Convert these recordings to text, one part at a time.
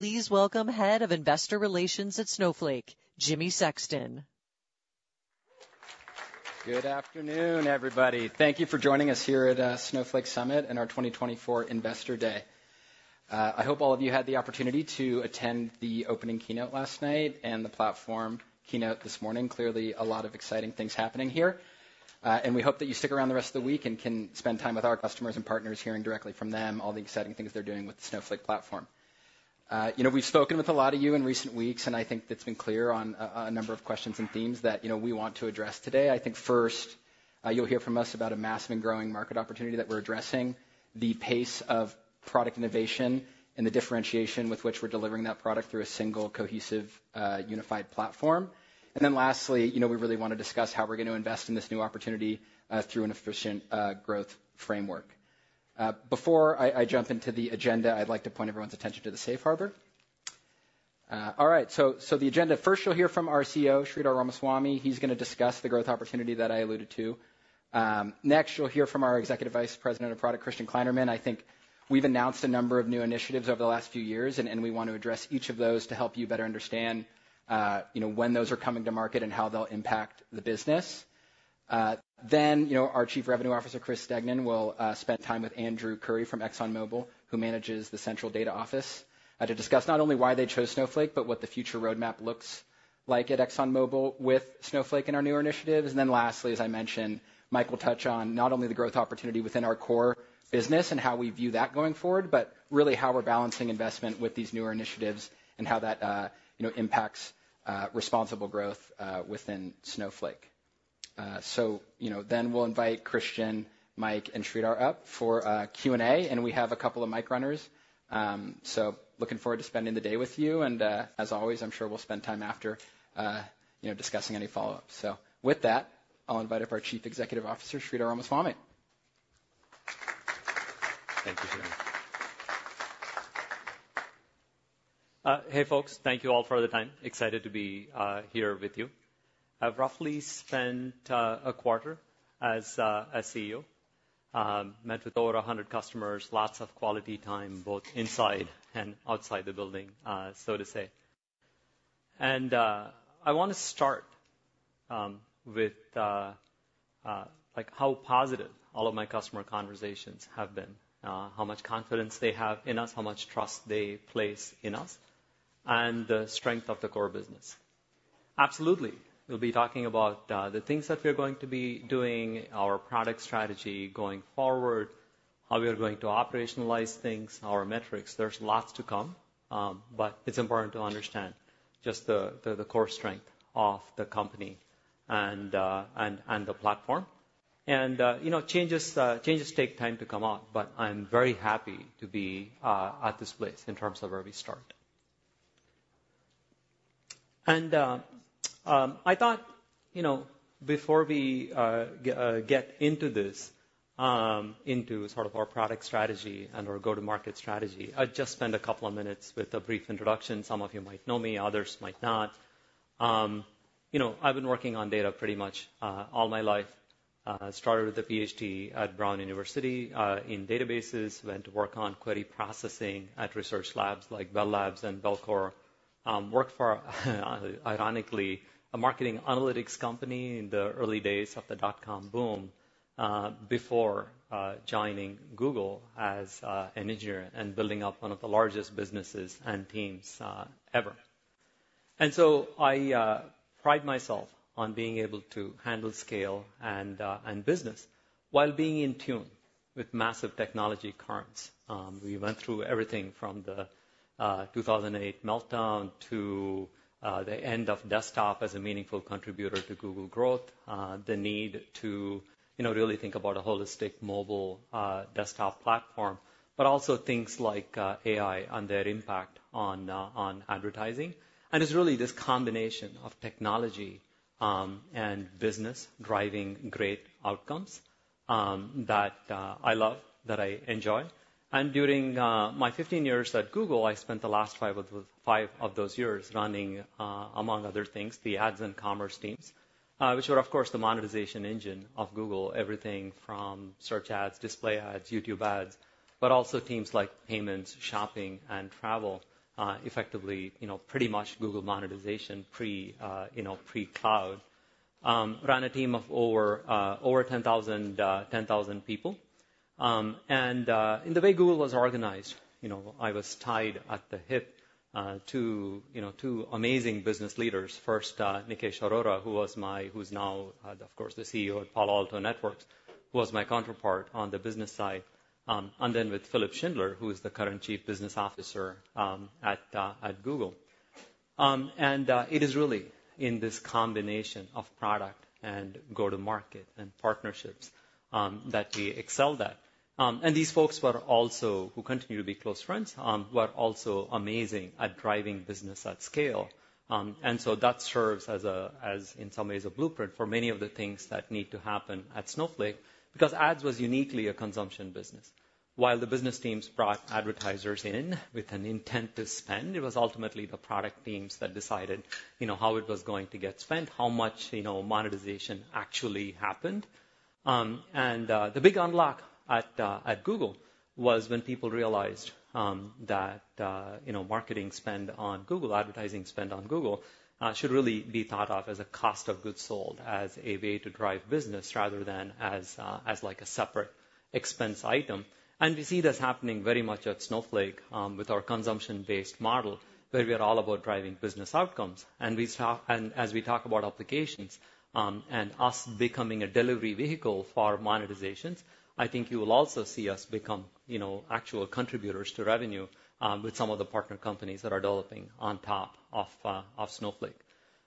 Please welcome Head of Investor Relations at Snowflake, Jimmy Sexton. Good afternoon, everybody. Thank you for joining us here at Snowflake Summit and our 2024 Investor Day. I hope all of you had the opportunity to attend the opening keynote last night and the platform keynote this morning. Clearly, a lot of exciting things happening here, and we hope that you stick around the rest of the week and can spend time with our customers and partners, hearing directly from them all the exciting things they're doing with the Snowflake platform. We've spoken with a lot of you in recent weeks, and I think it's been clear on a number of questions and themes that we want to address today. I think first, you'll hear from us about a massive and growing market opportunity that we're addressing, the pace of product innovation, and the differentiation with which we're delivering that product through a single, cohesive, unified platform. And then lastly, we really want to discuss how we're going to invest in this new opportunity through an efficient growth framework. Before I jump into the agenda, I'd like to point everyone's attention to the Safe Harbor. All right, so the agenda. First, you'll hear from our CEO, Sridhar Ramaswamy. He's going to discuss the growth opportunity that I alluded to. Next, you'll hear from our Executive Vice President of Product, Christian Kleinerman. I think we've announced a number of new initiatives over the last few years, and we want to address each of those to help you better understand when those are coming to market and how they'll impact the business. Then, our Chief Revenue Officer, Chris Degnan, will spend time with Andrew Curry from ExxonMobil, who manages the central data office, to discuss not only why they chose Snowflake, but what the future roadmap looks like at ExxonMobil with Snowflake and our new initiatives. And then lastly, as I mentioned, Michael will touch on not only the growth opportunity within our core business and how we view that going forward, but really how we're balancing investment with these newer initiatives and how that impacts responsible growth within Snowflake. So then we'll invite Christian, Mike, and Sridhar up for Q&A, and we have a couple of mic runners. So looking forward to spending the day with you, and as always, I'm sure we'll spend time after discussing any follow-ups. So with that, I'll invite up our Chief Executive Officer, Sridhar Ramaswamy. Thank you, Jimmy. Hey, folks. Thank you all for the time. Excited to be here with you. I've roughly spent a quarter as a CEO. Met with over 100 customers, lots of quality time, both inside and outside the building, so to say. I want to start with how positive all of my customer conversations have been, how much confidence they have in us, how much trust they place in us, and the strength of the core business. Absolutely. We'll be talking about the things that we're going to be doing, our product strategy going forward, how we are going to operationalize things, our metrics. There's lots to come, but it's important to understand just the core strength of the company and the platform. Changes take time to come out, but I'm very happy to be at this place in terms of where we start. I thought before we get into this, into sort of our product strategy and our go-to-market strategy, I'd just spend a couple of minutes with a brief introduction. Some of you might know me, others might not. I've been working on data pretty much all my life. Started with a PhD at Brown University in databases, went to work on query processing at research labs like Bell Labs and Bellcore, worked for, ironically, a marketing analytics company in the early days of the dot-com boom before joining Google as an engineer and building up one of the largest businesses and teams ever. So I pride myself on being able to handle scale and business while being in tune with massive technology currents. We went through everything from the 2008 meltdown to the end of desktop as a meaningful contributor to Google growth, the need to really think about a holistic mobile desktop platform, but also things like AI and their impact on advertising. It's really this combination of technology and business driving great outcomes that I love, that I enjoy. During my 15 years at Google, I spent the last five of those years running, among other things, the ads and commerce teams, which were, of course, the monetization engine of Google, everything from search ads, display ads, YouTube ads, but also teams like payments, shopping, and travel, effectively pretty much Google monetization pre-cloud. Run a team of over 10,000 people. In the way Google was organized, I was tied at the hip to two amazing business leaders. First, Nikesh Arora, who is now, of course, the CEO at Palo Alto Networks, who was my counterpart on the business side, and then with Philipp Schindler, who is the current Chief Business Officer at Google. It is really in this combination of product and go-to-market and partnerships that we excelled at. These folks who continue to be close friends were also amazing at driving business at scale. So that serves as, in some ways, a blueprint for many of the things that need to happen at Snowflake, because ads was uniquely a consumption business. While the business teams brought advertisers in with an intent to spend, it was ultimately the product teams that decided how it was going to get spent, how much monetization actually happened. And the big unlock at Google was when people realized that marketing spend on Google, advertising spend on Google, should really be thought of as a cost of goods sold, as a way to drive business rather than as a separate expense item. And we see this happening very much at Snowflake with our consumption-based model, where we are all about driving business outcomes. And as we talk about applications and us becoming a delivery vehicle for monetizations, I think you will also see us become actual contributors to revenue with some of the partner companies that are developing on top of Snowflake.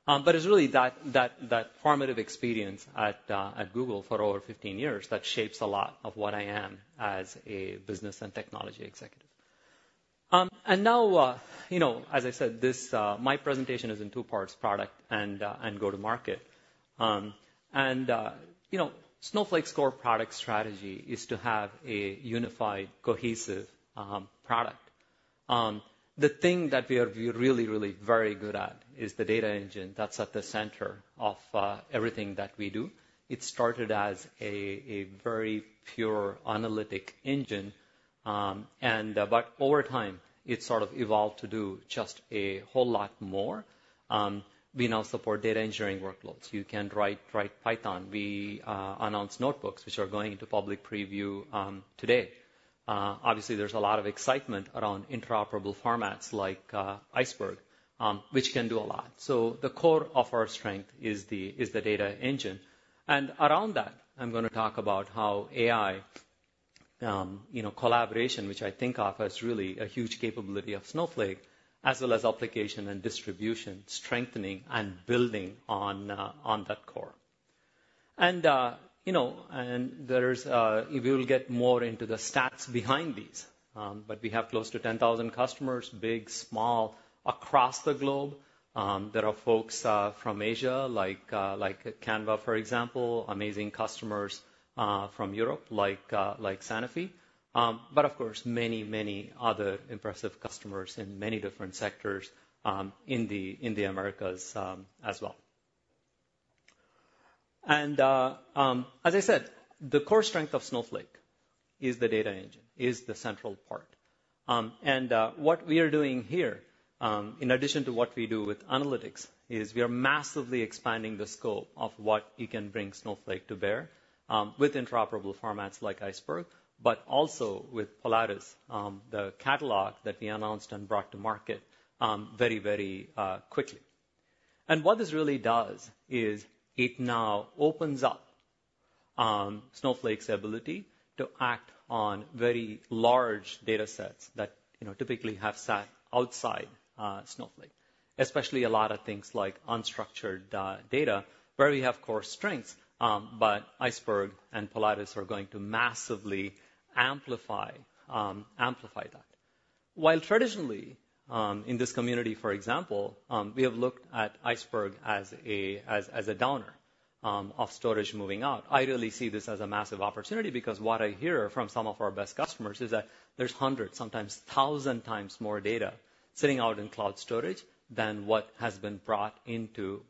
But it's really that formative experience at Google for over 15 years that shapes a lot of what I am as a business and technology executive. And now, as I said, my presentation is in two parts: product and go-to-market. Snowflake's core product strategy is to have a unified, cohesive product. The thing that we are really, really very good at is the data engine that's at the center of everything that we do. It started as a very pure analytic engine, but over time, it sort of evolved to do just a whole lot more. We now support data engineering workloads. You can write Python. We announced notebooks, which are going into public preview today. Obviously, there's a lot of excitement around interoperable formats like Iceberg, which can do a lot. The core of our strength is the data engine. And around that, I'm going to talk about how AI collaboration, which I think of as really a huge capability of Snowflake, as well as application and distribution, strengthening and building on that core. We will get more into the stats behind these, but we have close to 10,000 customers, big, small, across the globe. There are folks from Asia, like Canva, for example, amazing customers from Europe, like Sanofi, but of course, many, many other impressive customers in many different sectors in the Americas as well. As I said, the core strength of Snowflake is the data engine, is the central part. What we are doing here, in addition to what we do with analytics, is we are massively expanding the scope of what you can bring Snowflake to bear with interoperable formats like Iceberg, but also with Polaris, the catalog that we announced and brought to market very, very quickly. What this really does is it now opens up Snowflake's ability to act on very large data sets that typically have sat outside Snowflake, especially a lot of things like unstructured data, where we have core strengths, but Iceberg and Polaris are going to massively amplify that. While traditionally, in this community, for example, we have looked at Iceberg as a downer of storage moving out, I really see this as a massive opportunity because what I hear from some of our best customers is that there's hundreds, sometimes thousand times more data sitting out in cloud storage than what has been brought into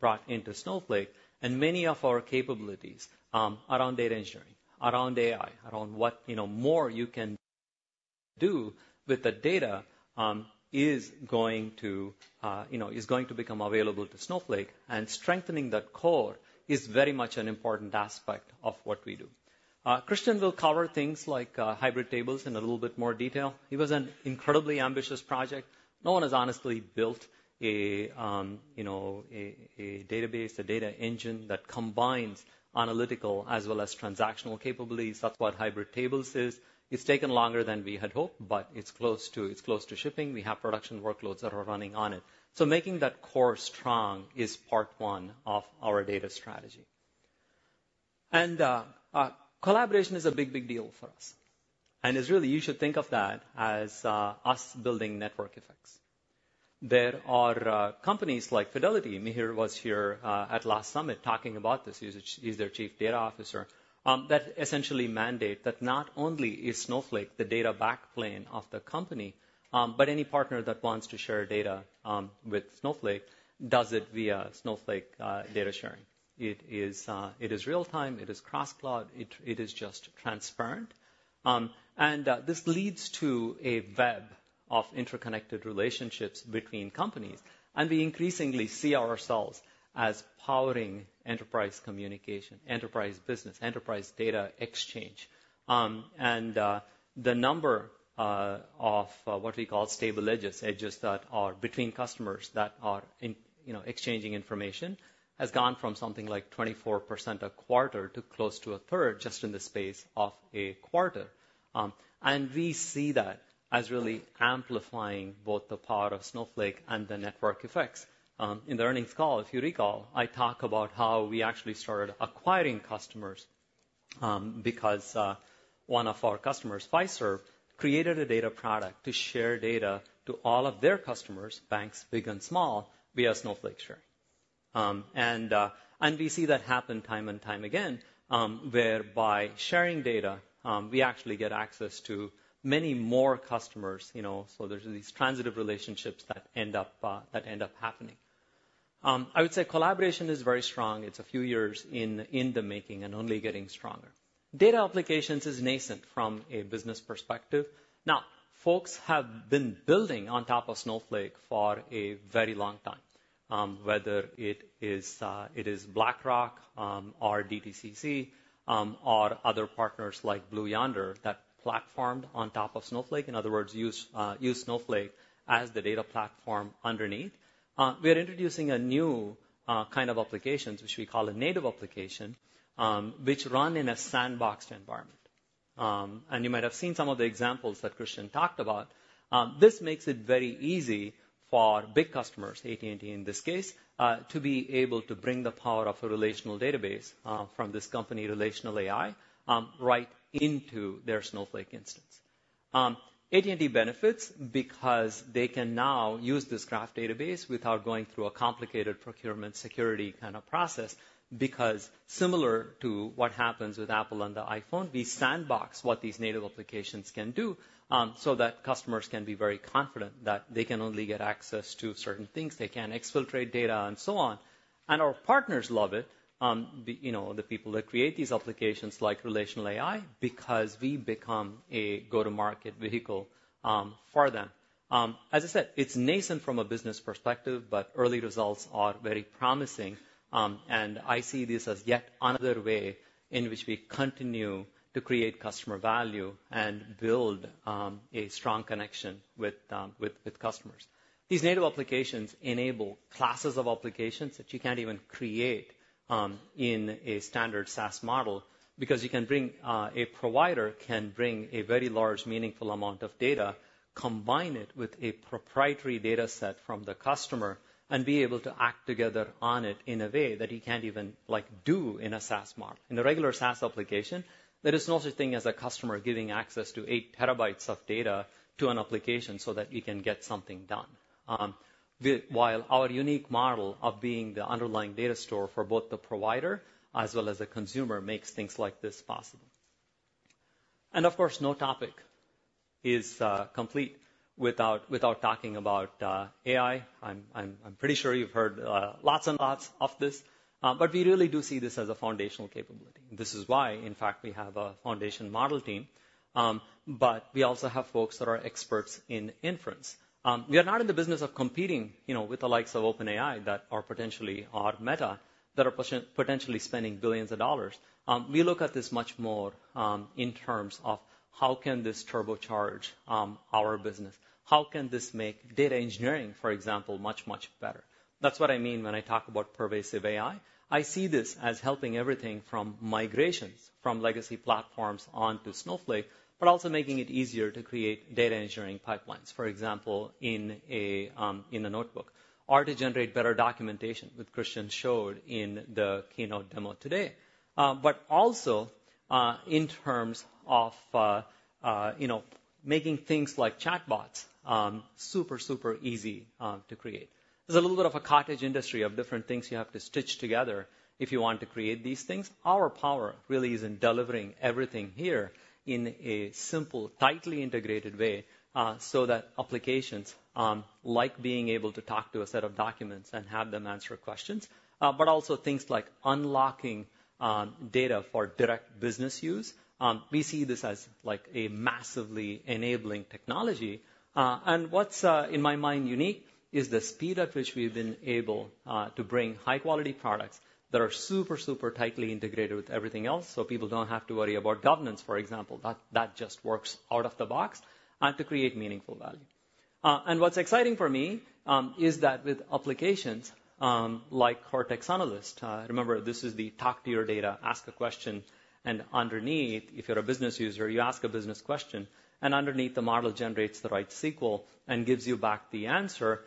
Snowflake. Many of our capabilities around data engineering, around AI, around what more you can do with the data is going to become available to Snowflake, and strengthening that core is very much an important aspect of what we do. Christian will cover things like Hybrid Tables in a little bit more detail. It was an incredibly ambitious project. No one has honestly built a database, a data engine that combines analytical as well as transactional capabilities. That's what Hybrid Tables is. It's taken longer than we had hoped, but it's close to shipping. We have production workloads that are running on it. So making that core strong is part one of our data strategy. And collaboration is a big, big deal for us. And really, you should think of that as us building network effects. There are companies like Fidelity. Mihir was here at last summit talking about this. He's their Chief Data Officer. That essentially mandates that not only is Snowflake the data backplane of the company, but any partner that wants to share data with Snowflake does it via Snowflake data sharing. It is real-time. It is cross-cloud. It is just transparent. This leads to a web of interconnected relationships between companies. We increasingly see ourselves as powering enterprise communication, enterprise business, enterprise data exchange. The number of what we call stable edges, edges that are between customers that are exchanging information, has gone from something like 24% a quarter to close to a third just in the space of a quarter. We see that as really amplifying both the power of Snowflake and the network effects. In the earnings call, if you recall, I talk about how we actually started acquiring customers because one of our customers, Pfizer, created a data product to share data to all of their customers, banks, big and small, via Snowflake sharing. We see that happen time and time again, whereby sharing data, we actually get access to many more customers. So there's these transitive relationships that end up happening. I would say collaboration is very strong. It's a few years in the making and only getting stronger. Data applications is nascent from a business perspective. Now, folks have been building on top of Snowflake for a very long time, whether it is BlackRock or DTCC or other partners like Blue Yonder that platformed on top of Snowflake, in other words, use Snowflake as the data platform underneath. We are introducing a new kind of applications, which we call a native application, which run in a sandboxed environment. And you might have seen some of the examples that Christian talked about. This makes it very easy for big customers, AT&T in this case, to be able to bring the power of a relational database from this company, RelationalAI, right into their Snowflake instance. AT&T benefits because they can now use this graph database without going through a complicated procurement security kind of process because, similar to what happens with Apple and the iPhone, we sandbox what these Native Applications can do so that customers can be very confident that they can only get access to certain things. They can exfiltrate data and so on. And our partners love it, the people that create these applications like RelationalAI, because we become a go-to-market vehicle for them. As I said, it's nascent from a business perspective, but early results are very promising. And I see this as yet another way in which we continue to create customer value and build a strong connection with customers. These native applications enable classes of applications that you can't even create in a standard SaaS model because a provider can bring a very large, meaningful amount of data, combine it with a proprietary data set from the customer, and be able to act together on it in a way that you can't even do in a SaaS model. In a regular SaaS application, there is no such thing as a customer giving access to 8 TB of data to an application so that you can get something done, while our unique model of being the underlying data store for both the provider as well as the consumer makes things like this possible. And of course, no topic is complete without talking about AI. I'm pretty sure you've heard lots and lots of this, but we really do see this as a foundational capability. This is why, in fact, we have a foundation model team, but we also have folks that are experts in inference. We are not in the business of competing with the likes of OpenAI and Meta, that are potentially spending billions of dollars. We look at this much more in terms of how can this turbocharge our business? How can this make data engineering, for example, much, much better? That's what I mean when I talk about pervasive AI. I see this as helping everything from migrations from legacy platforms onto Snowflake, but also making it easier to create data engineering pipelines, for example, in a notebook, or to generate better documentation, which Christian showed in the keynote demo today, but also in terms of making things like chatbots super, super easy to create. There's a little bit of a cottage industry of different things you have to stitch together if you want to create these things. Our power really is in delivering everything here in a simple, tightly integrated way so that applications like being able to talk to a set of documents and have them answer questions, but also things like unlocking data for direct business use. We see this as a massively enabling technology. What's, in my mind, unique is the speed at which we've been able to bring high-quality products that are super, super tightly integrated with everything else so people don't have to worry about governance, for example. That just works out of the box and to create meaningful value. What's exciting for me is that with applications like Cortex Analyst, remember, this is the talk to your data, ask a question, and underneath, if you're a business user, you ask a business question, and underneath, the model generates the right SQL and gives you back the answer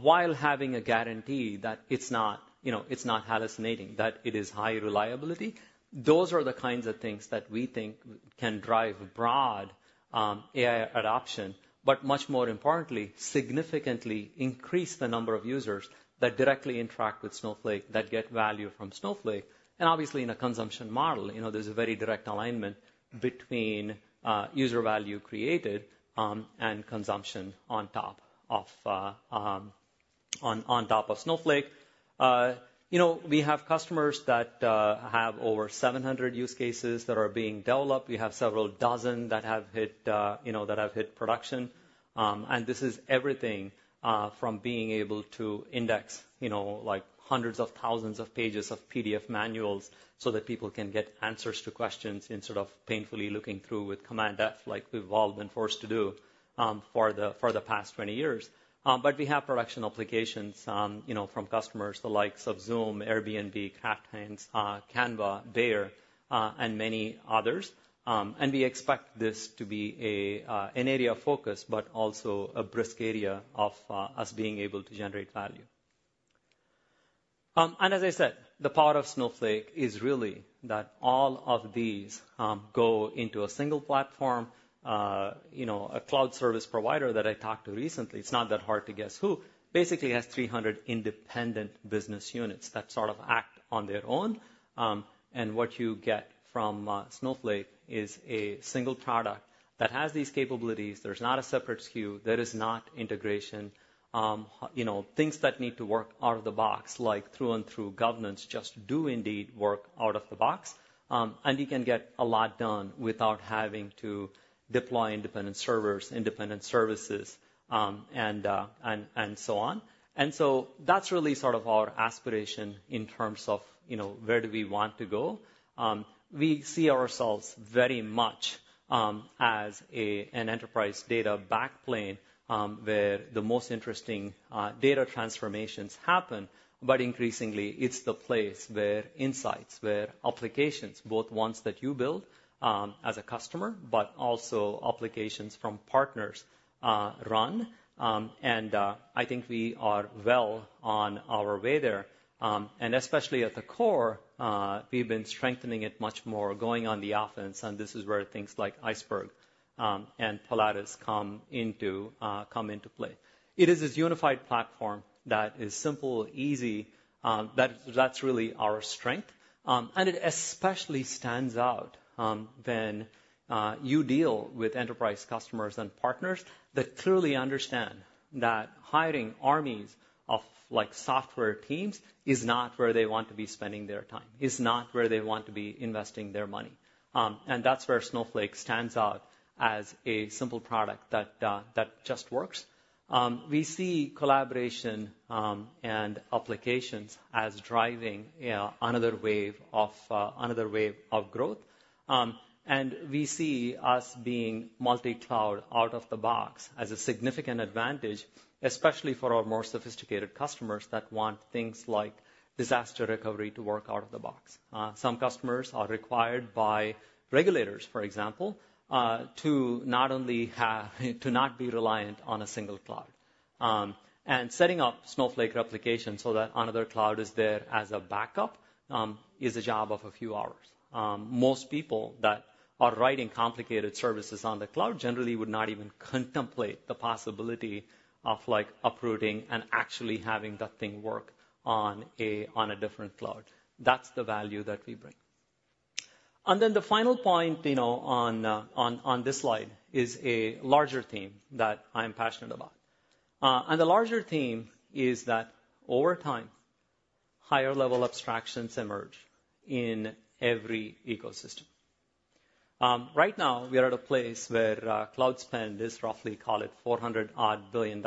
while having a guarantee that it's not hallucinating, that it is high reliability. Those are the kinds of things that we think can drive broad AI adoption, but much more importantly, significantly increase the number of users that directly interact with Snowflake, that get value from Snowflake. Obviously, in a consumption model, there's a very direct alignment between user value created and consumption on top of Snowflake. We have customers that have over 700 use cases that are being developed. We have several dozen that have hit production. This is everything from being able to index hundreds of thousands of pages of PDF manuals so that people can get answers to questions instead of painfully looking through with Command F, like we've all been forced to do for the past 20 years. But we have production applications from customers the likes of Zoom, Airbnb, Kraft Heinz, Canva, Bayer, and many others. And we expect this to be an area of focus, but also a brisk area of us being able to generate value. And as I said, the power of Snowflake is really that all of these go into a single platform. A cloud service provider that I talked to recently, it's not that hard to guess who, basically has 300 independent business units that sort of act on their own. And what you get from Snowflake is a single product that has these capabilities. There's not a separate SKU. There is not integration. Things that need to work out of the box, like through-and-through governance, just do indeed work out of the box. And you can get a lot done without having to deploy independent servers, independent services, and so on. And so that's really sort of our aspiration in terms of where do we want to go. We see ourselves very much as an enterprise data backplane where the most interesting data transformations happen, but increasingly, it's the place where insights, where applications, both ones that you build as a customer, but also applications from partners run. And I think we are well on our way there. And especially at the core, we've been strengthening it much more going on the offense. And this is where things like Iceberg and Polaris come into play. It is this unified platform that is simple, easy. That's really our strength. It especially stands out when you deal with enterprise customers and partners that clearly understand that hiring armies of software teams is not where they want to be spending their time, is not where they want to be investing their money. That's where Snowflake stands out as a simple product that just works. We see collaboration and applications as driving another wave of growth. We see us being multi-cloud out of the box as a significant advantage, especially for our more sophisticated customers that want things like disaster recovery to work out of the box. Some customers are required by regulators, for example, to not only be reliant on a single cloud. Setting up Snowflake replication so that another cloud is there as a backup is a job of a few hours. Most people that are writing complicated services on the cloud generally would not even contemplate the possibility of uprooting and actually having that thing work on a different cloud. That's the value that we bring. And then the final point on this slide is a larger theme that I'm passionate about. And the larger theme is that over time, higher-level abstractions emerge in every ecosystem. Right now, we are at a place where cloud spend is roughly call it $400 billion.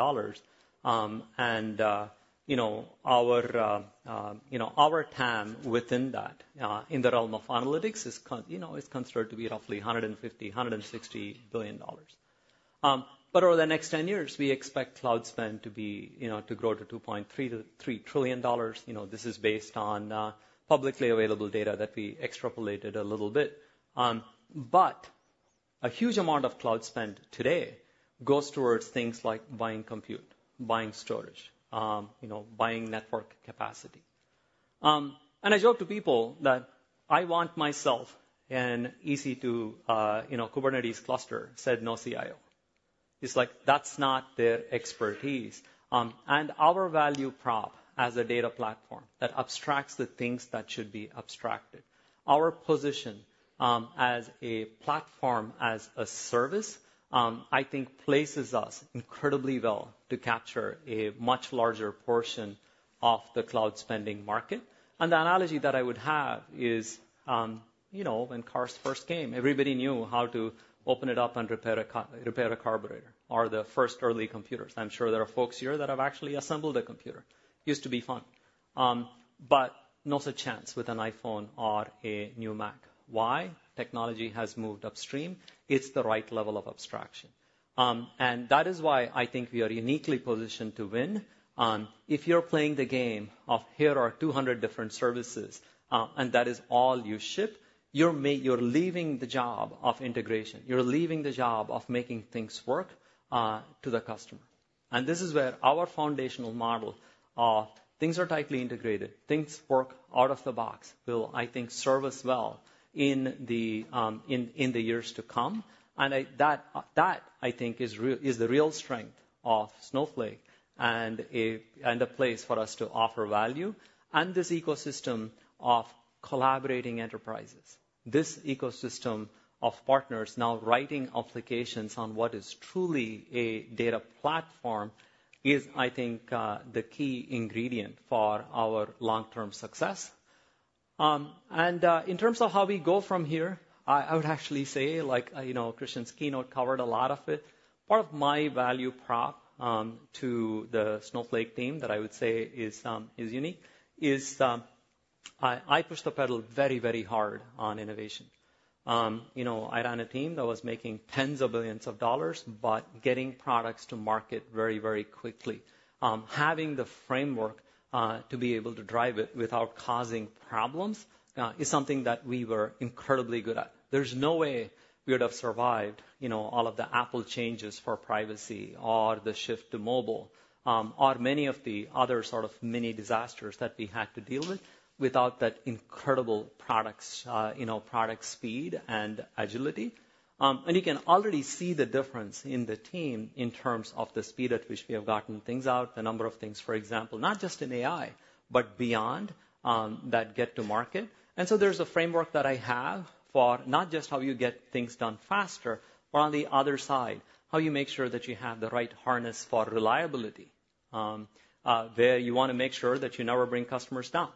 And our TAM within that, in the realm of analytics, is considered to be roughly $150-$160 billion. But over the next 10 years, we expect cloud spend to grow to $2.3 trillion. This is based on publicly available data that we extrapolated a little bit. But a huge amount of cloud spend today goes towards things like buying compute, buying storage, buying network capacity. I joke to people that I want myself an EC2 Kubernetes cluster, said no CIO. It's like that's not their expertise. Our value prop as a data platform that abstracts the things that should be abstracted. Our position as a platform as a service, I think, places us incredibly well to capture a much larger portion of the cloud spending market. The analogy that I would have is when cars first came, everybody knew how to open it up and repair a carburetor or the first early computers. I'm sure there are folks here that have actually assembled a computer. Used to be fun. But no such chance with an iPhone or a new Mac. Why? Technology has moved upstream. It's the right level of abstraction. That is why I think we are uniquely positioned to win. If you're playing the game of here are 200 different services, and that is all you ship, you're leaving the job of integration. You're leaving the job of making things work to the customer. And this is where our foundational model of things are tightly integrated, things work out of the box, will, I think, serve us well in the years to come. And that, I think, is the real strength of Snowflake and a place for us to offer value. And this ecosystem of collaborating enterprises, this ecosystem of partners now writing applications on what is truly a data platform is, I think, the key ingredient for our long-term success. And in terms of how we go from here, I would actually say Christian's keynote covered a lot of it. Part of my value prop to the Snowflake team that I would say is unique is I push the pedal very, very hard on innovation. I ran a team that was making $10s of billions, but getting products to market very, very quickly. Having the framework to be able to drive it without causing problems is something that we were incredibly good at. There's no way we would have survived all of the Apple changes for privacy or the shift to mobile or many of the other sort of mini disasters that we had to deal with without that incredible product speed and agility. And you can already see the difference in the team in terms of the speed at which we have gotten things out, the number of things, for example, not just in AI, but beyond that get to market. And so there's a framework that I have for not just how you get things done faster, but on the other side, how you make sure that you have the right harness for reliability, where you want to make sure that you never bring customers down.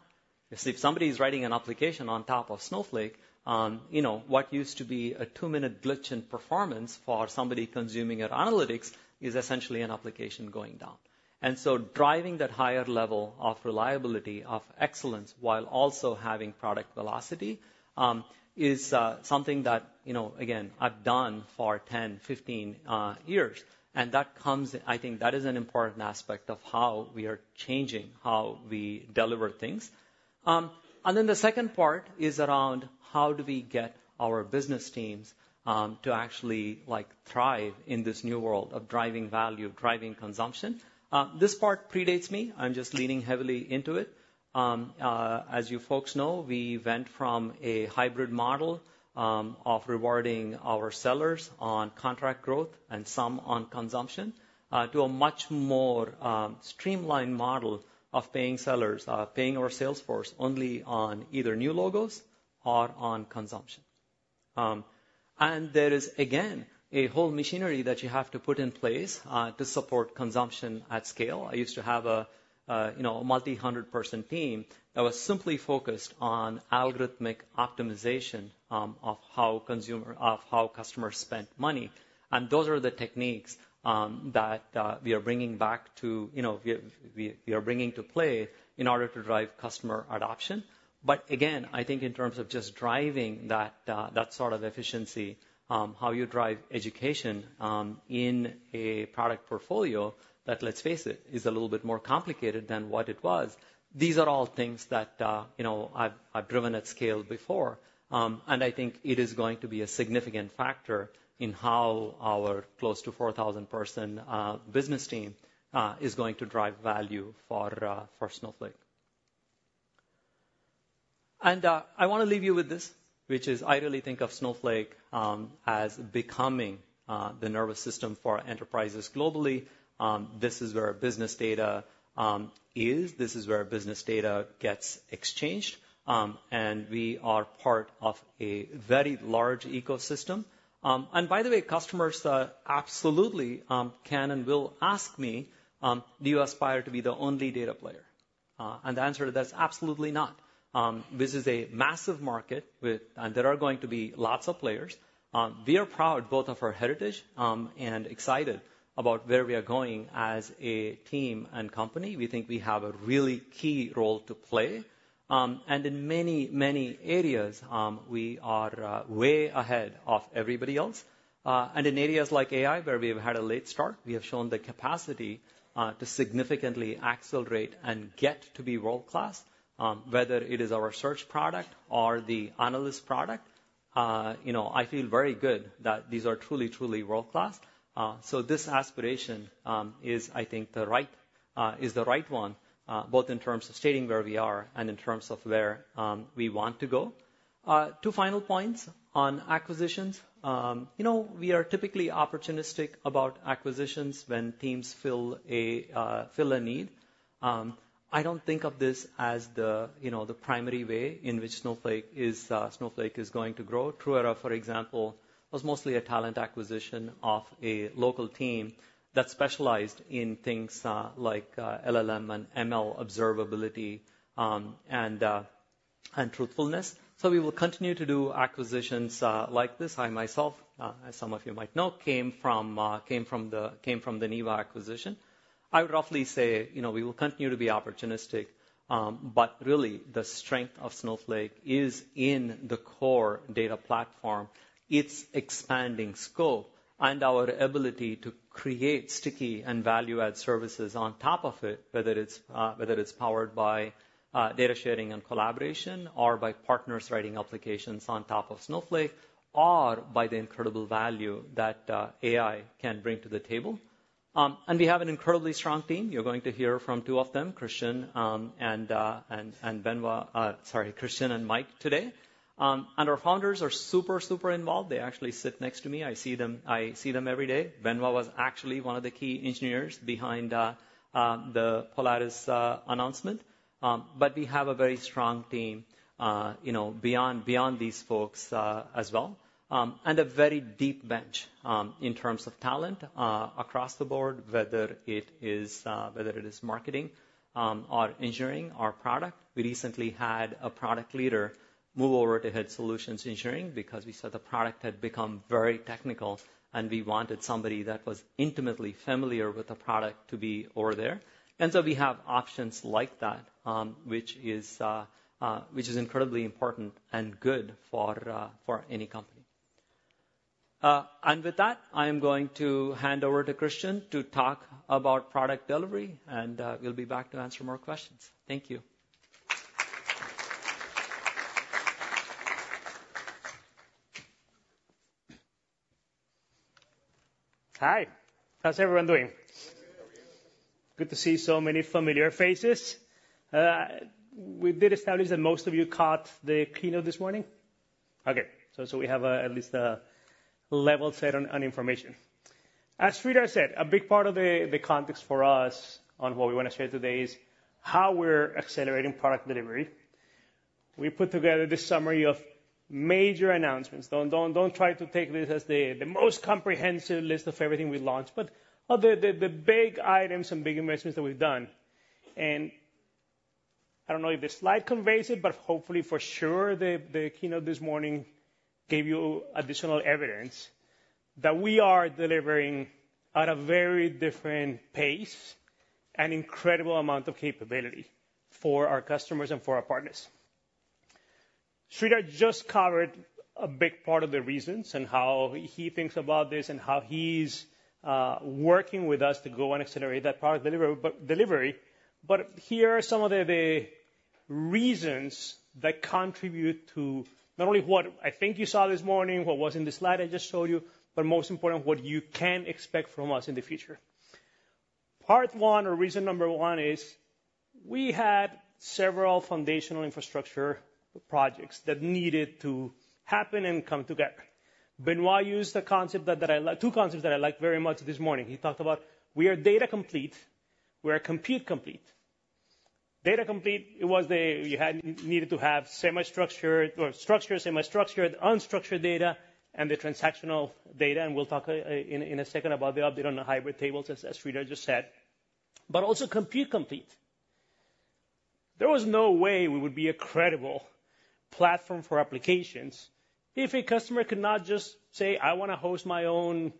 If somebody is writing an application on top of Snowflake, what used to be a two-minute glitch in performance for somebody consuming your analytics is essentially an application going down. And so driving that higher level of reliability, of excellence, while also having product velocity is something that, again, I've done for 10, 15 years. And I think that is an important aspect of how we are changing how we deliver things. And then the second part is around how do we get our business teams to actually thrive in this new world of driving value, driving consumption. This part predates me. I'm just leaning heavily into it. As you folks know, we went from a hybrid model of rewarding our sellers on contract growth and some on consumption to a much more streamlined model of paying sellers, paying our salesforce only on either new logos or on consumption. And there is, again, a whole machinery that you have to put in place to support consumption at scale. I used to have a multi-hundred-person team that was simply focused on algorithmic optimization of how customers spent money. And those are the techniques that we are bringing back to play in order to drive customer adoption. But again, I think in terms of just driving that sort of efficiency, how you drive education in a product portfolio that, let's face it, is a little bit more complicated than what it was, these are all things that I've driven at scale before. And I think it is going to be a significant factor in how our close to 4,000-person business team is going to drive value for Snowflake. And I want to leave you with this, which is I really think of Snowflake as becoming the nervous system for enterprises globally. This is where business data is. This is where business data gets exchanged. And we are part of a very large ecosystem. And by the way, customers absolutely can and will ask me, "Do you aspire to be the only data player?" And the answer to that is absolutely not. This is a massive market, and there are going to be lots of players. We are proud both of our heritage and excited about where we are going as a team and company. We think we have a really key role to play. In many, many areas, we are way ahead of everybody else. In areas like AI, where we have had a late start, we have shown the capacity to significantly accelerate and get to be world-class, whether it is our search product or the analyst product. I feel very good that these are truly, truly world-class. So this aspiration is, I think, the right one, both in terms of stating where we are and in terms of where we want to go. Two final points on acquisitions. We are typically opportunistic about acquisitions when teams fill a need. I don't think of this as the primary way in which Snowflake is going to grow. Truera, for example, was mostly a talent acquisition of a local team that specialized in things like LLM and ML observability and truthfulness. So we will continue to do acquisitions like this. I myself, as some of you might know, came from the Neeva acquisition. I would roughly say we will continue to be opportunistic, but really, the strength of Snowflake is in the core data platform, its expanding scope, and our ability to create sticky and value-add services on top of it, whether it's powered by data sharing and collaboration or by partners writing applications on top of Snowflake or by the incredible value that AI can bring to the table. We have an incredibly strong team. You're going to hear from two of them, Christian and Beneva—sorry, Christian and Mike—today. Our founders are super, super involved. They actually sit next to me. I see them every day. Beneva was actually one of the key engineers behind the Polaris announcement. But we have a very strong team beyond these folks as well. We have a very deep bench in terms of talent across the board, whether it is marketing or engineering or product. We recently had a product leader move over to head solutions engineering because we saw the product had become very technical, and we wanted somebody that was intimately familiar with the product to be over there. So we have options like that, which is incredibly important and good for any company. With that, I am going to hand over to Christian to talk about product delivery, and we'll be back to answer more questions. Thank you. Hi. How's everyone doing? Good. How are you? Good to see so many familiar faces. We did establish that most of you caught the keynote this morning. Okay. So we have at least a level set on information. As Sridhar said, a big part of the context for us on what we want to share today is how we're accelerating product delivery. We put together this summary of major announcements. Don't try to take this as the most comprehensive list of everything we launched, but the big items and big investments that we've done. And I don't know if this slide conveys it, but hopefully, for sure, the keynote this morning gave you additional evidence that we are delivering at a very different pace and incredible amount of capability for our customers and for our partners. Sridhar just covered a big part of the reasons and how he thinks about this and how he's working with us to go and accelerate that product delivery. But here are some of the reasons that contribute to not only what I think you saw this morning, what was in the slide I just showed you, but most importantly, what you can expect from us in the future. Part one or reason number one is we had several foundational infrastructure projects that needed to happen and come together. Beneva used two concepts that I liked very much this morning. He talked about, "We are data complete. We are compute complete." Data complete, you needed to have semi-structured or structured, semi-structured, unstructured data, and the transactional data. And we'll talk in a second about the update on the Hybrid Tables, as Sridhar just said, but also compute complete. There was no way we would be a credible platform for applications if a customer could not just say, "I want to host my own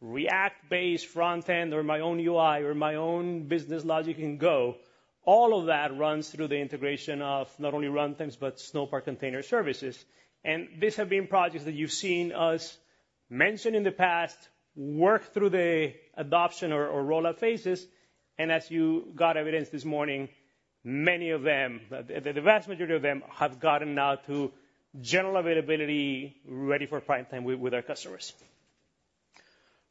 React-based front end or my own UI or my own business logic and go." All of that runs through the integration of not only runtimes, but Snowpark Container Services. And these have been projects that you've seen us mention in the past, work through the adoption or rollout phases. And as you got evidence this morning, many of them, the vast majority of them, have gotten now to general availability ready for prime time with our customers.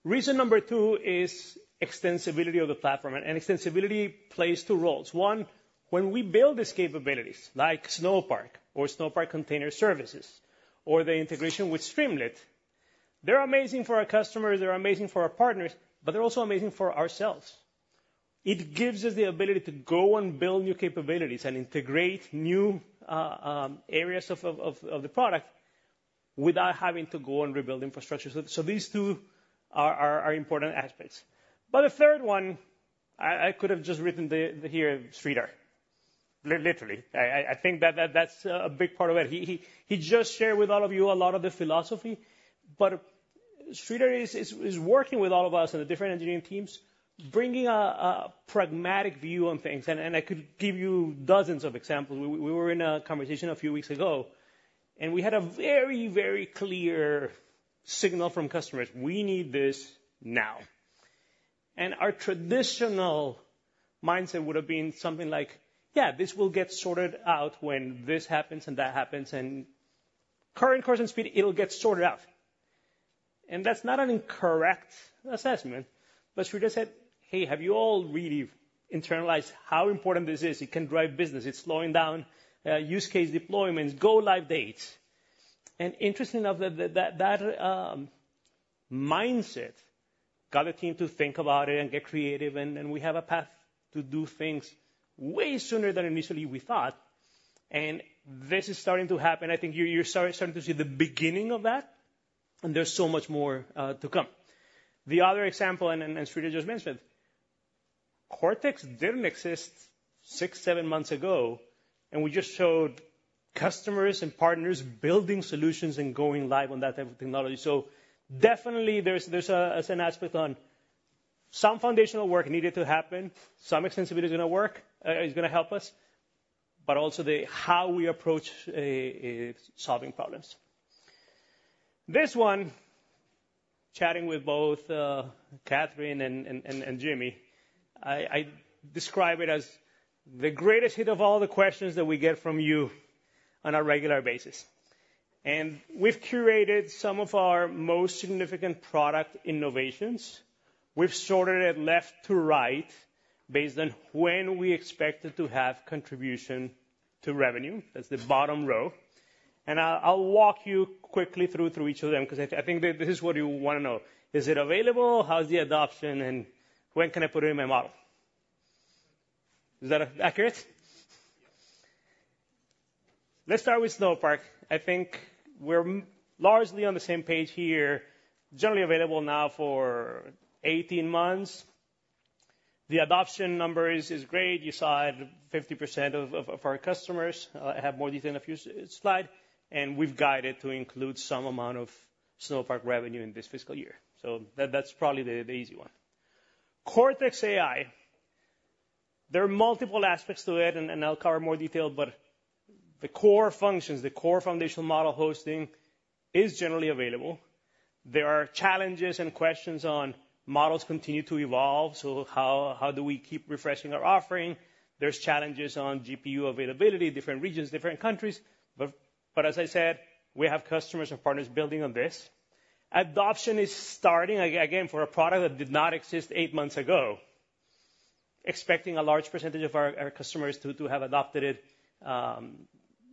Reason number two is extensibility of the platform. And extensibility plays two roles. One, when we build these capabilities like Snowpark or Snowpark Container Services or the integration with Streamlit, they're amazing for our customers. They're amazing for our partners, but they're also amazing for ourselves. It gives us the ability to go and build new capabilities and integrate new areas of the product without having to go and rebuild infrastructure. So these two are important aspects. But the third one, I could have just written here, Sridhar, literally. I think that that's a big part of it. He just shared with all of you a lot of the philosophy. But Sridhar is working with all of us and the different engineering teams, bringing a pragmatic view on things. And I could give you dozens of examples. We were in a conversation a few weeks ago, and we had a very, very clear signal from customers, "We need this now." And our traditional mindset would have been something like, "Yeah, this will get sorted out when this happens and that happens." And current course and speed, it'll get sorted out. And that's not an incorrect assessment. But Sridhar said, "Hey, have you all really internalized how important this is? It can drive business. It's slowing down use case deployments, go live dates." And interestingly enough, that mindset got the team to think about it and get creative. And we have a path to do things way sooner than initially we thought. And this is starting to happen. I think you're starting to see the beginning of that, and there's so much more to come. The other example, and Sridhar just mentioned, Cortex didn't exist six, seven months ago, and we just showed customers and partners building solutions and going live on that type of technology. So definitely, there's an aspect on some foundational work needed to happen. Some extensibility is going to work, is going to help us, but also how we approach solving problems. This one, chatting with both Katherine and Jimmy, I describe it as the greatest hit of all the questions that we get from you on a regular basis. We've curated some of our most significant product innovations. We've sorted it left to right based on when we expected to have contribution to revenue. That's the bottom row. I'll walk you quickly through each of them because I think this is what you want to know. Is it available? How's the adoption? When can I put it in my model? Is that accurate? Yes. Let's start with Snowpark. I think we're largely on the same page here. Generally available now for 18 months. The adoption number is great. You saw it, 50% of our customers have more detail in a few slides. And we've guided to include some amount of Snowpark revenue in this fiscal year. So that's probably the easy one. Cortex AI, there are multiple aspects to it, and I'll cover more detail, but the core functions, the core foundational model hosting is generally available. There are challenges and questions on models continue to evolve. So how do we keep refreshing our offering? There's challenges on GPU availability, different regions, different countries. But as I said, we have customers and partners building on this. Adoption is starting, again, for a product that did not exist 8 months ago, expecting a large percentage of our customers to have adopted it.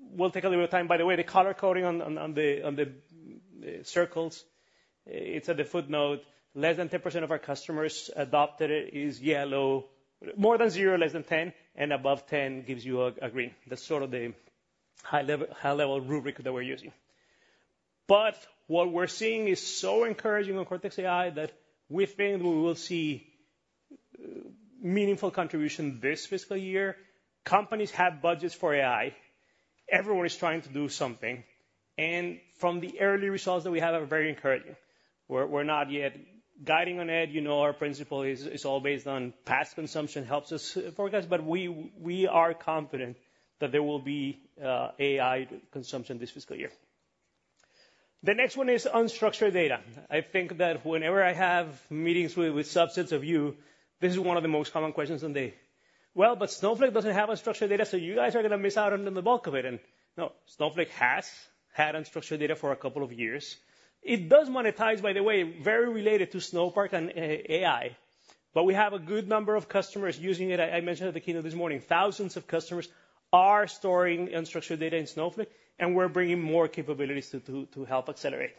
We'll take a little bit of time. By the way, the color coding on the circles, it's at the footnote. Less than 10% of our customers adopted it is yellow. More than 0, less than 10, and above 10 gives you a green. That's sort of the high-level rubric that we're using. But what we're seeing is so encouraging on Cortex AI that we think we will see meaningful contribution this fiscal year. Companies have budgets for AI. Everyone is trying to do something. And from the early results that we have, we're very encouraging. We're not yet guiding on it. Our principle is all based on past consumption helps us forecast, but we are confident that there will be AI consumption this fiscal year. The next one is unstructured data. I think that whenever I have meetings with subsets of you, this is one of the most common questions on the, "Well, but Snowflake doesn't have unstructured data, so you guys are going to miss out on the bulk of it." And no, Snowflake has had unstructured data for a couple of years. It does monetize, by the way, very related to Snowpark and AI. But we have a good number of customers using it. I mentioned at the keynote this morning, thousands of customers are storing unstructured data in Snowflake, and we're bringing more capabilities to help accelerate.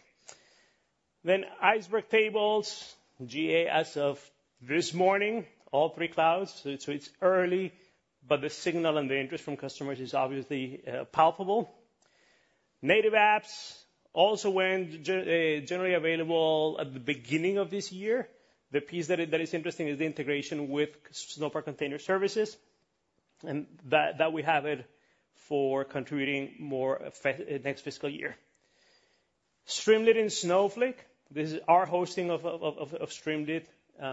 Then Iceberg Tables, GA as of this morning, all three clouds. So it's early, but the signal and the interest from customers is obviously palpable. Native apps also went generally available at the beginning of this year. The piece that is interesting is the integration with Snowpark Container Services, and that we have it for contributing more next fiscal year. Streamlit in Snowflake, this is our hosting of Streamlit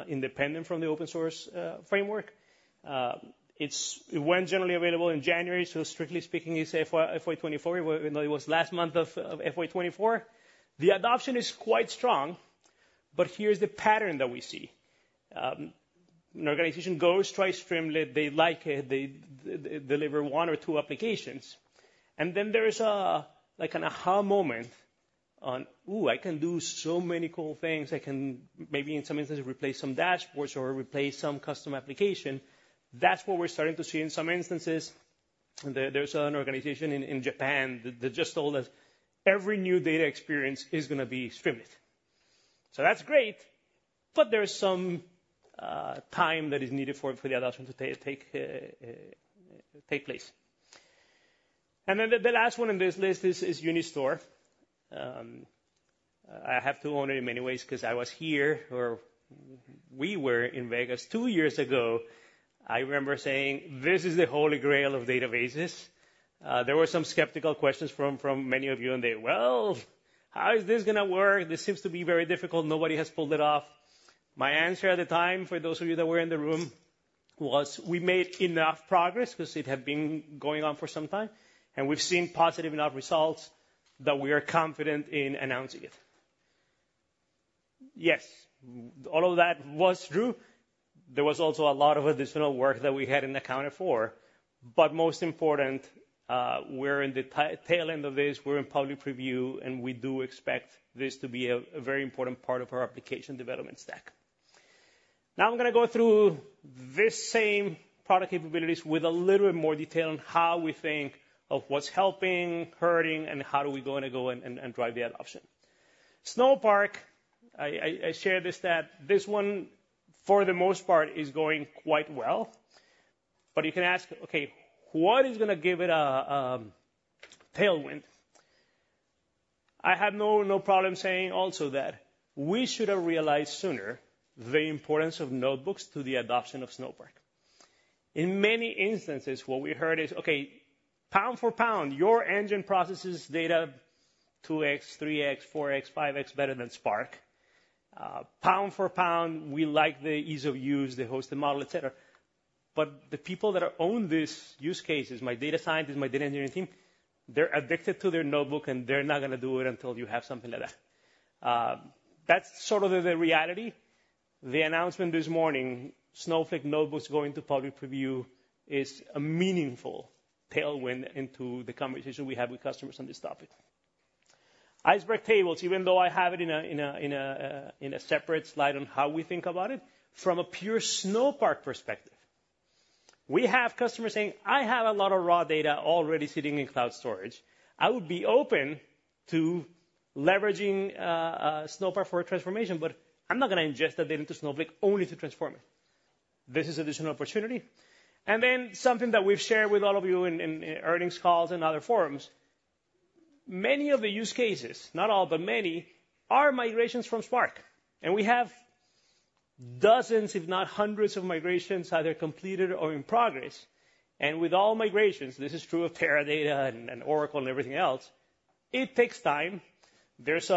independent from the open-source framework. It went generally available in January. So strictly speaking, it's FY2024. It was last month of FY2024. The adoption is quite strong, but here's the pattern that we see. An organization goes, tries Streamlit, they like it, they deliver one or two applications. And then there's an aha moment on, "Ooh, I can do so many cool things. I can maybe in some instances replace some dashboards or replace some custom application." That's what we're starting to see in some instances. There's an organization in Japan that just told us every new data experience is going to be Streamlit. So that's great, but there's some time that is needed for the adoption to take place. And then the last one on this list is UniStore. I have to own it in many ways because I was here or we were in Vegas two years ago. I remember saying, "This is the Holy Grail of databases." There were some skeptical questions from many of you, and they said, "Well, how is this going to work? This seems to be very difficult. Nobody has pulled it off." My answer at the time, for those of you that were in the room, was we made enough progress because it had been going on for some time, and we've seen positive enough results that we are confident in announcing it. Yes, all of that was true. There was also a lot of additional work that we hadn't accounted for. But most important, we're in the tail end of this. We're in public preview, and we do expect this to be a very important part of our application development stack. Now I'm going to go through these same product capabilities with a little bit more detail on how we think of what's helping, hurting, and how do we go and drive the adoption? Snowpark, I shared this that this one, for the most part, is going quite well. But you can ask, "Okay, what is going to give it a tailwind?" I have no problem saying also that we should have realized sooner the importance of notebooks to the adoption of Snowpark. In many instances, what we heard is, "Okay, pound for pound, your engine processes data 2x, 3x, 4x, 5x better than Spark. Pound for pound, we like the ease of use, the hosted model, etc." But the people that own these use cases, my data scientists, my data engineering team, they're addicted to their notebook, and they're not going to do it until you have something like that. That's sort of the reality. The announcement this morning, Snowflake Notebooks going to public preview, is a meaningful tailwind into the conversation we have with customers on this topic. Iceberg Tables, even though I have it in a separate slide on how we think about it, from a pure Snowpark perspective, we have customers saying, "I have a lot of raw data already sitting in cloud storage. I would be open to leveraging Snowpark for a transformation, but I'm not going to ingest that data into Snowflake only to transform it." This is an additional opportunity. And then something that we've shared with all of you in earnings calls and other forums, many of the use cases, not all, but many, are migrations from Spark. And we have dozens, if not hundreds, of migrations either completed or in progress. And with all migrations, this is true of Teradata and Oracle and everything else. It takes time. There's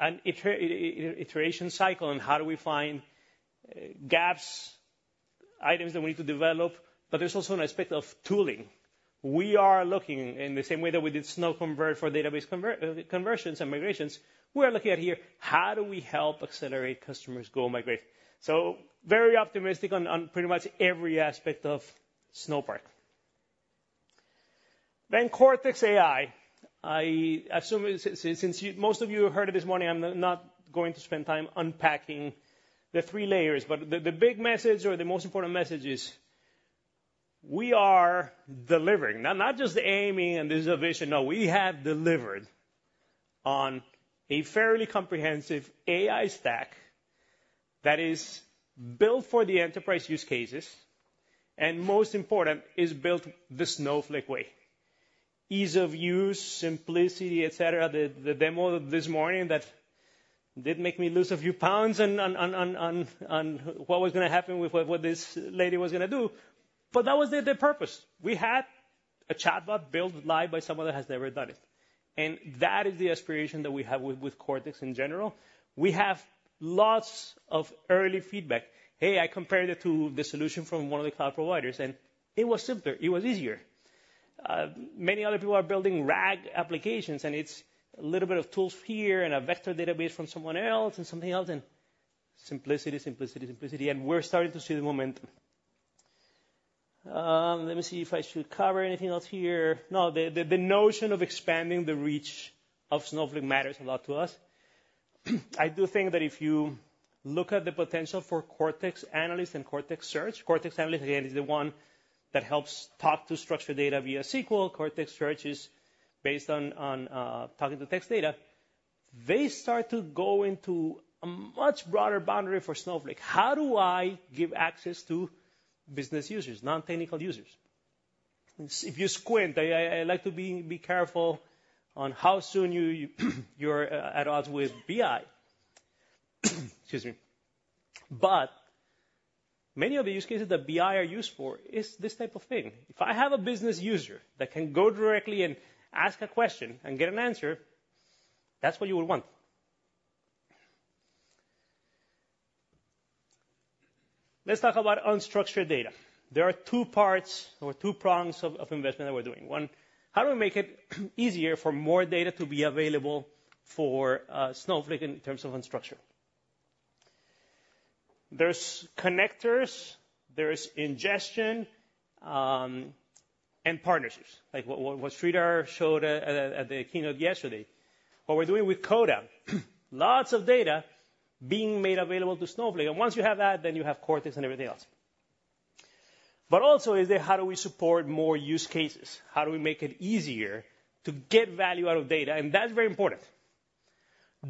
an iteration cycle on how do we find gaps, items that we need to develop. But there's also an aspect of tooling. We are looking in the same way that we did SnowConvert for database conversions and migrations. We are looking at here, how do we help accelerate customers' goal migration? So very optimistic on pretty much every aspect of Snowpark. Then Cortex AI. I assume since most of you have heard it this morning, I'm not going to spend time unpacking the three layers. But the big message or the most important message is we are delivering. Not just aiming and this is a vision. No, we have delivered on a fairly comprehensive AI stack that is built for the enterprise use cases. And most important, is built the Snowflake way. Ease of use, simplicity, etc. The demo this morning that did make me lose a few pounds on what was going to happen with what this lady was going to do. But that was the purpose. We had a chatbot built live by someone that has never done it. And that is the aspiration that we have with Cortex in general. We have lots of early feedback. "Hey, I compared it to the solution from one of the cloud providers, and it was simpler. It was easier." Many other people are building RAG applications, and it's a little bit of tools here and a vector database from someone else and something else. And simplicity, simplicity, simplicity. And we're starting to see the momentum. Let me see if I should cover anything else here. No, the notion of expanding the reach of Snowflake matters a lot to us. I do think that if you look at the potential for Cortex Analyst and Cortex Search, Cortex Analyst, again, is the one that helps talk to structured data via SQL. Cortex Search is based on talking to text data. They start to go into a much broader boundary for Snowflake. How do I give access to business users, non-technical users? If you squint, I like to be careful on how soon you're at odds with BI. Excuse me. But many of the use cases that BI are used for is this type of thing. If I have a business user that can go directly and ask a question and get an answer, that's what you would want. Let's talk about unstructured data. There are two parts or two prongs of investment that we're doing. One, how do we make it easier for more data to be available for Snowflake in terms of unstructured? There's connectors, there's ingestion, and partnerships, like what Sridhar showed at the keynote yesterday. What we're doing with CODA, lots of data being made available to Snowflake. And once you have that, then you have Cortex and everything else. But also is there, how do we support more use cases? How do we make it easier to get value out of data? And that's very important.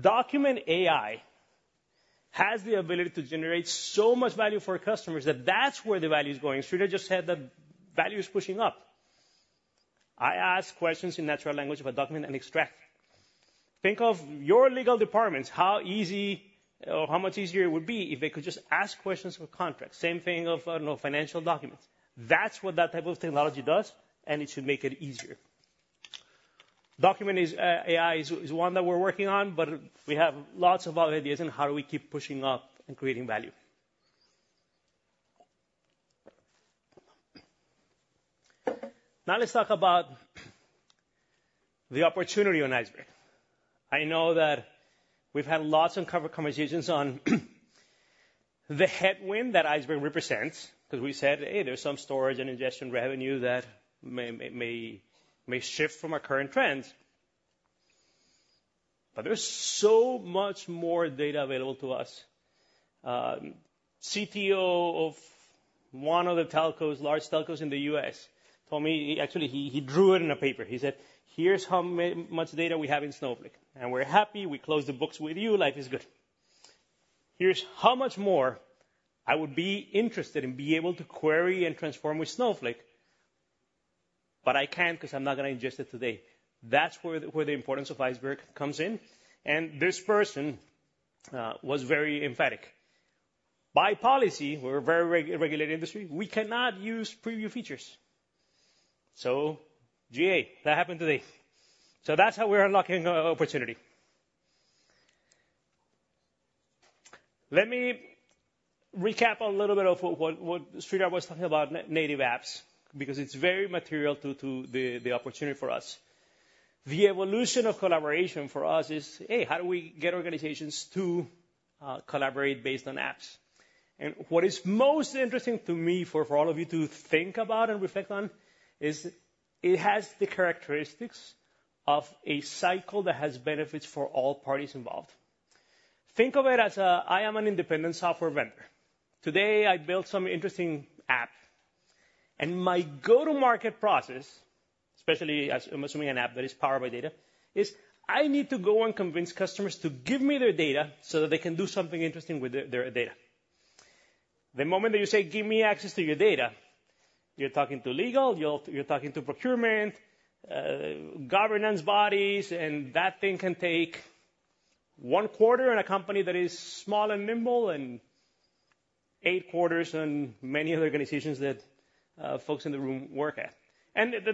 Document AI has the ability to generate so much value for customers that that's where the value is going. Sridhar just said that value is pushing up. I ask questions in natural language of a document and extract. Think of your legal departments, how easy or how much easier it would be if they could just ask questions of a contract. Same thing of, I don't know, financial documents. That's what that type of technology does, and it should make it easier. Document AI is one that we're working on, but we have lots of other ideas in how do we keep pushing up and creating value. Now let's talk about the opportunity on Iceberg. I know that we've had lots of uncovered conversations on the headwind that Iceberg represents because we said, "Hey, there's some storage and ingestion revenue that may shift from our current trends." But there's so much more data available to us. CTO of one of the large telcos in the U.S. told me, actually, he drew it in a paper. He said, "Here's how much data we have in Snowflake. And we're happy. We close the books with you. Life is good." Here's how much more I would be interested in being able to query and transform with Snowflake, but I can't because I'm not going to ingest it today. That's where the importance of Iceberg comes in. And this person was very emphatic. By policy, we're a very regulated industry. We cannot use preview features. So GA, that happened today. So that's how we're unlocking an opportunity. Let me recap a little bit of what Sridhar was talking about, native apps, because it's very material to the opportunity for us. The evolution of collaboration for us is, "Hey, how do we get organizations to collaborate based on apps?" And what is most interesting to me for all of you to think about and reflect on is it has the characteristics of a cycle that has benefits for all parties involved. Think of it as I am an independent software vendor. Today, I built some interesting app. And my go-to-market process, especially assuming an app that is powered by data, is I need to go and convince customers to give me their data so that they can do something interesting with their data. The moment that you say, "Give me access to your data," you're talking to legal, you're talking to procurement, governance bodies, and that thing can take one quarter in a company that is small and nimble and eight quarters in many other organizations that folks in the room work at.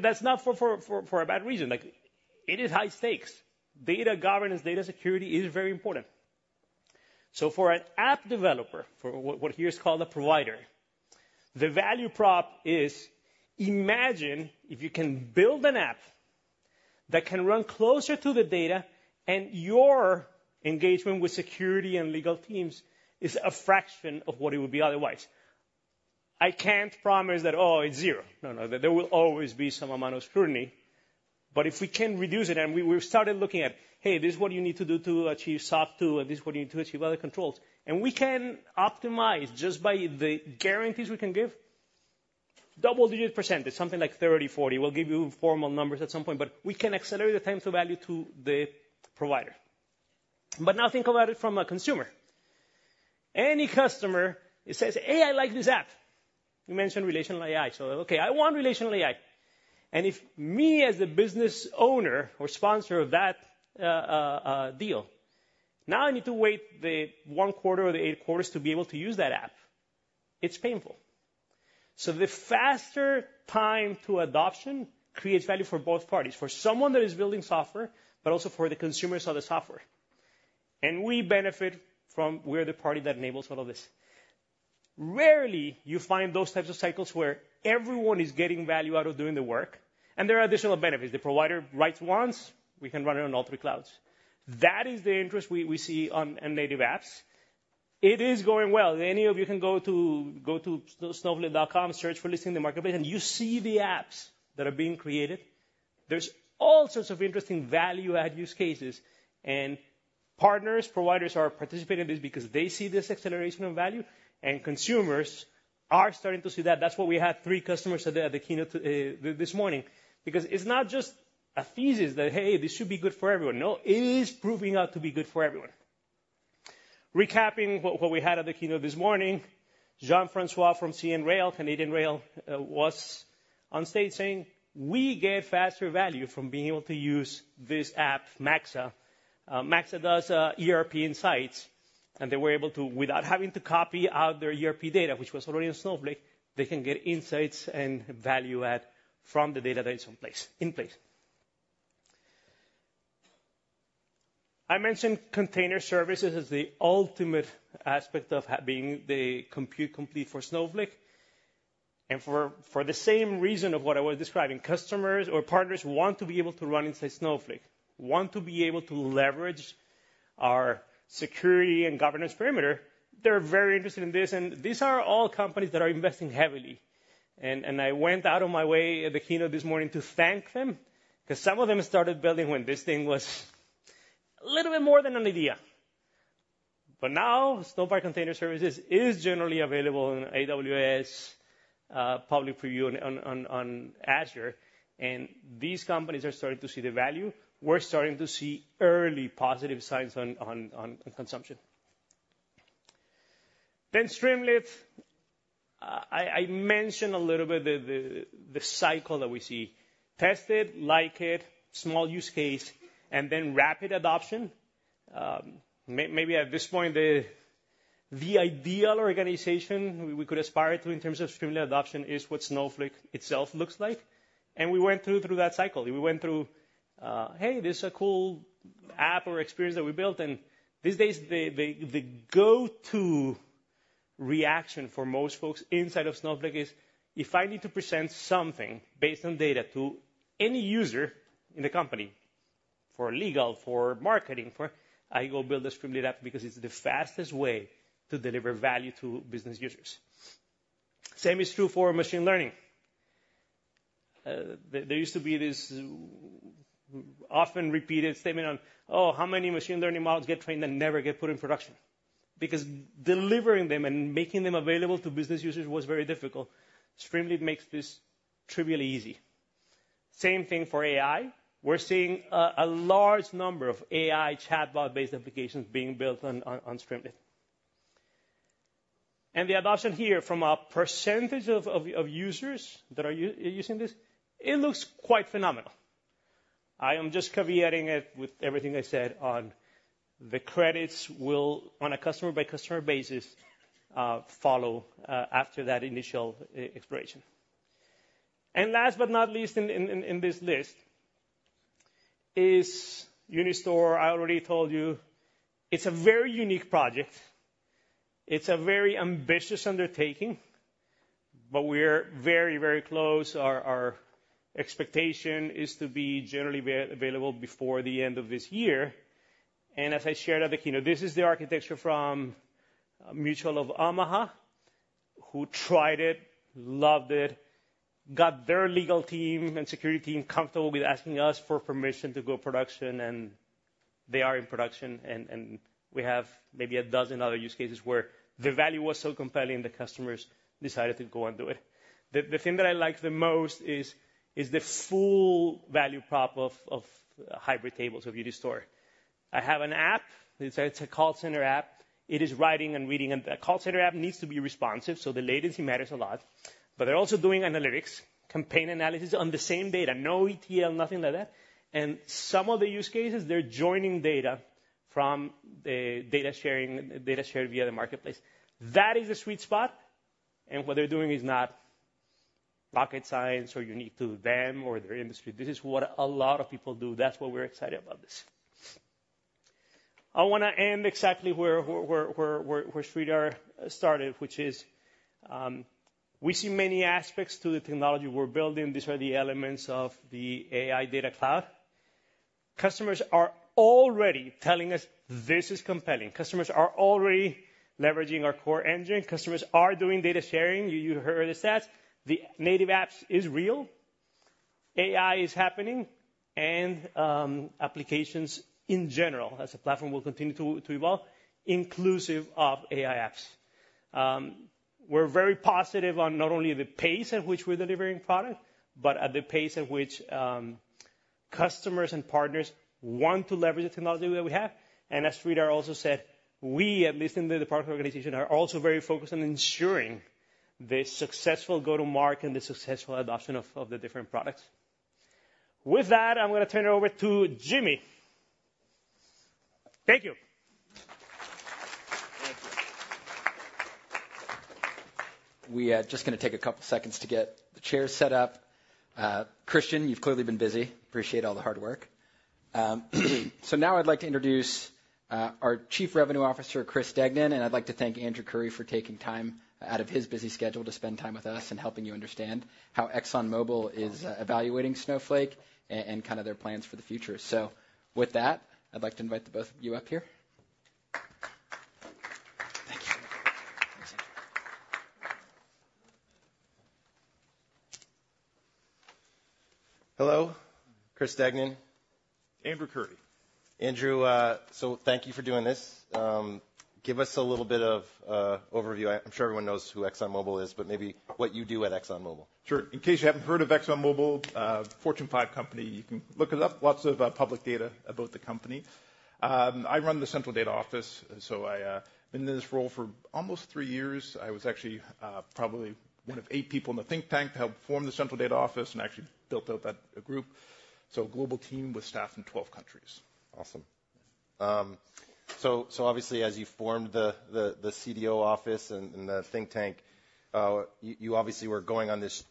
That's not for a bad reason. It is high stakes. Data governance, data security is very important. For an app developer, for what here is called a provider, the value prop is imagine if you can build an app that can run closer to the data and your engagement with security and legal teams is a fraction of what it would be otherwise. I can't promise that, "Oh, it's 0." No, no. There will always be some amount of scrutiny. But if we can reduce it and we've started looking at, "Hey, this is what you need to do to achieve SOC 2, and this is what you need to achieve other controls." And we can optimize just by the guarantees we can give, double-digit percentage, something like 30%, 40%. We'll give you formal numbers at some point, but we can accelerate the time to value to the provider. But now think about it from a consumer. Any customer says, "Hey, I like this app." You mentioned RelationalAI. So okay, I want RelationalAI. And if me as the business owner or sponsor of that deal, now I need to wait the one quarter or the eight quarters to be able to use that app, it's painful. So the faster time to adoption creates value for both parties, for someone that is building software, but also for the consumers of the software. We benefit from we're the party that enables all of this. Rarely you find those types of cycles where everyone is getting value out of doing the work. There are additional benefits. The provider writes once, we can run it on all three clouds. That is the interest we see on native apps. It is going well. Any of you can go to Snowflake.com, search for listing the marketplace, and you see the apps that are being created. There's all sorts of interesting value-add use cases. Partners, providers are participating in this because they see this acceleration of value, and consumers are starting to see that. That's why we had three customers at the keynote this morning. Because it's not just a thesis that, "Hey, this should be good for everyone." No, it is proving out to be good for everyone. Recapping what we had at the keynote this morning, Jean-François from CN Rail, Canadian Rail, was on stage saying, "We get faster value from being able to use this app, Maxa." Maxa does ERP insights, and they were able to, without having to copy out their ERP data, which was already in Snowflake, they can get insights and value add from the data that is in place. I mentioned container services as the ultimate aspect of being the compute complete for Snowflake. And for the same reason of what I was describing, customers or partners want to be able to run inside Snowflake, want to be able to leverage our security and governance perimeter. They're very interested in this, and these are all companies that are investing heavily. I went out of my way at the keynote this morning to thank them because some of them started building when this thing was a little bit more than an idea. But now Snowpark Container Services is generally available in AWS, public preview on Azure, and these companies are starting to see the value. We're starting to see early positive signs on consumption. Streamlit, I mentioned a little bit the cycle that we see: tested, like it, small use case, and then rapid adoption. Maybe at this point, the ideal organization we could aspire to in terms of Streamlit adoption is what Snowflake itself looks like. We went through that cycle. We went through, "Hey, this is a cool app or experience that we built." These days, the go-to reaction for most folks inside of Snowflake is, "If I need to present something based on data to any user in the company, for legal, for marketing, I go build a Streamlit app because it's the fastest way to deliver value to business users." Same is true for machine learning. There used to be this often repeated statement on, "Oh, how many machine learning models get trained and never get put in production?" Because delivering them and making them available to business users was very difficult. Streamlit makes this trivially easy. Same thing for AI. We're seeing a large number of AI chatbot-based applications being built on Streamlit. The adoption here from a percentage of users that are using this, it looks quite phenomenal. I am just caveating it with everything I said on the credits will, on a customer-by-customer basis, follow after that initial exploration. And last but not least in this list is UniStore. I already told you it's a very unique project. It's a very ambitious undertaking, but we're very, very close. Our expectation is to be generally available before the end of this year. And as I shared at the keynote, this is the architecture from Mutual of Omaha, who tried it, loved it, got their legal team and security team comfortable with asking us for permission to go production, and they are in production. And we have maybe a dozen other use cases where the value was so compelling that customers decided to go and do it. The thing that I like the most is the full value prop of Hybrid Tables of UniStore. I have an app. It's a call center app. It is writing and reading. The call center app needs to be responsive, so the latency matters a lot. But they're also doing analytics, campaign analysis on the same data. No ETL, nothing like that. Some of the use cases, they're joining data from the data sharing data shared via the marketplace. That is the sweet spot. What they're doing is not rocket science or unique to them or their industry. This is what a lot of people do. That's why we're excited about this. I want to end exactly where Sridhar started, which is we see many aspects to the technology we're building. These are the elements of the AI data cloud. Customers are already telling us this is compelling. Customers are already leveraging our core engine. Customers are doing data sharing. You heard the stats. The native apps is real. AI is happening. Applications in general as a platform will continue to evolve, inclusive of AI apps. We're very positive on not only the pace at which we're delivering product, but at the pace at which customers and partners want to leverage the technology that we have. And as Sridhar also said, we, at least in the department organization, are also very focused on ensuring the successful go-to-market and the successful adoption of the different products. With that, I'm going to turn it over to Jimmy. Thank you. We are just going to take a couple of seconds to get the chairs set up. Christian, you've clearly been busy. Appreciate all the hard work. Now I'd like to introduce our Chief Revenue Officer, Chris Degnan. I'd like to thank Andrew Curry for taking time out of his busy schedule to spend time with us and helping you understand how ExxonMobil is evaluating Snowflake and kind of their plans for the future. With that, I'd like to invite the both of you up here. Thank you. Hello. Chris Degnan. Andrew Curry. Andrew, so thank you for doing this. Give us a little bit of overview. I'm sure everyone knows who ExxonMobil is, but maybe what you do at ExxonMobil. Sure. In case you haven't heard of ExxonMobil, a Fortune 5 company, you can look it up. Lots of public data about the company. I run the central data office. So I've been in this role for almost three years. I was actually probably one of eight people in the think tank to help form the central data office and actually built out that group. So a global team with staff in 12 countries. Awesome. So obviously, as you formed the CDO office and the think tank, you obviously were going on this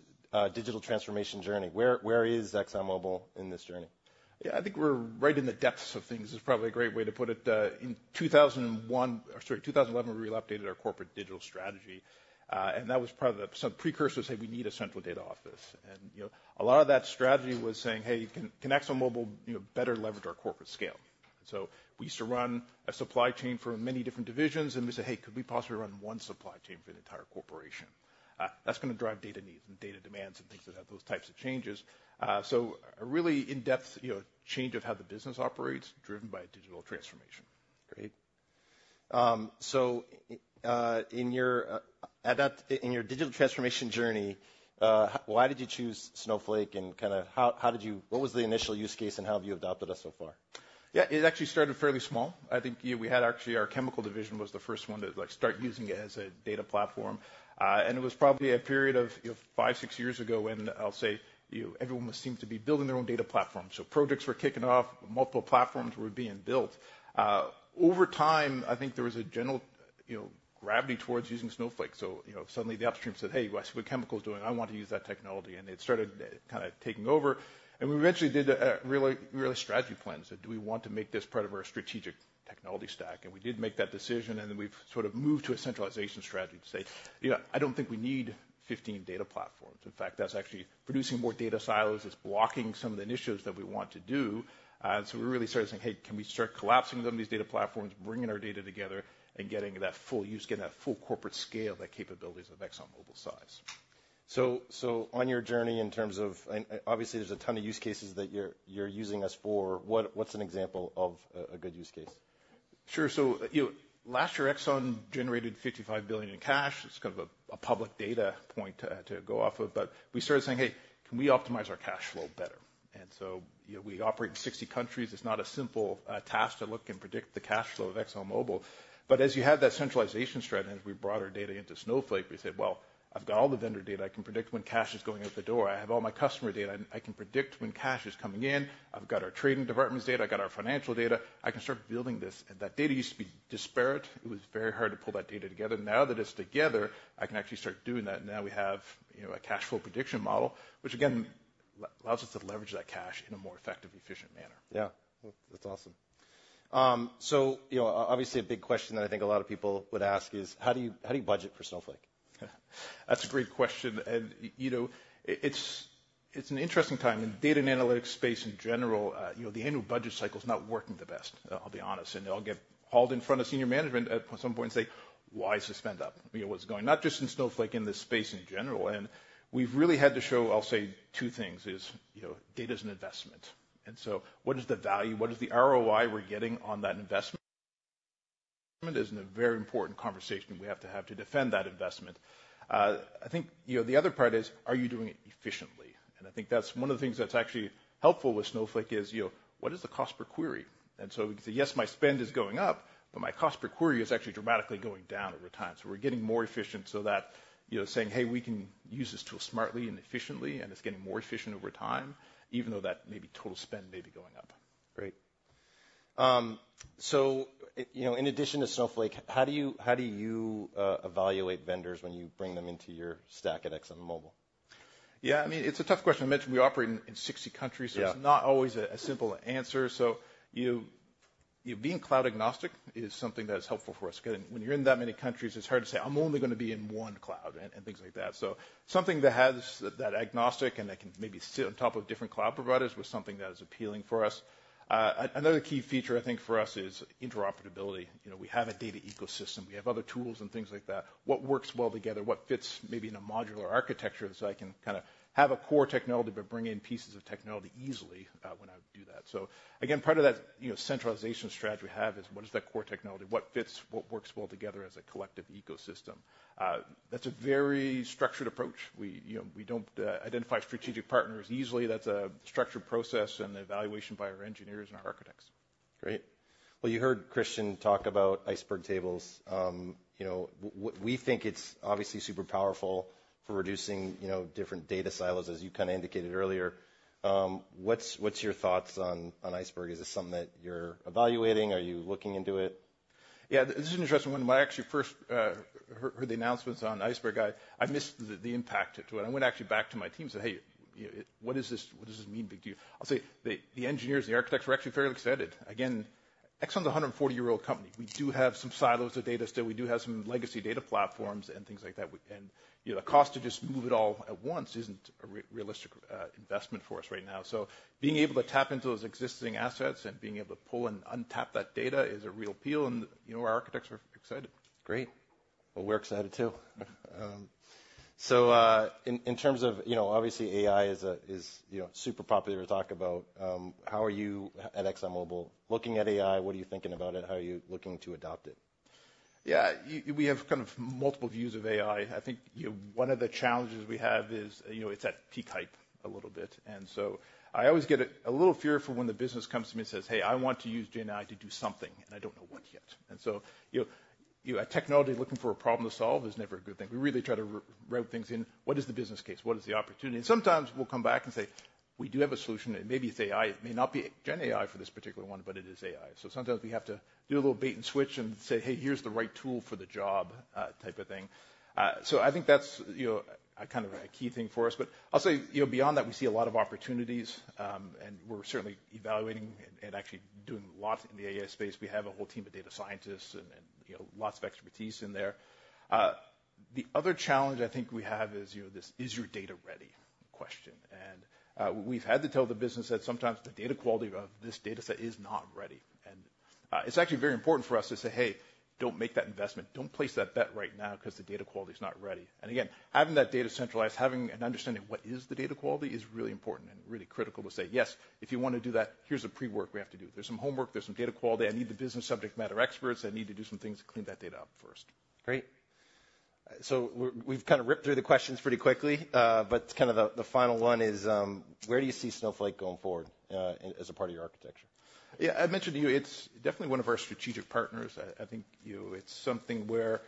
digital transformation journey. Where is ExxonMobil in this journey? Yeah, I think we're right in the depths of things. It's probably a great way to put it. In 2001, or sorry, 2011, we really updated our corporate digital strategy. And that was part of the precursors, "Hey, we need a central data office." And a lot of that strategy was saying, "Hey, can ExxonMobil better leverage our corporate scale?" So we used to run a supply chain for many different divisions, and we said, "Hey, could we possibly run one supply chain for the entire corporation?" That's going to drive data needs and data demands and things that have those types of changes. So a really in-depth change of how the business operates driven by digital transformation. Great. So in your digital transformation journey, why did you choose Snowflake? And kind of what was the initial use case and how have you adopted us so far? Yeah, it actually started fairly small. I think we had actually our chemical division was the first one to start using it as a data platform. And it was probably a period of five to six years ago when I'll say everyone seemed to be building their own data platforms. So projects were kicking off. Multiple platforms were being built. Over time, I think there was a general gravity towards using Snowflake. So suddenly the upstream said, "Hey, what's chemicals doing? I want to use that technology." And it started kind of taking over. And we eventually did a really strategy plan. So do we want to make this part of our strategic technology stack? And we did make that decision. And then we've sort of moved to a centralization strategy to say, "I don't think we need 15 data platforms." In fact, that's actually producing more data silos. It's blocking some of the initiatives that we want to do. And so we really started saying, "Hey, can we start collapsing some of these data platforms, bringing our data together and getting that full use, getting that full corporate scale, that capabilities of ExxonMobil size?" So on your journey in terms of, obviously, there's a ton of use cases that you're using us for. What's an example of a good use case? Sure. So last year, Exxon generated $55 billion in cash. It's kind of a public data point to go off of. But we started saying, "Hey, can we optimize our cash flow better?" And so we operate in 60 countries. It's not a simple task to look and predict the cash flow of ExxonMobil. But as you have that centralization strategy, as we brought our data into Snowflake, we said, "Well, I've got all the vendor data. I can predict when cash is going out the door. I have all my customer data. I can predict when cash is coming in. I've got our trading department's data. I've got our financial data. I can start building this." And that data used to be disparate. It was very hard to pull that data together. Now that it's together, I can actually start doing that. Now we have a cash flow prediction model, which again allows us to leverage that cash in a more effective, efficient manner. Yeah, that's awesome. So obviously, a big question that I think a lot of people would ask is, "How do you budget for Snowflake?" That's a great question. It's an interesting time. In data and analytics space in general, the annual budget cycle is not working the best, I'll be honest. I'll get hauled in front of senior management at some point and say, "Why is this spend up? What's going on?" Not just in Snowflake, in this space in general. We've really had to show, I'll say, two things. Data is an investment. So what is the value? What is the ROI we're getting on that investment? It is a very important conversation we have to have to defend that investment. I think the other part is, are you doing it efficiently? I think that's one of the things that's actually helpful with Snowflake is, what is the cost per query? And so we can say, "Yes, my spend is going up, but my cost per query is actually dramatically going down over time." So we're getting more efficient so that saying, "Hey, we can use this tool smartly and efficiently," and it's getting more efficient over time, even though that maybe total spend may be going up. Great. So in addition to Snowflake, how do you evaluate vendors when you bring them into your stack at ExxonMobil? Yeah, I mean, it's a tough question. I mentioned we operate in 60 countries, so it's not always a simple answer. So being cloud agnostic is something that is helpful for us. When you're in that many countries, it's hard to say, "I'm only going to be in one cloud," and things like that. So something that has that agnostic and that can maybe sit on top of different cloud providers was something that is appealing for us. Another key feature, I think, for us is interoperability. We have a data ecosystem. We have other tools and things like that. What works well together? What fits maybe in a modular architecture so I can kind of have a core technology but bring in pieces of technology easily when I do that? So again, part of that centralization strategy we have is, what is that core technology? What fits? What works well together as a collective ecosystem? That's a very structured approach. We don't identify strategic partners easily. That's a structured process and evaluation by our engineers and our architects. Great. Well, you heard Christian talk about Iceberg tables. We think it's obviously super powerful for reducing different data silos, as you kind of indicated earlier. What's your thoughts on Iceberg? Is this something that you're evaluating? Are you looking into it? Yeah, this is an interesting one. When I actually first heard the announcements on Iceberg, I missed the impact to it. I went actually back to my team and said, "Hey, what does this mean to you?" I'll say the engineers and the architects were actually fairly excited. Again, ExxonMobil's a 140-year-old company. We do have some silos of data still. We do have some legacy data platforms and things like that. And the cost to just move it all at once isn't a realistic investment for us right now. So being able to tap into those existing assets and being able to pull and tap that data is a real appeal. And our architects are excited. Great. Well, we're excited too. So in terms of obviously, AI is super popular to talk about. How are you at ExxonMobil looking at AI? What are you thinking about it? How are you looking to adopt it? Yeah, we have kind of multiple views of AI. I think one of the challenges we have is it's at peak hype a little bit. And so I always get a little fear for when the business comes to me and says, "Hey, I want to use GenAI to do something," and I don't know what yet. And so a technology looking for a problem to solve is never a good thing. We really try to root things in. What is the business case? What is the opportunity? And sometimes we'll come back and say, "We do have a solution," and maybe it's AI. It may not be GenAI for this particular one, but it is AI. So sometimes we have to do a little bait and switch and say, "Hey, here's the right tool for the job," type of thing. So I think that's kind of a key thing for us. But I'll say beyond that, we see a lot of opportunities, and we're certainly evaluating and actually doing a lot in the AI space. We have a whole team of data scientists and lots of expertise in there. The other challenge I think we have is this is your data ready question. And we've had to tell the business that sometimes the data quality of this data set is not ready. And it's actually very important for us to say, "Hey, don't make that investment. Don't place that bet right now because the data quality is not ready." And again, having that data centralized, having an understanding of what is the data quality is really important and really critical to say, "Yes, if you want to do that, here's the pre-work we have to do. There's some homework. There's some data quality. I need the business subject matter experts. I need to do some things to clean that data up first." Great. So we've kind of ripped through the questions pretty quickly. But kind of the final one is, where do you see Snowflake going forward as a part of your architecture? Yeah, I mentioned to you, it's definitely one of our strategic partners. I think it's something where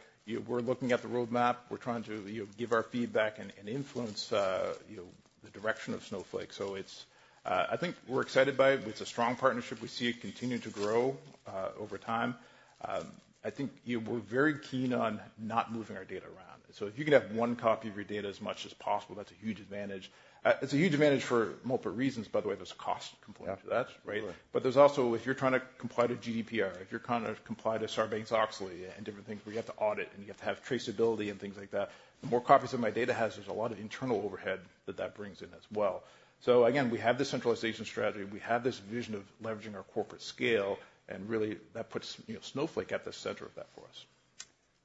we're looking at the roadmap. We're trying to give our feedback and influence the direction of Snowflake. So I think we're excited by it. It's a strong partnership. We see it continue to grow over time. I think we're very keen on not moving our data around. So if you can have one copy of your data as much as possible, that's a huge advantage. It's a huge advantage for multiple reasons, by the way. There's a cost component to that, right? But there's also, if you're trying to comply to GDPR, if you're trying to comply to Sarbanes-Oxley and different things, where you have to audit and you have to have traceability and things like that, the more copies of my data has, there's a lot of internal overhead that that brings in as well. So again, we have this centralization strategy. We have this vision of leveraging our corporate scale. And really, that puts Snowflake at the center of that for us.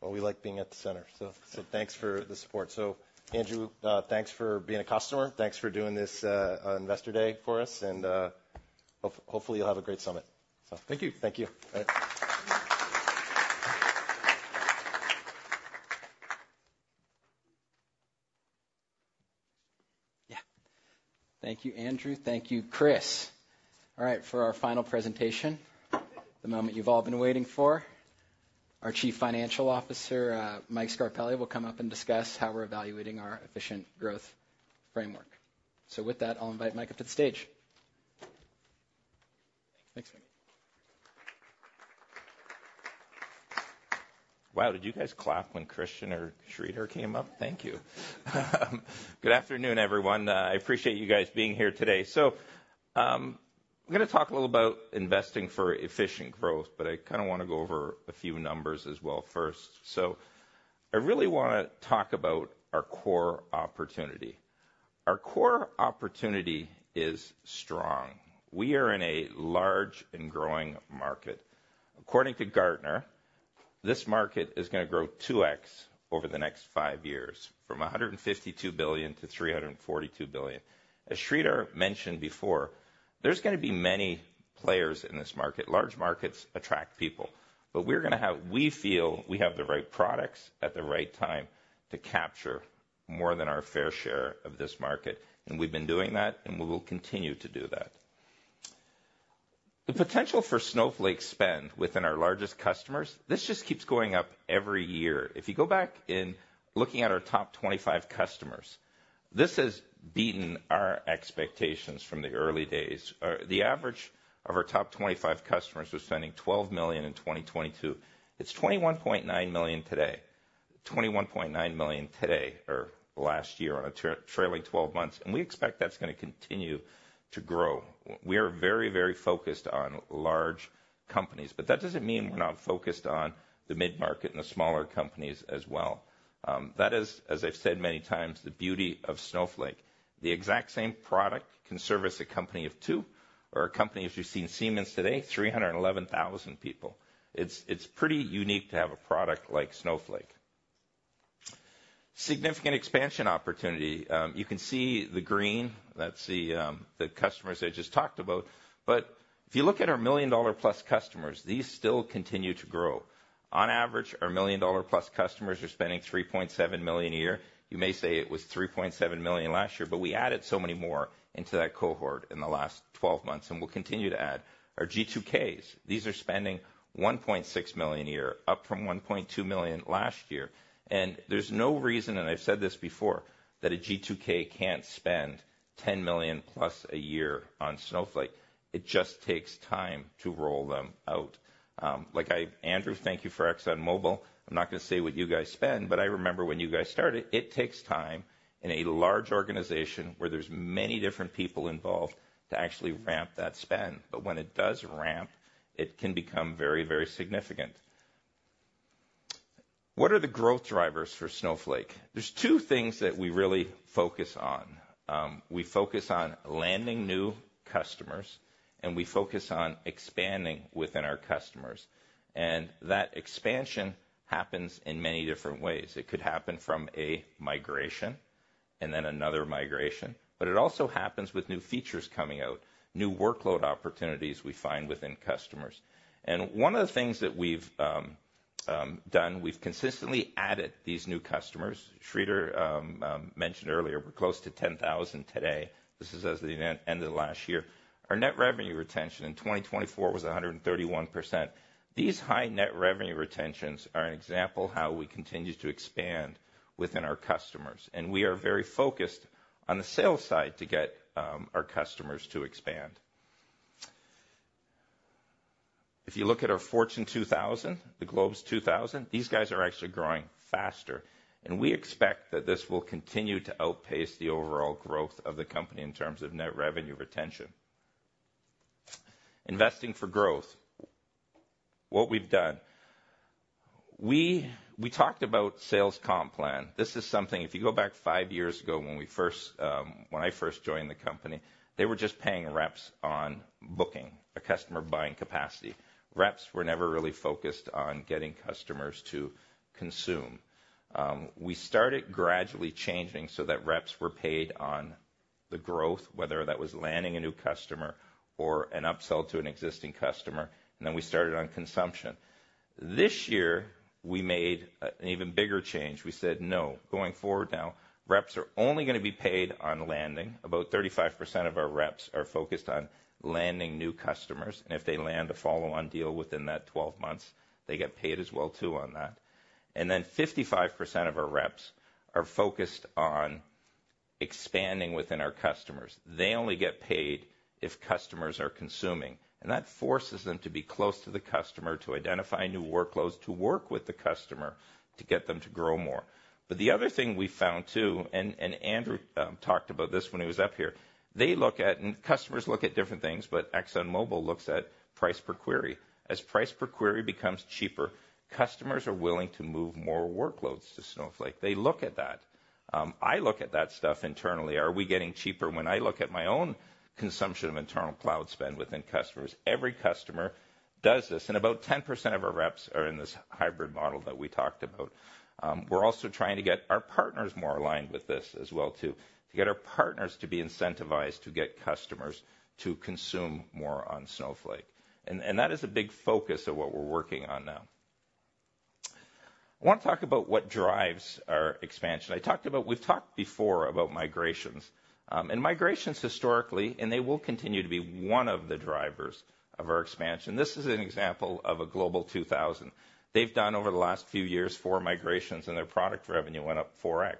Well, we like being at the center. So thanks for the support. So Andrew, thanks for being a customer. Thanks for doing this investor day for us. And hopefully, you'll have a great summit. Thank you. Thank you. Yeah. Thank you, Andrew. Thank you, Chris. All right, for our final presentation, the moment you've all been waiting for, our Chief Financial Officer, Mike Scarpelli, will come up and discuss how we're evaluating our efficient growth framework. So with that, I'll invite Mike up to the stage. Thanks, Mike. Wow, did you guys clap when Christian or Sridhar came up? Thank you. Good afternoon, everyone. I appreciate you guys being here today. So I'm going to talk a little about investing for efficient growth, but I kind of want to go over a few numbers as well first. So I really want to talk about our core opportunity. Our core opportunity is strong. We are in a large and growing market. According to Gartner, this market is going to grow 2x over the next five years from $152 billion-$342 billion. As Sridhar mentioned before, there's going to be many players in this market. Large markets attract people. But we're going to have, we feel we have the right products at the right time to capture more than our fair share of this market. And we've been doing that, and we will continue to do that. The potential for Snowflake spend within our largest customers, this just keeps going up every year. If you go back in looking at our top 25 customers, this has beaten our expectations from the early days. The average of our top 25 customers was spending $12 million in 2022. It's 21.9 million today. 21.9 million today or last year on a trailing 12 months. We expect that's going to continue to grow. We are very, very focused on large companies. But that doesn't mean we're not focused on the mid-market and the smaller companies as well. That is, as I've said many times, the beauty of Snowflake. The exact same product can service a company of two or a company, as you've seen Siemens today, 311,000 people. It's pretty unique to have a product like Snowflake. Significant expansion opportunity. You can see the green. That's the customers I just talked about. But if you look at our million-dollar-plus customers, these still continue to grow. On average, our million-dollar-plus customers are spending $3.7 million a year. You may say it was $3.7 million last year, but we added so many more into that cohort in the last 12 months and will continue to add. Our G2Ks, these are spending $1.6 million a year, up from $1.2 million last year. And there's no reason, and I've said this before, that a G2K can't spend $10 million+ a year on Snowflake. It just takes time to roll them out. Like Andrew, thank you for ExxonMobil. I'm not going to say what you guys spend, but I remember when you guys started, it takes time in a large organization where there's many different people involved to actually ramp that spend. But when it does ramp, it can become very, very significant. What are the growth drivers for Snowflake? There's two things that we really focus on. We focus on landing new customers, and we focus on expanding within our customers. That expansion happens in many different ways. It could happen from a migration and then another migration. It also happens with new features coming out, new workload opportunities we find within customers. One of the things that we've done, we've consistently added these new customers. Sridhar mentioned earlier, we're close to 10,000 today. This is as the end of the last year. Our net revenue retention in 2024 was 131%. These high net revenue retentions are an example of how we continue to expand within our customers. We are very focused on the sales side to get our customers to expand. If you look at our Fortune 2000, the Global 2000, these guys are actually growing faster. We expect that this will continue to outpace the overall growth of the company in terms of net revenue retention. Investing for growth, what we've done, we talked about sales comp plan. This is something if you go back five years ago when I first joined the company, they were just paying reps on booking, a customer buying capacity. Reps were never really focused on getting customers to consume. We started gradually changing so that reps were paid on the growth, whether that was landing a new customer or an upsell to an existing customer. And then we started on consumption. This year, we made an even bigger change. We said, "No, going forward now, reps are only going to be paid on landing." About 35% of our reps are focused on landing new customers. And if they land a follow-on deal within that 12 months, they get paid as well too on that. And then 55% of our reps are focused on expanding within our customers. They only get paid if customers are consuming. And that forces them to be close to the customer to identify new workloads, to work with the customer to get them to grow more. But the other thing we found too, and Andrew talked about this when he was up here, they look at, and customers look at different things, but ExxonMobil looks at price per query. As price per query becomes cheaper, customers are willing to move more workloads to Snowflake. They look at that. I look at that stuff internally. Are we getting cheaper? When I look at my own consumption of internal cloud spend within customers, every customer does this. About 10% of our reps are in this hybrid model that we talked about. We're also trying to get our partners more aligned with this as well too, to get our partners to be incentivized to get customers to consume more on Snowflake. That is a big focus of what we're working on now. I want to talk about what drives our expansion. We've talked before about migrations. Migrations historically, and they will continue to be one of the drivers of our expansion. This is an example of a Global 2000. They've done over the last few years four migrations, and their product revenue went up 4x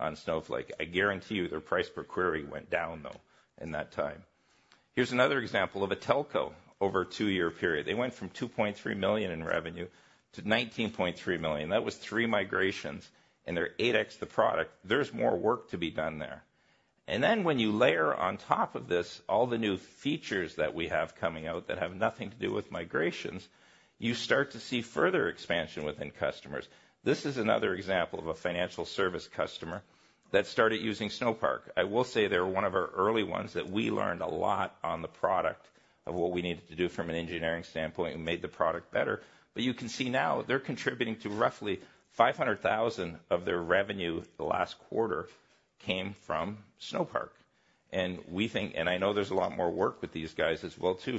on Snowflake. I guarantee you their price per query went down though in that time. Here's another example of a telco over a two-year period. They went from $2.3 million in revenue to $19.3 million. That was three migrations, and they're 8x the product. There's more work to be done there. Then when you layer on top of this all the new features that we have coming out that have nothing to do with migrations, you start to see further expansion within customers. This is another example of a financial service customer that started using Snowpark. I will say they're one of our early ones that we learned a lot on the product of what we needed to do from an engineering standpoint and made the product better. But you can see now they're contributing to roughly $500,000 of their revenue the last quarter came from Snowpark. We think, and I know there's a lot more work with these guys as well too.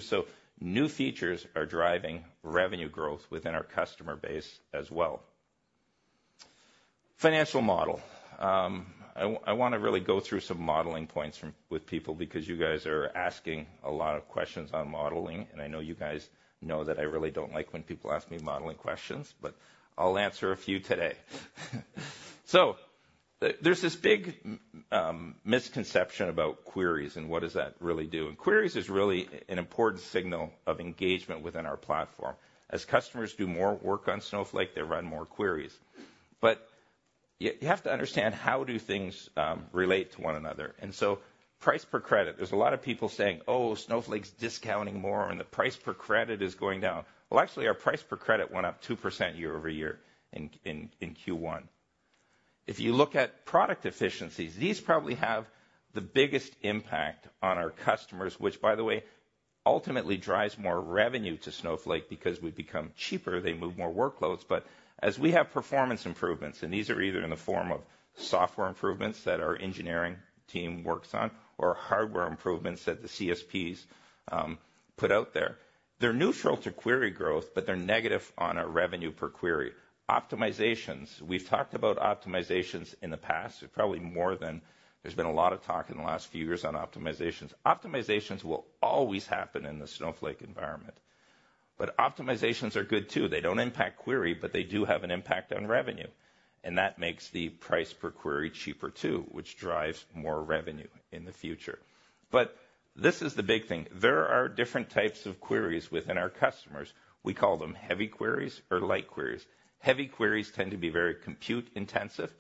New features are driving revenue growth within our customer base as well. Financial model. I want to really go through some modeling points with people because you guys are asking a lot of questions on modeling. And I know you guys know that I really don't like when people ask me modeling questions, but I'll answer a few today. So there's this big misconception about queries and what does that really do. And queries is really an important signal of engagement within our platform. As customers do more work on Snowflake, they run more queries. But you have to understand how do things relate to one another. And so price per credit, there's a lot of people saying, "Oh, Snowflake's discounting more and the price per credit is going down." Well, actually, our price per credit went up 2% year-over-year in Q1. If you look at product efficiencies, these probably have the biggest impact on our customers, which, by the way, ultimately drives more revenue to Snowflake because we become cheaper. They move more workloads. But as we have performance improvements, and these are either in the form of software improvements that our engineering team works on or hardware improvements that the CSPs put out there, they're neutral to query growth, but they're negative on our revenue per query. Optimizations. We've talked about optimizations in the past. There's probably more than there's been a lot of talk in the last few years on optimizations. Optimizations will always happen in the Snowflake environment. But optimizations are good too. They don't impact query, but they do have an impact on revenue. And that makes the price per query cheaper too, which drives more revenue in the future. But this is the big thing. There are different types of queries within our customers. We call them heavy queries or light queries. Heavy queries tend to be very compute-intensive.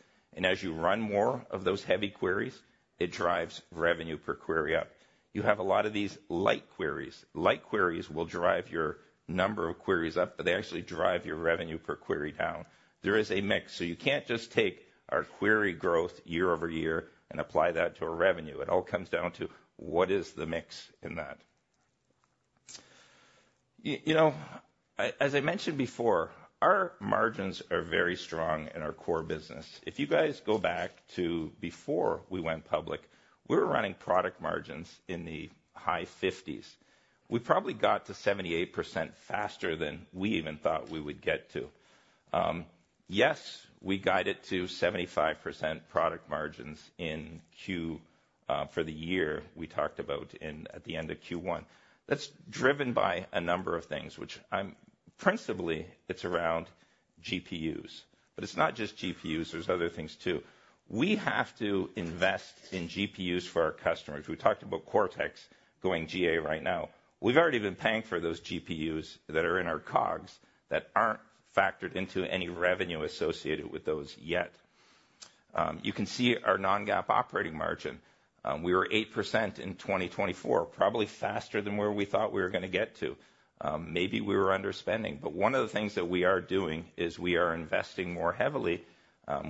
As you run more of those heavy queries, it drives revenue per query up. You have a lot of these light queries. Light queries will drive your number of queries up, but they actually drive your revenue per query down. There is a mix. You can't just take our query growth year-over-year and apply that to our revenue. It all comes down to what is the mix in that. As I mentioned before, our margins are very strong in our core business. If you guys go back to before we went public, we were running product margins in the high 50s%. We probably got to 78% faster than we even thought we would get to. Yes, we guided to 75% product margins in Q for the year we talked about at the end of Q1. That's driven by a number of things, which principally it's around GPUs. But it's not just GPUs. There's other things too. We have to invest in GPUs for our customers. We talked about Cortex going GA right now. We've already been paying for those GPUs that are in our COGS that aren't factored into any revenue associated with those yet. You can see our non-GAAP operating margin. We were 8% in 2024, probably faster than where we thought we were going to get to. Maybe we were underspending. But one of the things that we are doing is we are investing more heavily.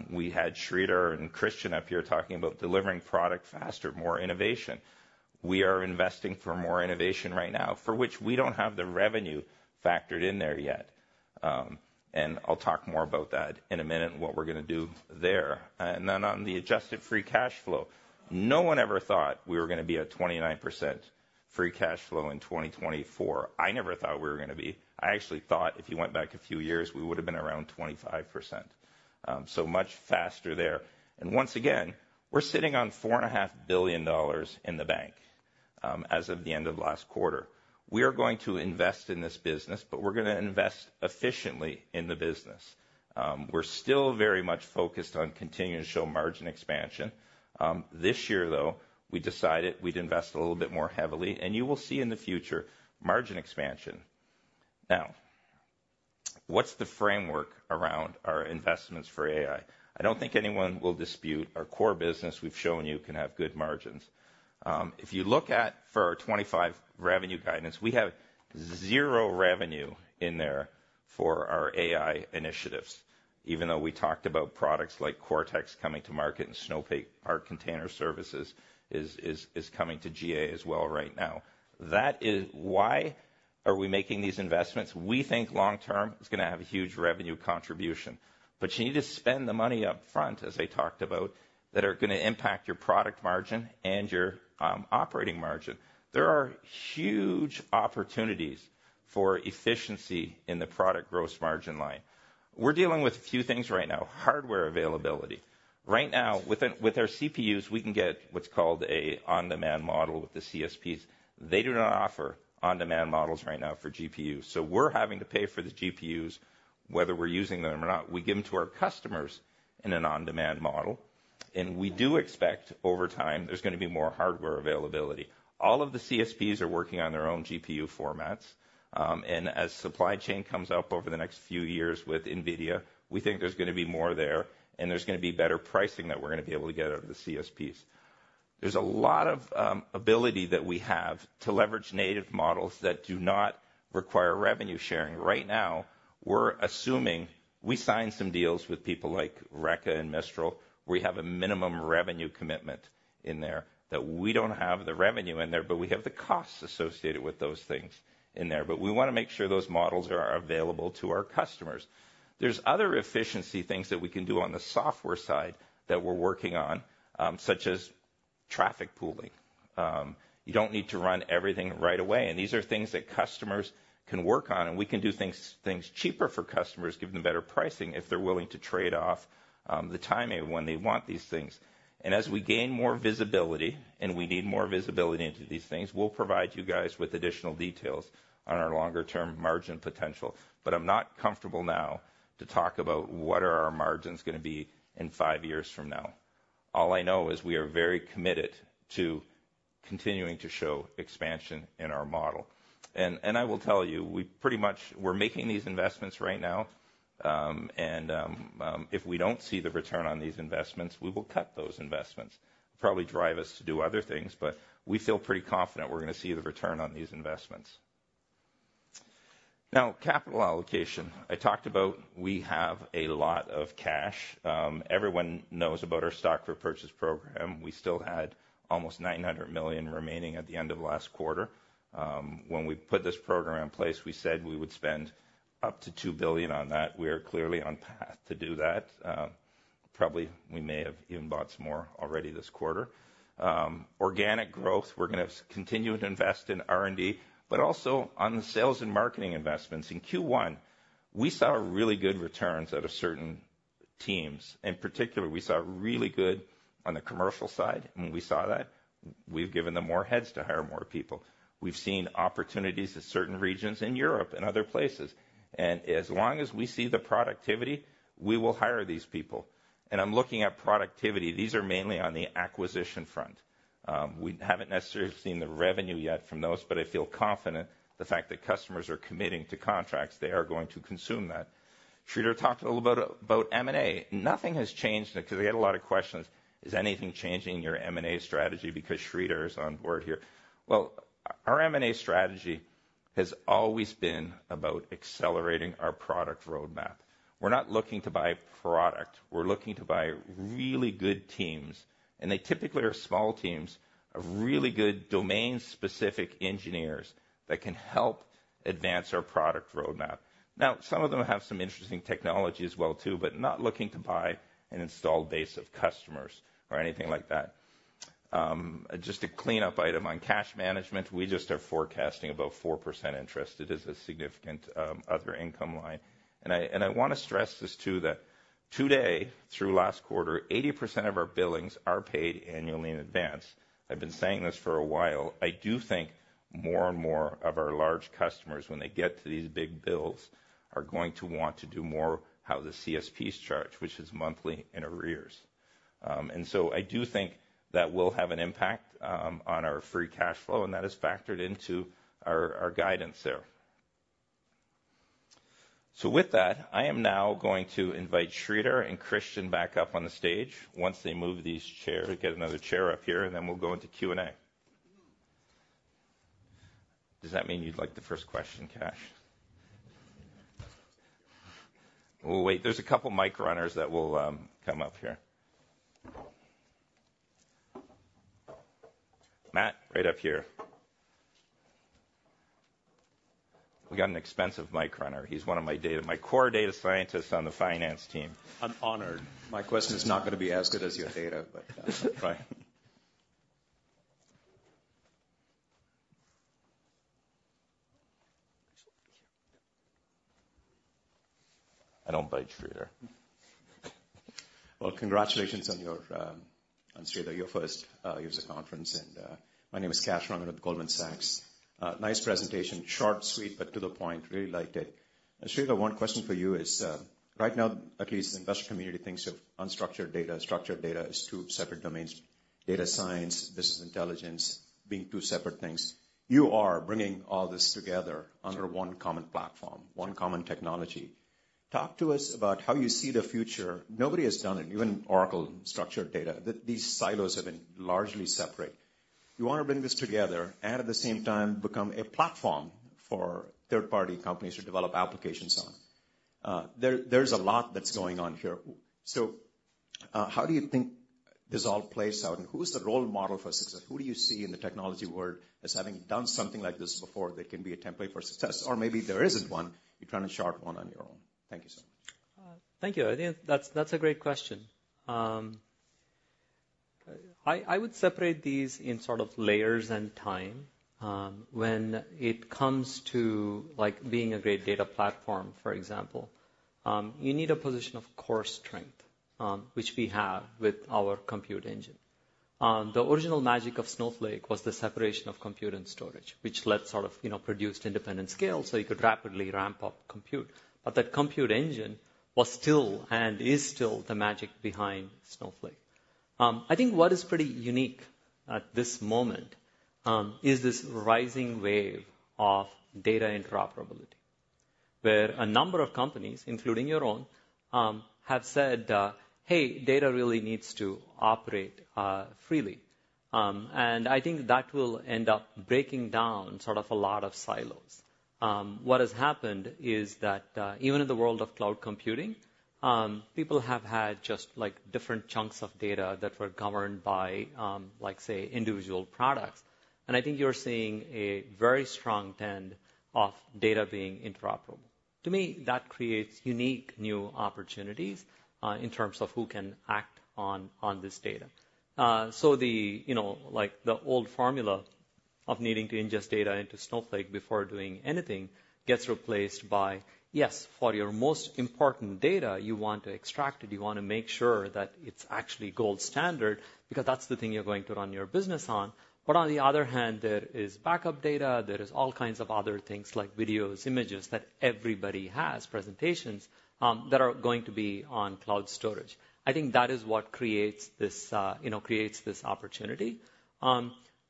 We had Sridhar and Christian up here talking about delivering product faster, more innovation. We are investing for more innovation right now, for which we don't have the revenue factored in there yet. I'll talk more about that in a minute and what we're going to do there. Then on the adjusted free cash flow, no one ever thought we were going to be at 29% free cash flow in 2024. I never thought we were going to be. I actually thought if you went back a few years, we would have been around 25%. So much faster there. Once again, we're sitting on $4.5 billion in the bank as of the end of last quarter. We are going to invest in this business, but we're going to invest efficiently in the business. We're still very much focused on continuing to show margin expansion. This year, though, we decided we'd invest a little bit more heavily. You will see in the future margin expansion. Now, what's the framework around our investments for AI? I don't think anyone will dispute our core business. We've shown you can have good margins. If you look at our 25 revenue guidance, we have zero revenue in there for our AI initiatives, even though we talked about products like Cortex coming to market and Snowpark Container Services is coming to GA as well right now. That is why are we making these investments? We think long-term it's going to have a huge revenue contribution. But you need to spend the money upfront, as I talked about, that are going to impact your product margin and your operating margin. There are huge opportunities for efficiency in the product gross margin line. We're dealing with a few things right now, hardware availability. Right now, with our CPUs, we can get what's called an on-demand model with the CSPs. They do not offer on-demand models right now for GPUs. So we're having to pay for the GPUs, whether we're using them or not. We give them to our customers in an on-demand model. And we do expect over time there's going to be more hardware availability. All of the CSPs are working on their own GPU formats. And as supply chain comes up over the next few years with NVIDIA, we think there's going to be more there. And there's going to be better pricing that we're going to be able to get out of the CSPs. There's a lot of ability that we have to leverage native models that do not require revenue sharing. Right now, we're assuming we signed some deals with people like Reka and Mistral where we have a minimum revenue commitment in there that we don't have the revenue in there, but we have the costs associated with those things in there. But we want to make sure those models are available to our customers. There's other efficiency things that we can do on the software side that we're working on, such as traffic pooling. You don't need to run everything right away. And these are things that customers can work on. And we can do things cheaper for customers, give them better pricing if they're willing to trade off the timing when they want these things. And as we gain more visibility and we need more visibility into these things, we'll provide you guys with additional details on our longer-term margin potential. But I'm not comfortable now to talk about what our margin is going to be in 5 years from now. All I know is we are very committed to continuing to show expansion in our model. And I will tell you, we pretty much are making these investments right now. And if we don't see the return on these investments, we will cut those investments. It'll probably drive us to do other things, but we feel pretty confident we're going to see the return on these investments. Now, capital allocation. I talked about we have a lot of cash. Everyone knows about our stock repurchase program. We still had almost $900 million remaining at the end of last quarter. When we put this program in place, we said we would spend up to $2 billion on that. We are clearly on pace to do that. Probably we may have even bought some more already this quarter. Organic growth, we're going to continue to invest in R&D, but also on the sales and marketing investments. In Q1, we saw really good returns at certain teams. In particular, we saw really good on the commercial side. And when we saw that, we've given them more heads to hire more people. We've seen opportunities in certain regions in Europe and other places. And as long as we see the productivity, we will hire these people. And I'm looking at productivity. These are mainly on the acquisition front. We haven't necessarily seen the revenue yet from those, but I feel confident the fact that customers are committing to contracts, they are going to consume that. Sridhar talked a little about M&A. Nothing has changed because I get a lot of questions. Is anything changing your M&A strategy because Sridhar is on board here? Well, our M&A strategy has always been about accelerating our product roadmap. We're not looking to buy product. We're looking to buy really good teams. They typically are small teams of really good domain-specific engineers that can help advance our product roadmap. Now, some of them have some interesting technology as well too, but not looking to buy an installed base of customers or anything like that. Just a cleanup item on cash management. We just are forecasting about 4% interest. It is a significant other income line. I want to stress this too that today, through last quarter, 80% of our billings are paid annually in advance. I've been saying this for a while. I do think more and more of our large customers, when they get to these big bills, are going to want to do more how the CSPs charge, which is monthly in arrears. And so I do think that will have an impact on our free cash flow, and that is factored into our guidance there. So with that, I am now going to invite Sridhar and Christian back up on the stage once they move these chairs to get another chair up here, and then we'll go into Q&A. Does that mean you'd like the first question, Kash? Well, wait, there's a couple of mic runners that will come up here. Matt, right up here. We got an expensive mic runner. He's one of my core data scientists on the finance team. I'm honored. My question is not going to be as good as your data, but. I don't bite, Sridhar. Well, congratulations on Sridhar. Your first USA conference. And my name is Kash. I'm at Goldman Sachs. Nice presentation. Short, sweet, but to the point. Really liked it. Sridhar, one question for you is right now, at least the investor community thinks of unstructured data. Structured data is two separate domains. Data science, business intelligence being two separate things. You are bringing all this together under one common platform, one common technology. Talk to us about how you see the future. Nobody has done it, even Oracle, structured data. These silos have been largely separate. You want to bring this together and at the same time become a platform for third-party companies to develop applications on. There's a lot that's going on here. So how do you think this all plays out? And who's the role model for success? Who do you see in the technology world as having done something like this before that can be a template for success? Or maybe there isn't one. You're trying to chart one on your own. Thank you so much. Thank you. I think that's a great question. I would separate these in sort of layers and time. When it comes to being a great data platform, for example, you need a position of core strength, which we have with our compute engine. The original magic of Snowflake was the separation of compute and storage, which led sort of produced independent scale so you could rapidly ramp up compute. But that compute engine was still and is still the magic behind Snowflake. I think what is pretty unique at this moment is this rising wave of data interoperability, where a number of companies, including your own, have said, "Hey, data really needs to operate freely." And I think that will end up breaking down sort of a lot of silos. What has happened is that even in the world of cloud computing, people have had just different chunks of data that were governed by, say, individual products. And I think you're seeing a very strong trend of data being interoperable. To me, that creates unique new opportunities in terms of who can act on this data. So the old formula of needing to ingest data into Snowflake before doing anything gets replaced by, yes, for your most important data, you want to extract it. You want to make sure that it's actually gold standard because that's the thing you're going to run your business on. But on the other hand, there is backup data. There are all kinds of other things like videos, images that everybody has, presentations that are going to be on cloud storage. I think that is what creates this opportunity.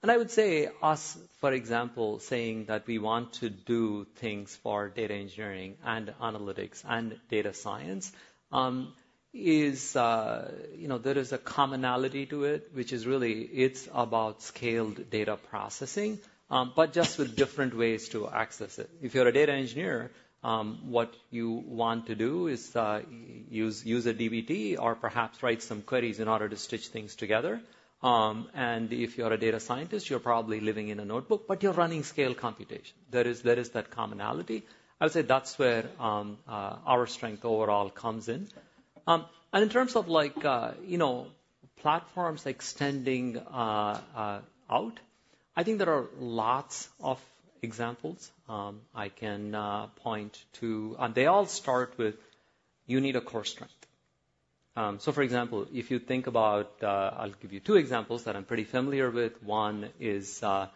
I would say us, for example, saying that we want to do things for data engineering and analytics and data science, there is a commonality to it, which is really it's about scaled data processing, but just with different ways to access it. If you're a data engineer, what you want to do is use a dbt or perhaps write some queries in order to stitch things together. And if you're a data scientist, you're probably living in a notebook, but you're running scale computation. There is that commonality. I would say that's where our strength overall comes in. And in terms of platforms extending out, I think there are lots of examples I can point to. They all start with you need a core strength. So for example, if you think about, I'll give you two examples that I'm pretty familiar with. One is how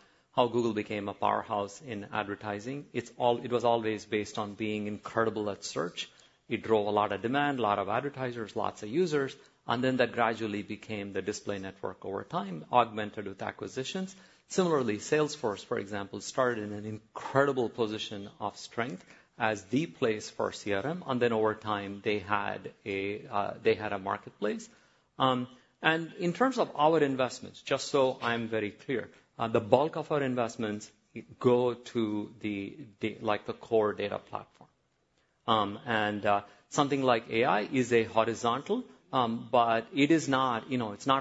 Google became a powerhouse in advertising. It was always based on being incredible at search. It drove a lot of demand, a lot of advertisers, lots of users. And then that gradually became the display network over time, augmented with acquisitions. Similarly, Salesforce, for example, started in an incredible position of strength as the place for CRM. And then over time, they had a marketplace. And in terms of our investments, just so I'm very clear, the bulk of our investments go to the core data platform. And something like AI is a horizontal, but it is not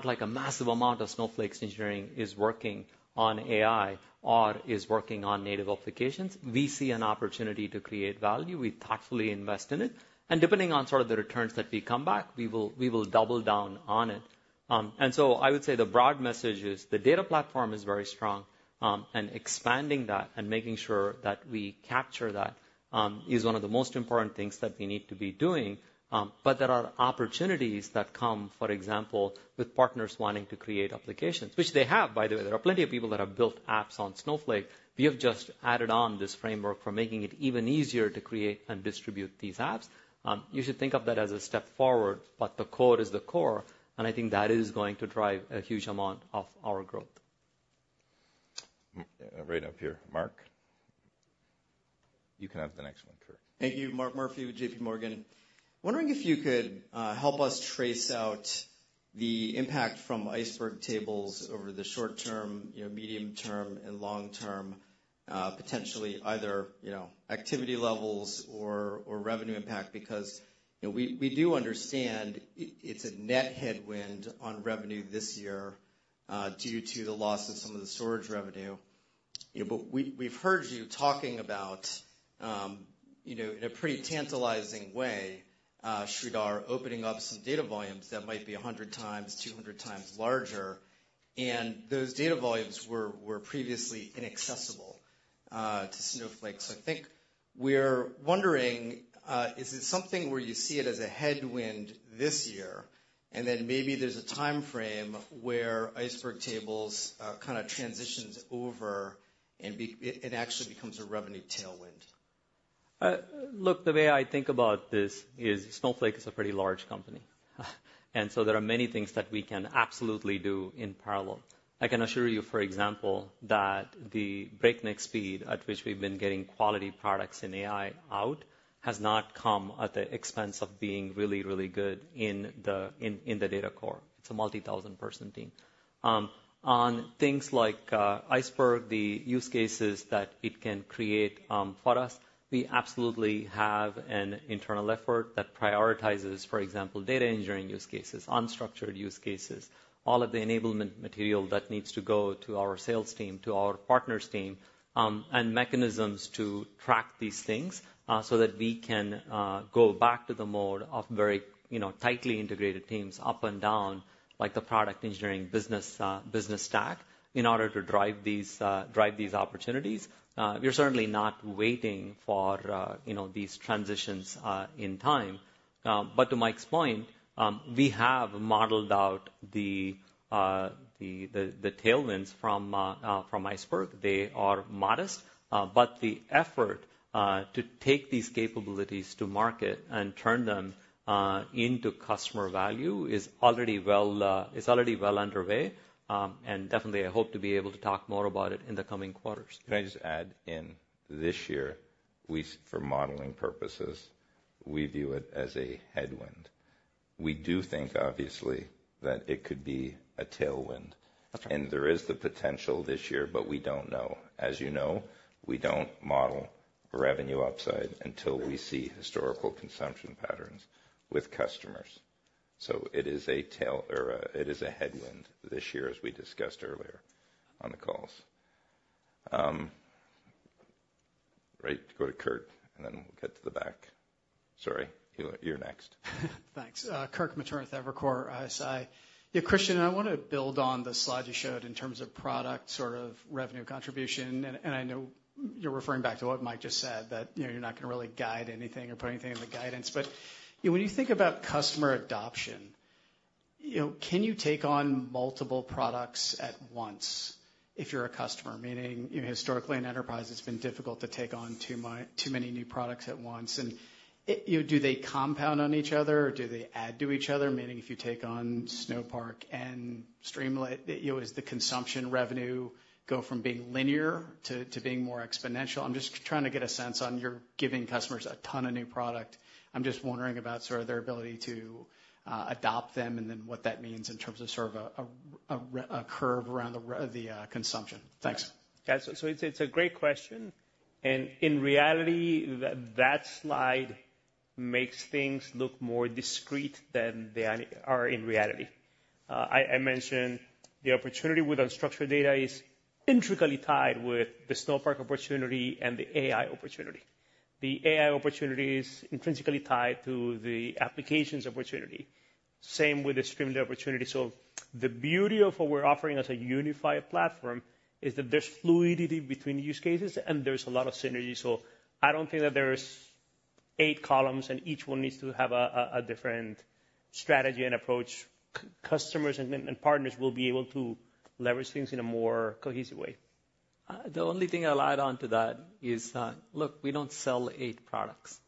like a massive amount of Snowflake's engineering is working on AI or is working on native applications. We see an opportunity to create value. We thoughtfully invest in it. And depending on sort of the returns that we come back, we will double down on it. And so I would say the broad message is the data platform is very strong. And expanding that and making sure that we capture that is one of the most important things that we need to be doing. But there are opportunities that come, for example, with partners wanting to create applications, which they have, by the way. There are plenty of people that have built apps on Snowflake. We have just added on this framework for making it even easier to create and distribute these apps. You should think of that as a step forward, but the core is the core. And I think that is going to drive a huge amount of our growth. Right up here. Mark, you can have the next one, Kirk. Thank you. Mark Murphy, JPMorgan. Wondering if you could help us trace out the impact from Iceberg Tables over the short term, medium term, and long term, potentially either activity levels or revenue impact because we do understand it's a net headwind on revenue this year due to the loss of some of the storage revenue. But we've heard you talking about, in a pretty tantalizing way, Sridhar opening up some data volumes that might be 100 times, 200 times larger. And those data volumes were previously inaccessible to Snowflake. So I think we're wondering, is it something where you see it as a headwind this year? And then maybe there's a time frame where Iceberg Tables kind of transitions over and actually becomes a revenue tailwind. Look, the way I think about this is Snowflake is a pretty large company. And so there are many things that we can absolutely do in parallel. I can assure you, for example, that the breakneck speed at which we've been getting quality products in AI out has not come at the expense of being really, really good in the data core. It's a multi-thousand-person team. On things like Iceberg, the use cases that it can create for us, we absolutely have an internal effort that prioritizes, for example, data engineering use cases, unstructured use cases, all of the enablement material that needs to go to our sales team, to our partners' team, and mechanisms to track these things so that we can go back to the mode of very tightly integrated teams up and down, like the product engineering business stack, in order to drive these opportunities. We're certainly not waiting for these transitions in time. But to Mike's point, we have modeled out the tailwinds from Iceberg. They are modest. But the effort to take these capabilities to market and turn them into customer value is already well underway. And definitely, I hope to be able to talk more about it in the coming quarters. Can I just add in this year, for modeling purposes, we view it as a headwind. We do think, obviously, that it could be a tailwind. And there is the potential this year, but we don't know. As you know, we don't model revenue upside until we see historical consumption patterns with customers. So it is a headwind this year, as we discussed earlier on the calls. Right. Go to Kirk, and then we'll get to the back. Sorry. You're next. Thanks. Kirk Materne, Evercore ISI. Yeah, Christian, I want to build on the slide you showed in terms of product sort of revenue contribution. And I know you're referring back to what Mike just said, that you're not going to really guide anything or put anything in the guidance. But when you think about customer adoption, can you take on multiple products at once if you're a customer? Meaning, historically, an enterprise, it's been difficult to take on too many new products at once. And do they compound on each other, or do they add to each other? Meaning, if you take on Snowpark and Streamlit, does the consumption revenue go from being linear to being more exponential? I'm just trying to get a sense on you're giving customers a ton of new product. I'm just wondering about sort of their ability to adopt them and then what that means in terms of sort of a curve around the consumption. Thanks. Yeah. So it's a great question. In reality, that slide makes things look more discrete than they are in reality. I mentioned the opportunity with unstructured data is intricately tied with the Snowpark opportunity and the AI opportunity. The AI opportunity is intrinsically tied to the applications opportunity. Same with the Streamlit opportunity. So the beauty of what we're offering as a unified platform is that there's fluidity between use cases, and there's a lot of synergy. So I don't think that there's eight columns, and each one needs to have a different strategy and approach. Customers and partners will be able to leverage things in a more cohesive way. The only thing I'll add on to that is, look, we don't sell eight products.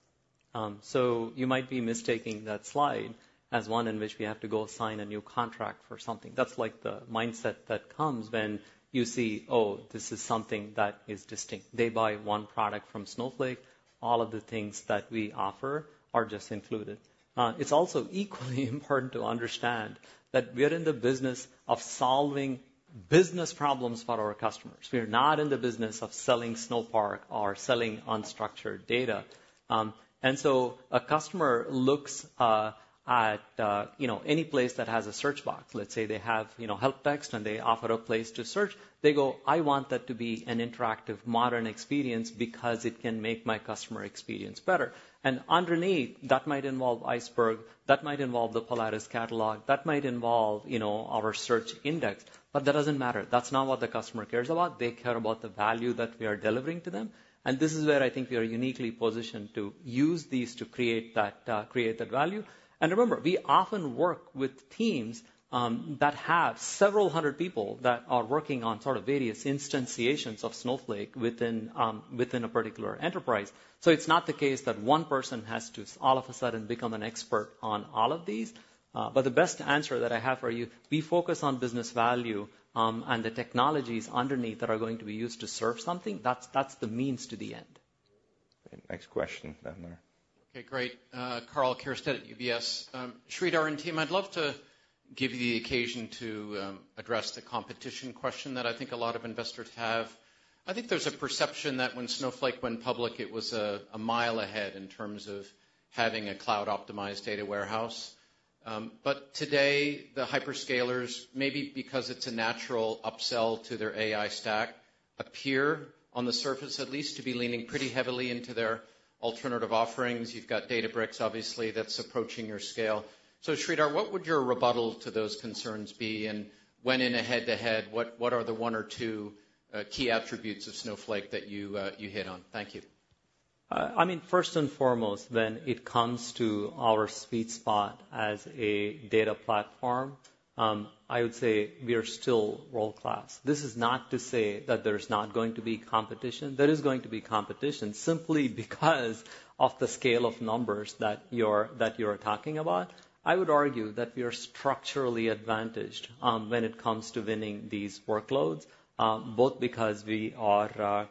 So you might be mistaking that slide as one in which we have to go sign a new contract for something. That's like the mindset that comes when you see, "Oh, this is something that is distinct." They buy one product from Snowflake. All of the things that we offer are just included. It's also equally important to understand that we are in the business of solving business problems for our customers. We are not in the business of selling Snowpark or selling unstructured data. And so a customer looks at any place that has a search box. Let's say they have help text, and they offer a place to search. They go, "I want that to be an interactive modern experience because it can make my customer experience better." And underneath, that might involve Iceberg. That might involve the Polaris Catalog. That might involve our search index. But that doesn't matter. That's not what the customer cares about. They care about the value that we are delivering to them. And this is where I think we are uniquely positioned to use these to create that value. And remember, we often work with teams that have several hundred people that are working on sort of various instantiations of Snowflake within a particular enterprise. So it's not the case that one person has to all of a sudden become an expert on all of these. But the best answer that I have for you, we focus on business value and the technologies underneath that are going to be used to serve something. That's the means to the end. Next question, then there. Okay. Great. Karl Keirstead at UBS. Sridhar and team, I'd love to give you the occasion to address the competition question that I think a lot of investors have. I think there's a perception that when Snowflake went public, it was a mile ahead in terms of having a cloud-optimized data warehouse. But today, the hyperscalers, maybe because it's a natural upsell to their AI stack, appear on the surface at least to be leaning pretty heavily into their alternative offerings. You've got Databricks, obviously, that's approaching your scale. So Sridhar, what would your rebuttal to those concerns be? And when in a head-to-head, what are the one or two key attributes of Snowflake that you hit on? Thank you. I mean, first and foremost, when it comes to our sweet spot as a data platform, I would say we are still world-class. This is not to say that there's not going to be competition. There is going to be competition simply because of the scale of numbers that you're talking about. I would argue that we are structurally advantaged when it comes to winning these workloads, both because we are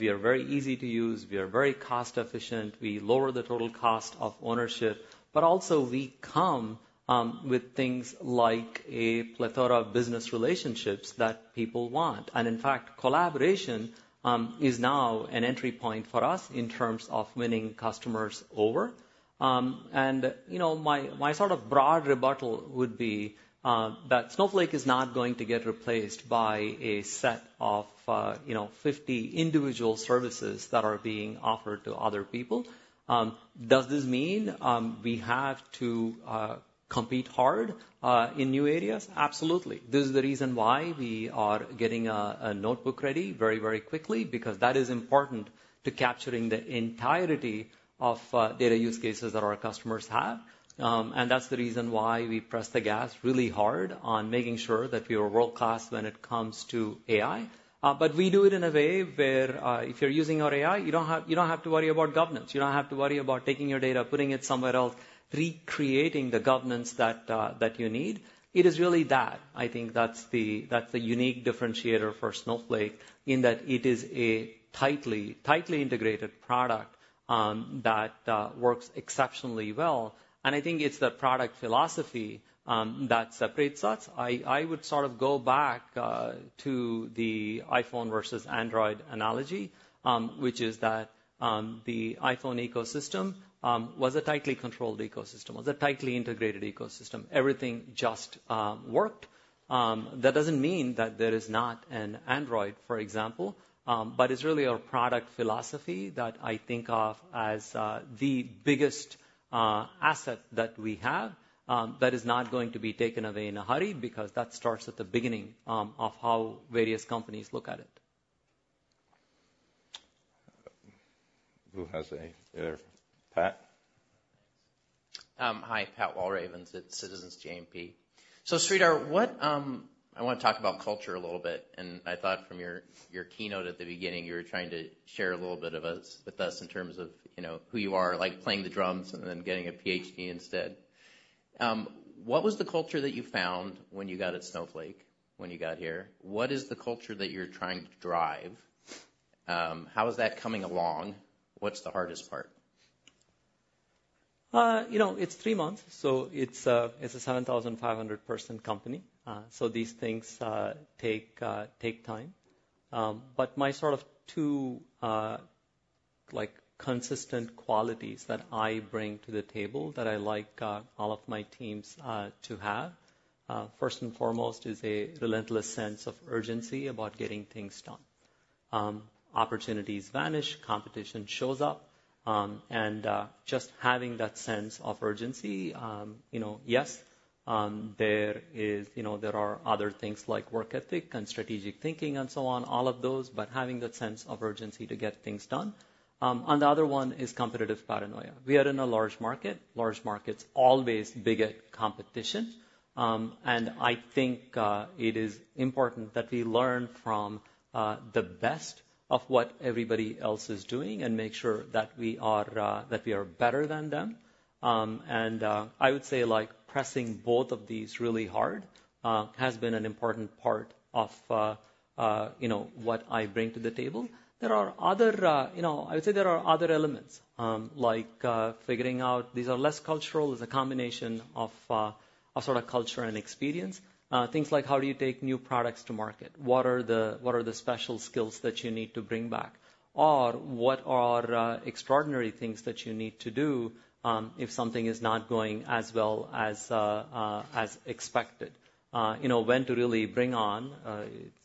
very easy to use, we are very cost-efficient, we lower the total cost of ownership, but also we come with things like a plethora of business relationships that people want. And in fact, collaboration is now an entry point for us in terms of winning customers over. And my sort of broad rebuttal would be that Snowflake is not going to get replaced by a set of 50 individual services that are being offered to other people. Does this mean wehave to compete hard in new areas? Absolutely. This is the reason why we are getting a notebook ready very, very quickly because that is important to capturing the entirety of data use cases that our customers have. And that's the reason why we press the gas really hard on making sure that we are world-class when it comes to AI. But we do it in a way where if you're using our AI, you don't have to worry about governance. You don't have to worry about taking your data, putting it somewhere else, recreating the governance that you need. It is really that. I think that's the unique differentiator for Snowflake in that it is a tightly integrated product that works exceptionally well. And I think it's the product philosophy that separates us. I would sort of go back to the iPhone versus Android analogy, which is that the iPhone ecosystem was a tightly controlled ecosystem, was a tightly integrated ecosystem. Everything just worked. That doesn't mean that there is not an Android, for example, but it's really our product philosophy that I think of as the biggest asset that we have that is not going to be taken away in a hurry because that starts at the beginning of how various companies look at it. Who has a? Pat? Hi, Pat Walravens at Citizens JMP. So Sridhar, I want to talk about culture a little bit. And I thought from your keynote at the beginning, you were trying to share a little bit with us in terms of who you are, like playing the drums and then getting a PhD instead. What was the culture that you found when you got at Snowflake, when you got here? What is the culture that you're trying to drive? How is that coming along? What's the hardest part? It's three months. So it's a 7,500-person company. So these things take time. But my sort of two consistent qualities that I bring to the table that I like all of my teams to have, first and foremost, is a relentless sense of urgency about getting things done. Opportunities vanish, competition shows up. And just having that sense of urgency, yes, there are other things like work ethic and strategic thinking and so on, all of those, but having that sense of urgency to get things done. And the other one is competitive paranoia. We are in a large market. Large markets always beget competition. And I think it is important that we learn from the best of what everybody else is doing and make sure that we are better than them. I would say pressing both of these really hard has been an important part of what I bring to the table. There are other, I would say there are other elements, like figuring out these are less cultural. It's a combination of sort of culture and experience. Things like how do you take new products to market? What are the special skills that you need to bring back? Or what are extraordinary things that you need to do if something is not going as well as expected? When to really bring on,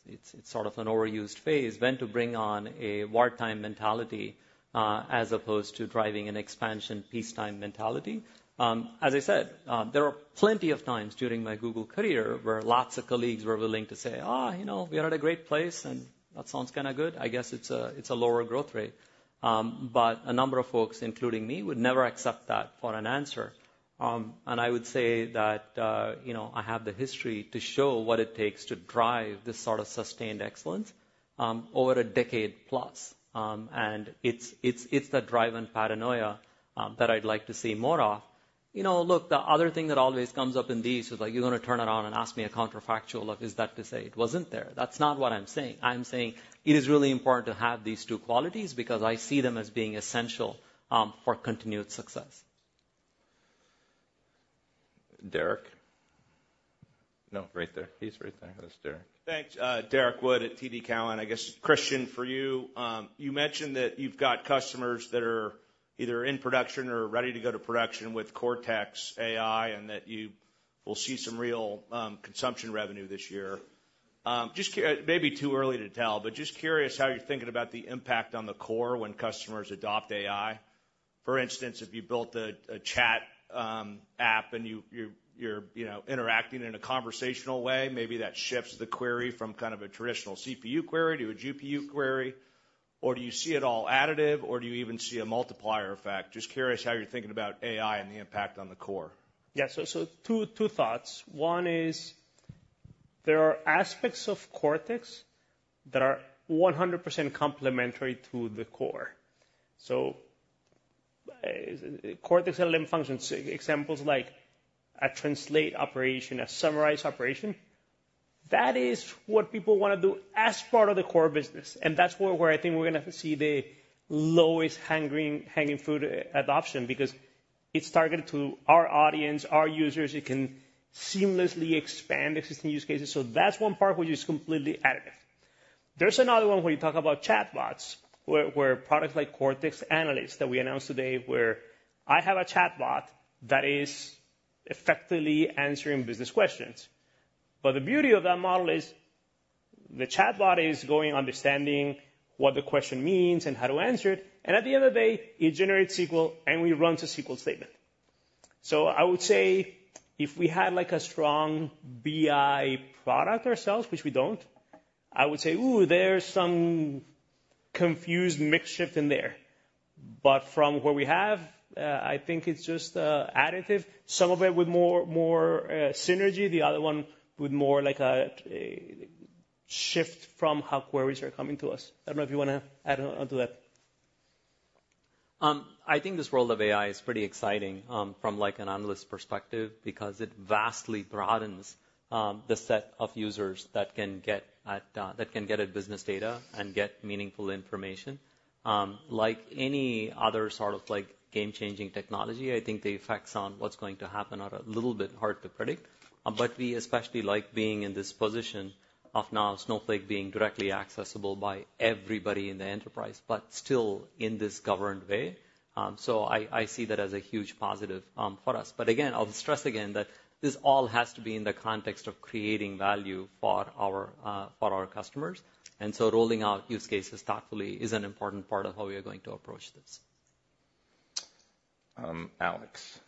it's sort of an overused phrase, when to bring on a wartime mentality as opposed to driving an expansion peacetime mentality. As I said, there are plenty of times during my Google career where lots of colleagues were willing to say, "Oh, we are at a great place, and that sounds kind of good. I guess it's a lower growth rate." But a number of folks, including me, would never accept that for an answer. I would say that I have the history to show what it takes to drive this sort of sustained excellence over a decade plus. And it's the drive and paranoia that I'd like to see more of. Look, the other thing that always comes up in these is you're going to turn it on and ask me a counterfactual of, is that to say it wasn't there? That's not what I'm saying. I'm saying it is really important to have these two qualities because I see them as being essential for continued success. Derek? No, right there. He's right there. That's Derek. Thanks. Derrick Wood at TD Cowen. I guess, Christian, for you, you mentioned that you've got customers that are either in production or ready to go to production with Cortex AI and that you will see some real consumption revenue this year. Maybe too early to tell, but just curious how you're thinking about the impact on the core when customers adopt AI. For instance, if you built a chat app and you're interacting in a conversational way, maybe that shifts the query from kind of a traditional CPU query to a GPU query. Or do you see it all additive, or do you even see a multiplier effect? Just curious how you're thinking about AI and the impact on the core. Yeah. So two thoughts. One is there are aspects of Cortex that are 100% complementary to the core. So Cortex LLM functions, examples like a translate operation, a summarize operation, that is what people want to do as part of the core business. And that's where I think we're going to see the lowest hanging fruit adoption because it's targeted to our audience, our users. It can seamlessly expand existing use cases. So that's one part which is completely additive. There's another one where you talk about chatbots, where products like Cortex Analyst that we announced today, where I have a chatbot that is effectively answering business questions. But the beauty of that model is the chatbot is going to understand what the question means and how to answer it. And at the end of the day, it generates SQL, and we run the SQL statement. So I would say if we had a strong BI product ourselves, which we don't, I would say, "Ooh, there's some confused mix shift in there." But from what we have, I think it's just additive. Some of it with more synergy, the other one with more like a shift from how queries are coming to us. I don't know if you want to add on to that. I think this world of AI is pretty exciting from an analyst perspective because it vastly broadens the set of users that can get at business data and get meaningful information. Like any other sort of game-changing technology, I think the effects on what's going to happen are a little bit hard to predict. But we especially like being in this position of now Snowflake being directly accessible by everybody in the enterprise, but still in this governed way. So I see that as a huge positive for us. But again, I'll stress again that this all has to be in the context of creating value for our customers. And so rolling out use cases thoughtfully is an important part of how we are going to approach this. Alex.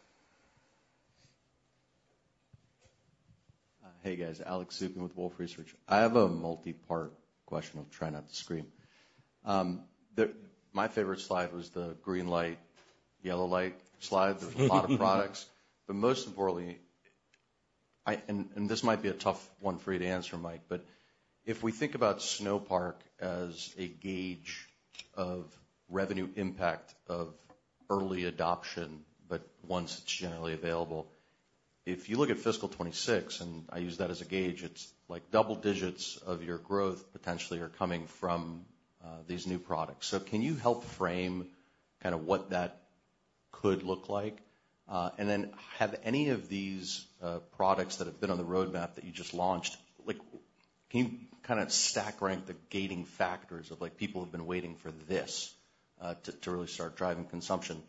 Hey, guys. Alex Zukin with Wolfe Research. I have a multi-part question. I'll try not to scream. My favorite slide was the green light, yellow light slide. There was a lot of products. But most importantly, and this might be a tough one for you to answer, Mike, but if we think about Snowpark as a gauge of revenue impact of early adoption, but once it's generally available, if you look at fiscal 2026, and I use that as a gauge, it's like double digits of your growth potentially are coming from these new products. So can you help frame kind of what that could look like? And then have any of these products that have been on the roadmap that you just launched, can you kind of stack rank the gating factors of people have been waiting for this to really start driving consumption?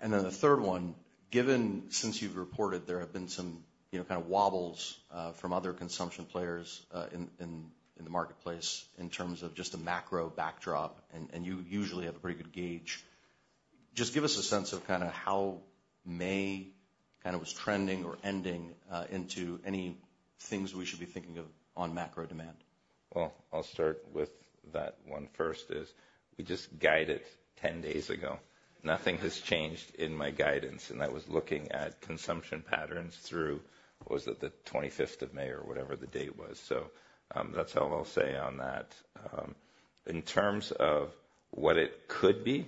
And then the third one, given since you've reported there have been some kind of wobbles from other consumption players in the marketplace in terms of just a macro backdrop, and you usually have a pretty good gauge, just give us a sense of kind of how May kind of was trending or ending into any things we should be thinking of on macro demand. Well, I'll start with that one first is we just guided 10 days ago. Nothing has changed in my guidance. I was looking at consumption patterns through, what was it, the 25th of May or whatever the date was. So that's all I'll say on that. In terms of what it could be,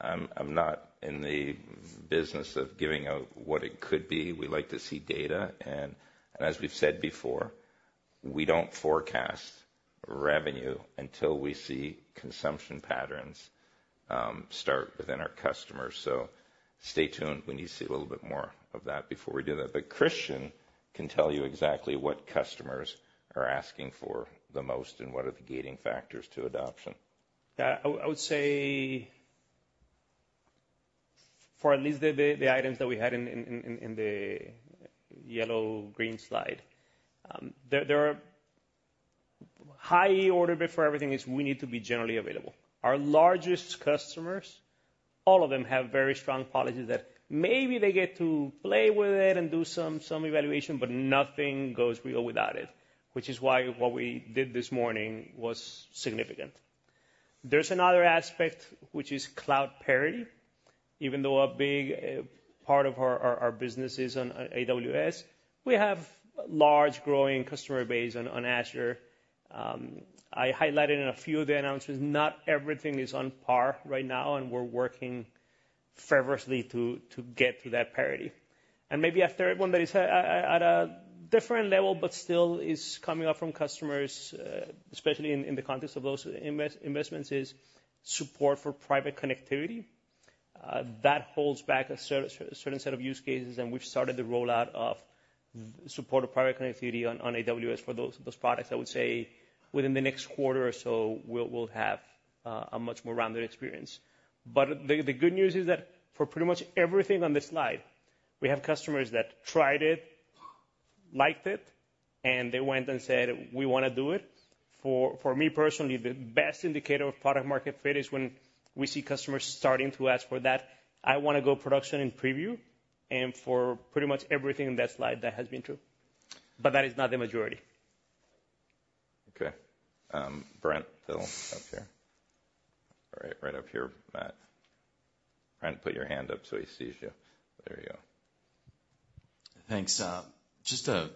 I'm not in the business of giving out what it could be. We like to see data. As we've said before, we don't forecast revenue until we see consumption patterns start within our customers. So stay tuned when you see a little bit more of that before we do that. But Christian can tell you exactly what customers are asking for the most and what are the gating factors to adoption. Yeah. I would say for at least the items that we had in the yellow-green slide, the high order bit for everything is we need to be generally available. Our largest customers, all of them have very strong policies that maybe they get to play with it and do some evaluation, but nothing goes real without it, which is why what we did this morning was significant. There's another aspect, which is cloud parity. Even though a big part of our business is on AWS, we have a large growing customer base on Azure. I highlighted in a few of the announcements, not everything is on par right now, and we're working fervently to get to that parity. And maybe a third one that is at a different level, but still is coming up from customers, especially in the context of those investments, is support for private connectivity. That holds back a certain set of use cases, and we've started the rollout of supported private connectivity on AWS for those products. I would say within the next quarter or so, we'll have a much more rounded experience. But the good news is that for pretty much everything on this slide, we have customers that tried it, liked it, and they went and said, "We want to do it." For me personally, the best indicator of product-market fit is when we see customers starting to ask for that, "I want to go production in preview." And for pretty much everything in that slide, that has been true. But that is not the majority. Okay. Brent Thill up here. All right. Right up here, Matt. Brent, put your hand up so he sees you. There you go. Thanks. Just to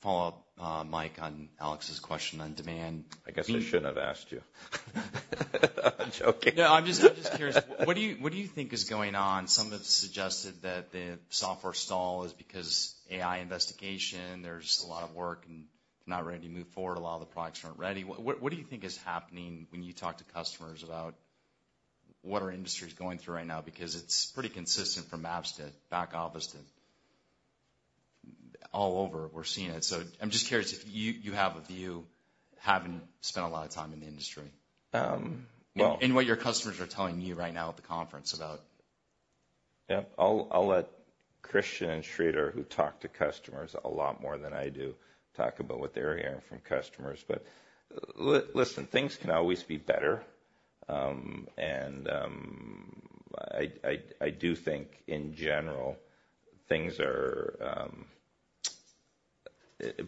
follow up, Mike, on Alex's question on demand. I guess I shouldn't have asked you. No, I'm just curious. What do you think is going on? Some have suggested that the software stall is because of AI investments. There's a lot of work and not ready to move forward. A lot of the products aren't ready. What do you think is happening when you talk to customers about what our industry is going through right now? Because it's pretty consistent from apps to back office to all over. We're seeing it. So I'm just curious if you have a view, having spent a lot of time in the industry, and what your customers are telling you right now at the conference about. Yeah. I'll let Christian and Sridhar, who talk to customers a lot more than I do, talk about what they're hearing from customers. But listen, things can always be better. And I do think, in general, things are,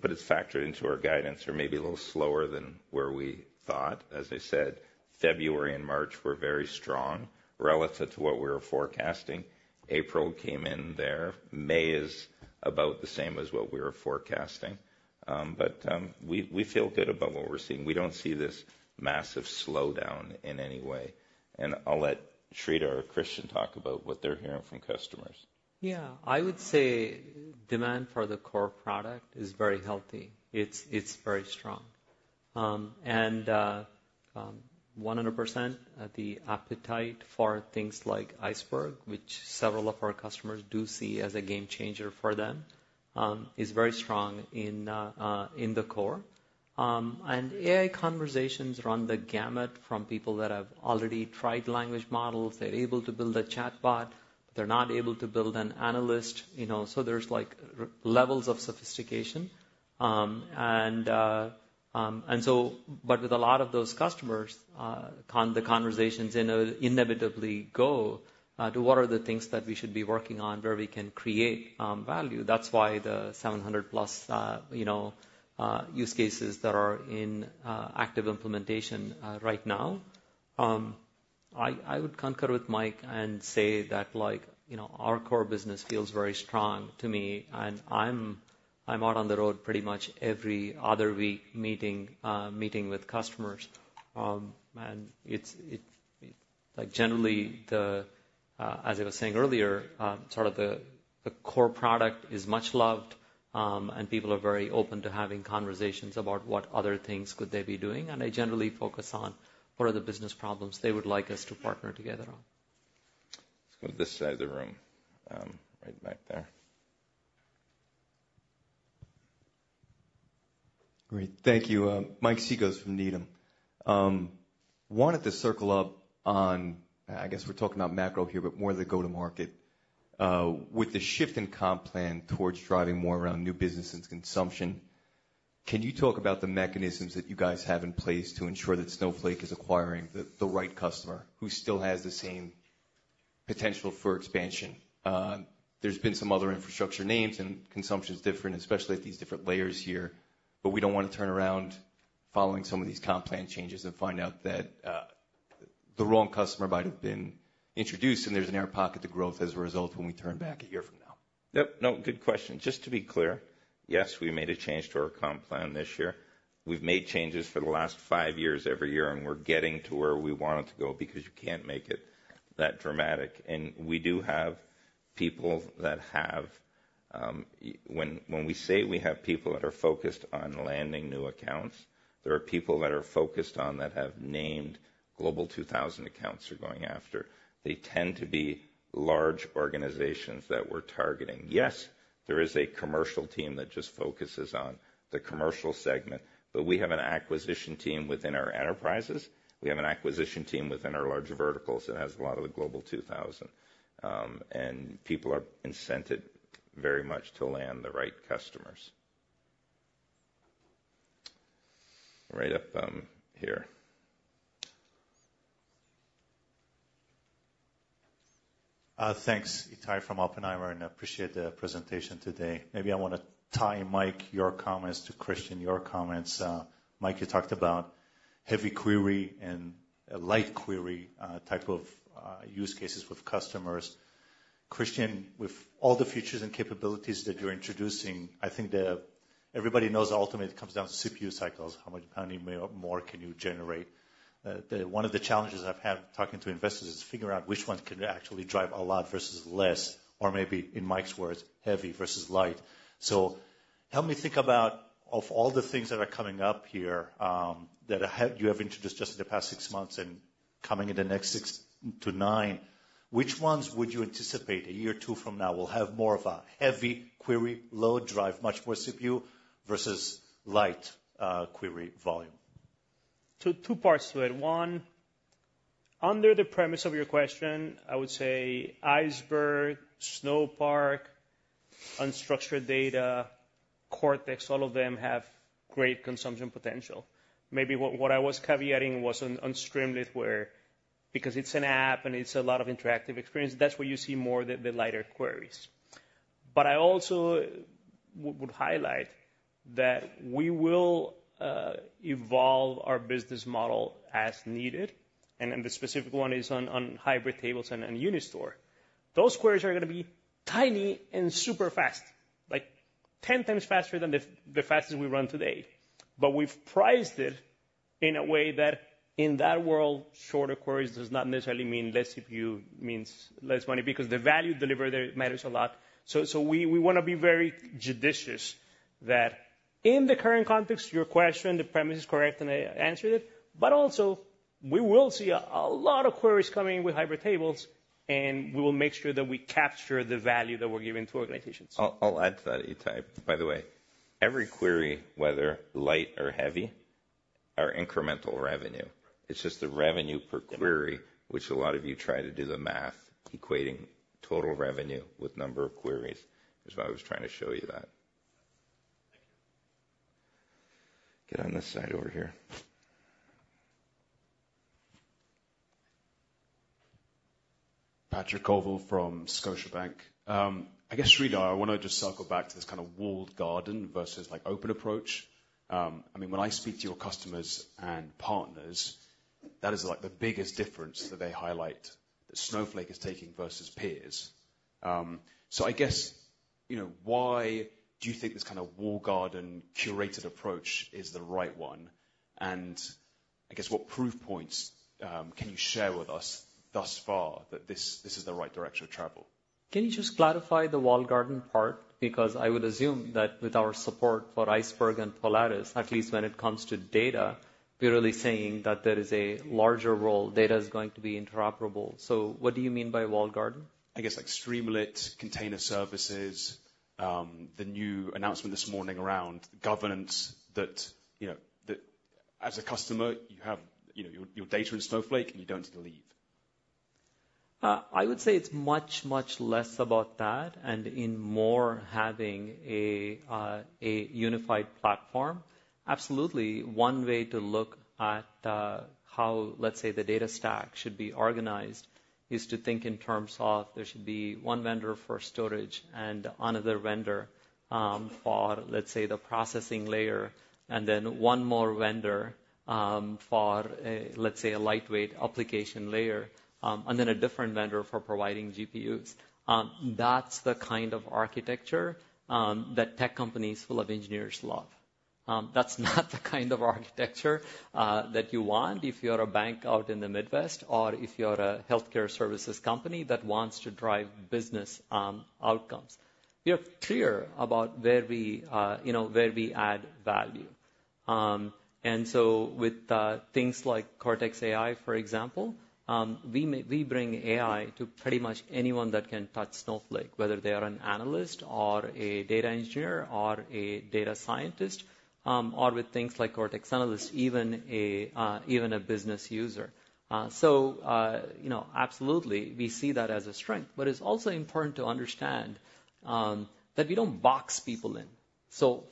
but it's factored into our guidance. They're maybe a little slower than where we thought. As I said, February and March were very strong relative to what we were forecasting. April came in there. May is about the same as what we were forecasting. But we feel good about what we're seeing. We don't see this massive slowdown in any way. And I'll let Sridhar or Christian talk about what they're hearing from customers. Yeah. I would say demand for the core product is very healthy. It's very strong. And 100%, the appetite for things like Iceberg, which several of our customers do see as a game changer for them, is very strong in the core. And AI conversations run the gamut from people that have already tried language models. They're able to build a chatbot, but they're not able to build an analyst. So there's levels of sophistication. And so, but with a lot of those customers, the conversations inevitably go to what are the things that we should be working on where we can create value. That's why the 700+ use cases that are in active implementation right now. I would concur with Mike and say that our core business feels very strong to me. And I'm out on the road pretty much every other week meeting with customers. Generally, as I was saying earlier, sort of the core product is much loved, and people are very open to having conversations about what other things could they be doing. I generally focus on what are the business problems they would like us to partner together on. Let's go to this side of the room. Right back there. Great. Thank you. Mike Cikos from Needham. Wanted to circle up on, I guess we're talking about macro here, but more the go-to-market. With the shift in comp plan towards driving more around new business and consumption, can you talk about the mechanisms that you guys have in place to ensure that Snowflake is acquiring the right customer who still has the same potential for expansion? There's been some other infrastructure names, and consumption is different, especially at these different layers here. But we don't want to turn around following some of these comp plan changes and find out that the wrong customer might have been introduced, and there's an air pocket to growth as a result when we turn back a year from now. Yep. No, good question. Just to be clear, yes, we made a change to our comp plan this year. We've made changes for the last five years every year, and we're getting to where we wanted to go because you can't make it that dramatic. We do have people that have when we say we have people that are focused on landing new accounts, there are people that are focused on that have named Global 2000 accounts are going after. They tend to be large organizations that we're targeting. Yes, there is a commercial team that just focuses on the commercial segment, but we have an acquisition team within our enterprises. We have an acquisition team within our large verticals that has a lot of the Global 2000. People are incented very much to land the right customers. Right up here. Thanks. Ittai from Oppenheimer, and I appreciate the presentation today. Maybe I want to tie Mike, your comments to Christian, your comments. Mike, you talked about heavy query and light query type of use cases with customers. Christian, with all the features and capabilities that you're introducing, I think that everybody knows ultimately it comes down to CPU cycles. How many more can you generate? One of the challenges I've had talking to investors is figuring out which one can actually drive a lot versus less, or maybe in Mike's words, heavy versus light. Help me think about, of all the things that are coming up here that you have introduced just in the past six months and coming in the next six to nine, which ones would you anticipate a year or 2 from now will have more of a heavy query load drive, much more CPU versus light query volume? Two parts to it. One, under the premise of your question, I would say Iceberg, Snowpark, unstructured data, Cortex, all of them have great consumption potential. Maybe what I was caveating was on Streamlit where because it's an app and it's a lot of interactive experience, that's where you see more of the lighter queries. But I also would highlight that we will evolve our business model as needed. And the specific one is on Hybrid Tables and UniStore. Those queries are going to be tiny and super fast, like 10 times faster than the fastest we run today. But we've priced it in a way that in that world, shorter queries does not necessarily mean less CPU, means less money because the value delivered matters a lot. So we want to be very judicious that in the current context, your question, the premise is correct, and I answered it. But also, we will see a lot of queries coming with Hybrid Tables, and we will make sure that we capture the value that we're giving to organizations. I'll add to that, Ittai. By the way, every query, whether light or heavy, are incremental revenue. It's just the revenue per query, which a lot of you try to do the math equating total revenue with number of queries. That's why I was trying to show you that. Get on this side over here. Patrick Colville from Scotiabank. I guess, Sridhar, I want to just circle back to this kind of walled garden versus open approach. I mean, when I speak to your customers and partners, that is the biggest difference that they highlight that Snowflake is taking versus peers. So I guess, why do you think this kind of walled garden curated approach is the right one? And I guess, what proof points can you share with us thus far that this is the right direction to travel? Can you just clarify the walled garden part? Because I would assume that with our support for Iceberg and Polaris, at least when it comes to data, we're really saying that there is a larger role. Data is going to be interoperable. So what do you mean by walled garden? I guess like Streamlit, container services, the new announcement this morning around governance that as a customer, you have your data in Snowflake and you don't need to leave. I would say it's much, much less about that and in more having a unified platform. Absolutely. One way to look at how, let's say, the data stack should be organized is to think in terms of there should be one vendor for storage and another vendor for, let's say, the processing layer, and then one more vendor for, let's say, a lightweight application layer, and then a different vendor for providing GPUs. That's the kind of architecture that tech companies full of engineers love. That's not the kind of architecture that you want if you're a bank out in the Midwest or if you're a healthcare services company that wants to drive business outcomes. We are clear about where we add value. With things like Cortex AI, for example, we bring AI to pretty much anyone that can touch Snowflake, whether they are an analyst or a data engineer or a data scientist or with things like Cortex Analyst, even a business user. Absolutely, we see that as a strength. But it's also important to understand that we don't box people in.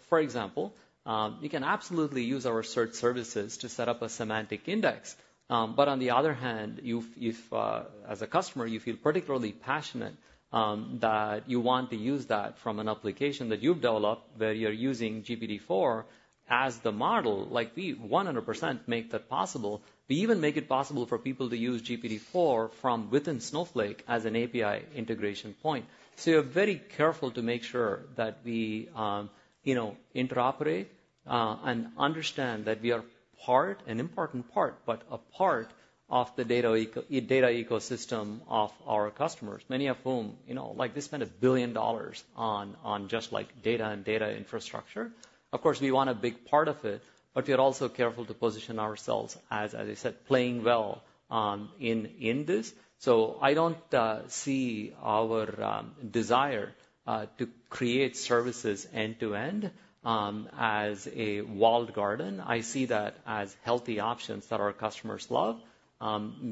For example, you can absolutely use our search services to set up a semantic index. On the other hand, as a customer, you feel particularly passionate that you want to use that from an application that you've developed where you're using GPT-4 as the model. We 100% make that possible. We even make it possible for people to use GPT-4 from within Snowflake as an API integration point. So we are very careful to make sure that we interoperate and understand that we are part, an important part, but a part of the data ecosystem of our customers, many of whom like they spent $1 billion on just data and data infrastructure. Of course, we want a big part of it, but we are also careful to position ourselves as, as I said, playing well in this. So I don't see our desire to create services end-to-end as a walled garden. I see that as healthy options that our customers love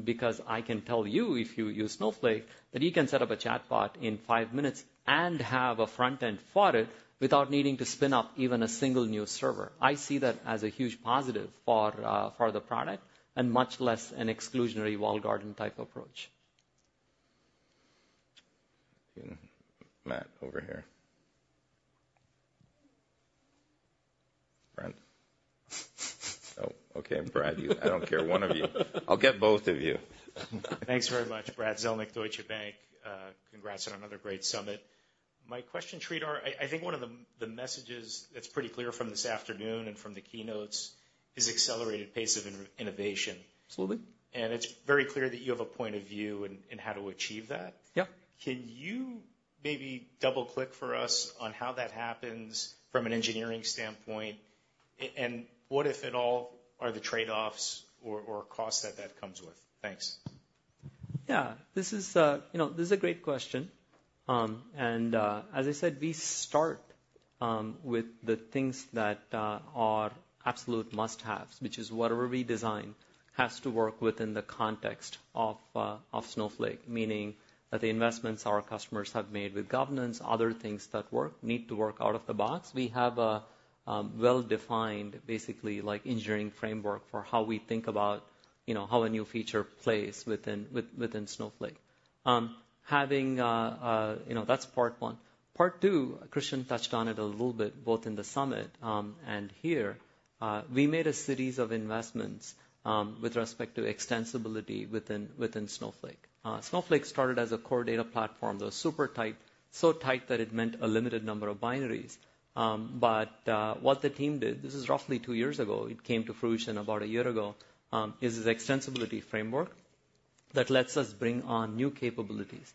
because I can tell you if you use Snowflake that you can set up a chatbot in five minutes and have a front end for it without needing to spin up even a single new server. I see that as a huge positive for the product and much less an exclusionary walled garden type approach. Matt over here. Brent. Oh, okay. Brad, I don't care. One of you. I'll get both of you. Thanks very much, Brad Zelnick, Deutsche Bank. Congrats on another great summit. My question, Sridhar: I think one of the messages that's pretty clear from this afternoon and from the keynotes is accelerated pace of innovation. Absolutely. And it's very clear that you have a point of view in how to achieve that. Yeah. Can you maybe double-click for us on how that happens from an engineering standpoint? And what, if at all, are the trade-offs or costs that that comes with? Thanks. Yeah. This is a great question. And as I said, we start with the things that are absolute must-haves, which is whatever we design has to work within the context of Snowflake, meaning that the investments our customers have made with governance, other things that need to work out of the box. We have a well-defined, basically like engineering framework for how we think about how a new feature plays within Snowflake. That's part one. Part two, Christian touched on it a little bit both in the summit and here. We made a series of investments with respect to extensibility within Snowflake. Snowflake started as a core data platform that was super tight, so tight that it meant a limited number of binaries. But what the team did, this is roughly two years ago, it came to fruition about a year ago, is this extensibility framework that lets us bring on new capabilities.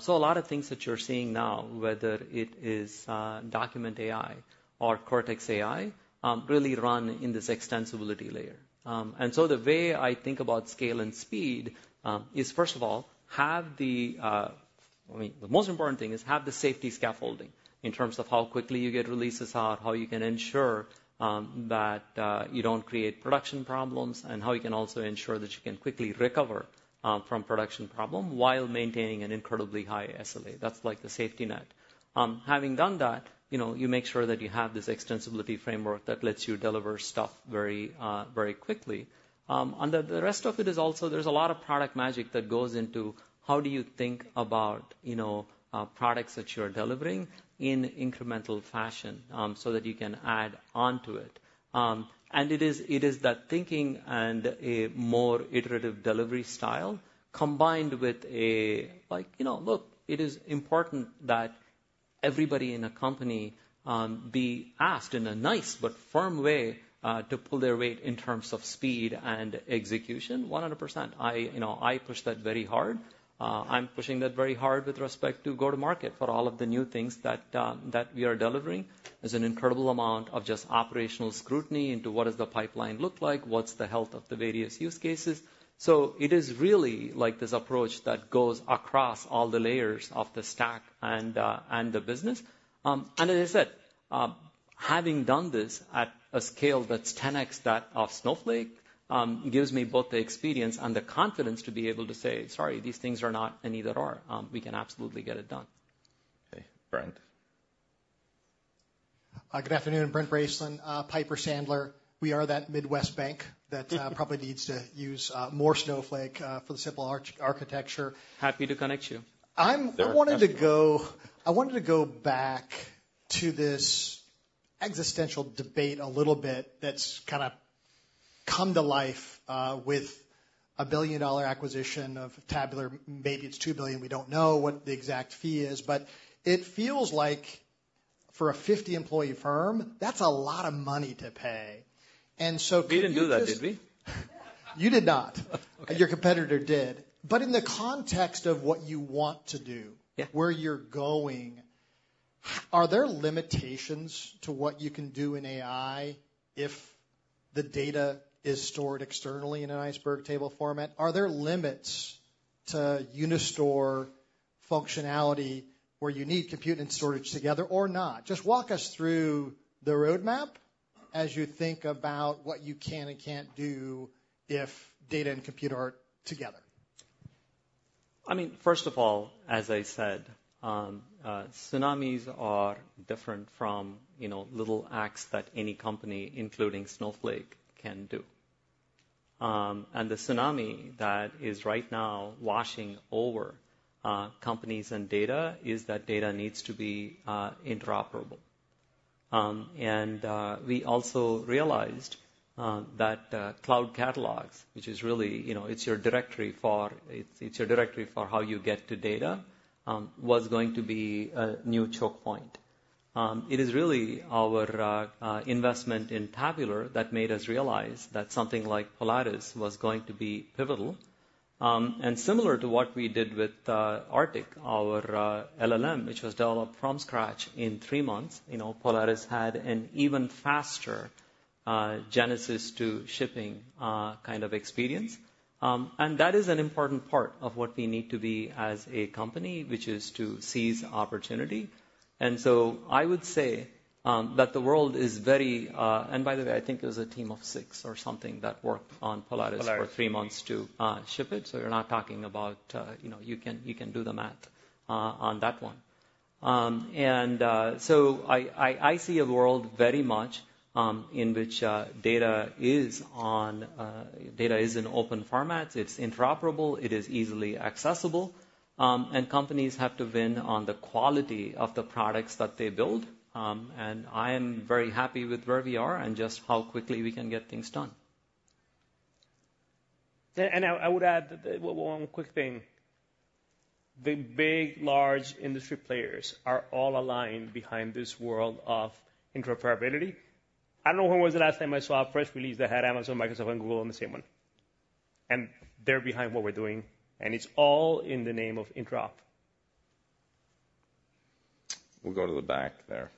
So a lot of things that you're seeing now, whether it is Document AI or Cortex AI, really run in this extensibility layer. And so the way I think about scale and speed is, first of all, have the most important thing is have the safety scaffolding in terms of how quickly you get releases out, how you can ensure that you don't create production problems, and how you can also ensure that you can quickly recover from production problem while maintaining an incredibly high SLA. That's like the safety net. Having done that, you make sure that you have this extensibility framework that lets you deliver stuff very quickly. And the rest of it is also there's a lot of product magic that goes into how do you think about products that you're delivering in incremental fashion so that you can add onto it. And it is that thinking and a more iterative delivery style combined with a look, it is important that everybody in a company be asked in a nice but firm way to pull their weight in terms of speed and execution. 100%. I push that very hard. I'm pushing that very hard with respect to go-to-market for all of the new things that we are delivering. There's an incredible amount of just operational scrutiny into what does the pipeline look like, what's the health of the various use cases. So it is really like this approach that goes across all the layers of the stack and the business. As I said, having done this at a scale that's 10x that of Snowflake gives me both the experience and the confidence to be able to say, "Sorry, these things are not, and neither are. We can absolutely get it done. Okay. Brent. Good afternoon. Brent Bracelin, Piper Sandler. We are that Midwest bank that probably needs to use more Snowflake for the simple architecture. Happy to connect you. I wanted to go back to this existential debate a little bit that's kind of come to life with a billion-dollar acquisition of Tabular. Maybe it's $2 billion. We don't know what the exact fee is. But it feels like for a 50-employee firm, that's a lot of money to pay. And so. We didn't do that, did we? You did not. Your competitor did. But in the context of what you want to do, where you're going, are there limitations to what you can do in AI if the data is stored externally in an Iceberg table format? Are there limits to UniStore functionality where you need compute and storage together or not? Just walk us through the roadmap as you think about what you can and can't do if data and compute are together. I mean, first of all, as I said, tsunamis are different from little acts that any company, including Snowflake, can do. The tsunami that is right now washing over companies and data is that data needs to be interoperable. We also realized that cloud catalogs, which is really it's your directory for how you get to data, was going to be a new choke point. It is really our investment in Tabular that made us realize that something like Polaris was going to be pivotal. Similar to what we did with Arctic, our LLM, which was developed from scratch in three months, Polaris had an even faster genesis to shipping kind of experience. That is an important part of what we need to be as a company, which is to seize opportunity. I would say that the world is very, and by the way, I think it was a team of six or something that worked on Polaris for three months to ship it. So, you're not talking about, you can do the math on that one. And so I see a world very much in which data is in open formats. It's interoperable. It is easily accessible. And companies have to win on the quality of the products that they build. And I am very happy with where we are and just how quickly we can get things done. And I would add one quick thing. The big, large industry players are all aligned behind this world of interoperability. I don't know when was the last time I saw a press release that had Amazon, Microsoft, and Google on the same one. And they're behind what we're doing. And it's all in the name of interop. We'll go to the back there.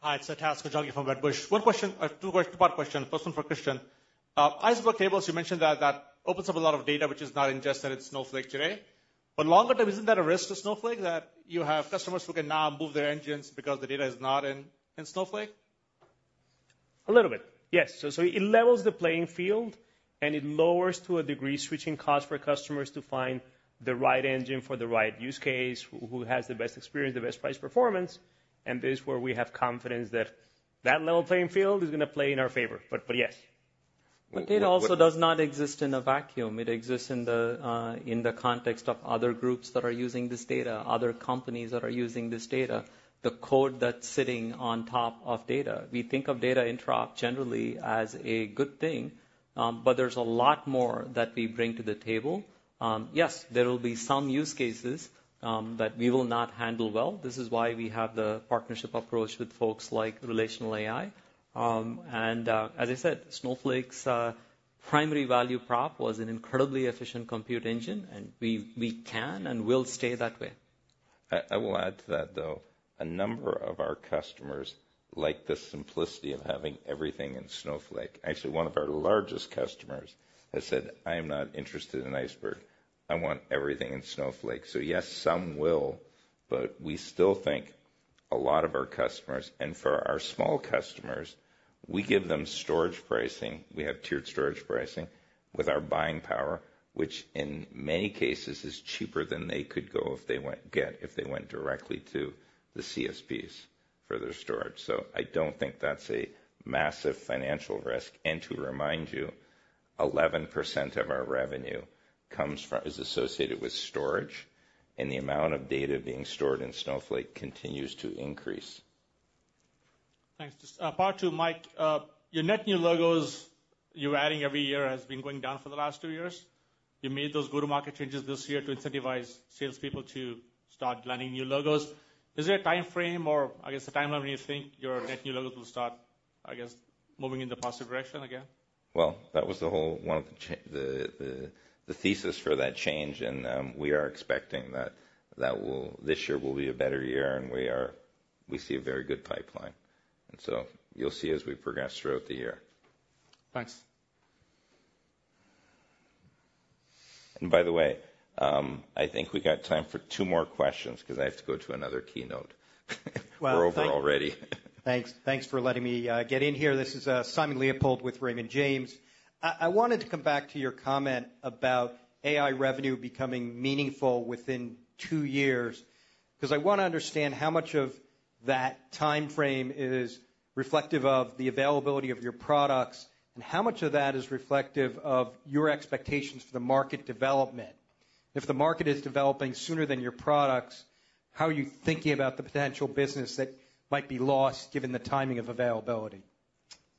Hi. It's an ask for John from Brent Bracelin. One question, two questions, two part questions. First one for Christian. Iceberg tables, you mentioned that that opens up a lot of data, which is not ingested in Snowflake today. But longer term, isn't that a risk to Snowflake that you have customers who can now move their engines because the data is not in Snowflake? A little bit. Yes. So it levels the playing field and it lowers to a degree switching costs for customers to find the right engine for the right use case, who has the best experience, the best price performance. And this is where we have confidence that that level playing field is going to play in our favor. But yes. But data also does not exist in a vacuum. It exists in the context of other groups that are using this data, other companies that are using this data, the code that's sitting on top of data. We think of data interop generally as a good thing, but there's a lot more that we bring to the table. Yes, there will be some use cases that we will not handle well. This is why we have the partnership approach with folks like RelationalAI. And as I said, Snowflake's primary value prop was an incredibly efficient compute engine, and we can and will stay that way. I will add to that, though. A number of our customers like the simplicity of having everything in Snowflake. Actually, one of our largest customers has said, "I'm not interested in Iceberg. I want everything in Snowflake." So yes, some will, but we still think a lot of our customers, and for our small customers, we give them storage pricing. We have tiered storage pricing with our buying power, which in many cases is cheaper than they could go if they went directly to the CSPs for their storage. So I don't think that's a massive financial risk. And to remind you, 11% of our revenue is associated with storage, and the amount of data being stored in Snowflake continues to increase. Thanks. Part two, Mike, your net new logos you're adding every year has been going down for the last two years. You made those go-to-market changes this year to incentivize salespeople to start landing new logos. Is there a time frame or, I guess, a timeline when you think your net new logos will start, I guess, moving in the positive direction again? Well, that was the whole one of the thesis for that change. We are expecting that this year will be a better year, and we see a very good pipeline. So you'll see as we progress throughout the year. Thanks. By the way, I think we got time for two more questions because I have to go to another keynote. We're over already. Thanks for letting me get in here. This is Simon Leopold with Raymond James. I wanted to come back to your comment about AI revenue becoming meaningful within two years because I want to understand how much of that time frame is reflective of the availability of your products and how much of that is reflective of your expectations for the market development. If the market is developing sooner than your products, how are you thinking about the potential business that might be lost given the timing of availability?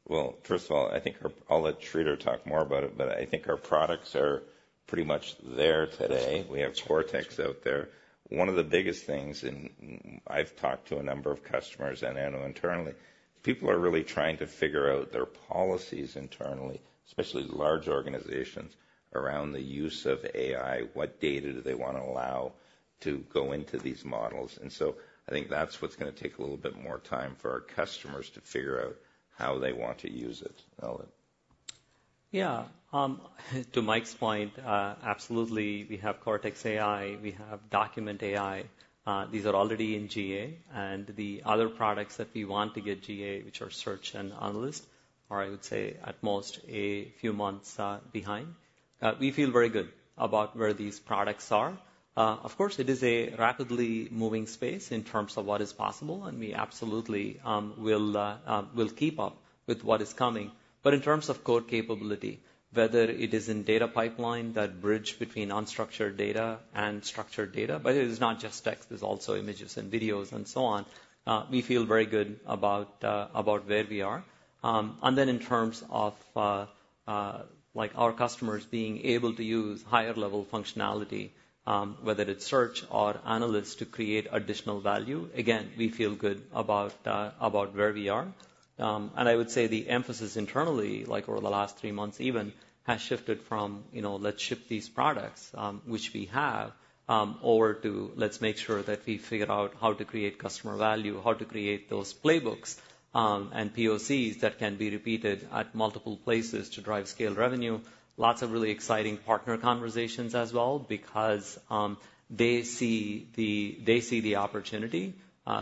Well, first of all, I think I'll let Sridhar talk more about it, but I think our products are pretty much there today. We have Cortex out there. One of the biggest things, and I've talked to a number of customers and I know internally, people are really trying to figure out their policies internally, especially large organizations around the use of AI, what data do they want to allow to go into these models. And so I think that's what's going to take a little bit more time for our customers to figure out how they want to use it. Yeah. To Mike's point, absolutely. We have Cortex AI. We have Document AI. These are already in GA. And the other products that we want to get GA, which are Search and Analyst, are I would say at most a few months behind. We feel very good about where these products are. Of course, it is a rapidly moving space in terms of what is possible, and we absolutely will keep up with what is coming. But in terms of code capability, whether it is in data pipeline that bridge between unstructured data and structured data, but it is not just text. There's also images and videos and so on. We feel very good about where we are. And then in terms of our customers being able to use higher-level functionality, whether it's Search or Analyst to create additional value, again, we feel good about where we are. And I would say the emphasis internally, like over the last three months even, has shifted from, "Let's ship these products," which we have, over to, "Let's make sure that we figure out how to create customer value, how to create those playbooks and POCs that can be repeated at multiple places to drive scale revenue." Lots of really exciting partner conversations as well because they see the opportunity.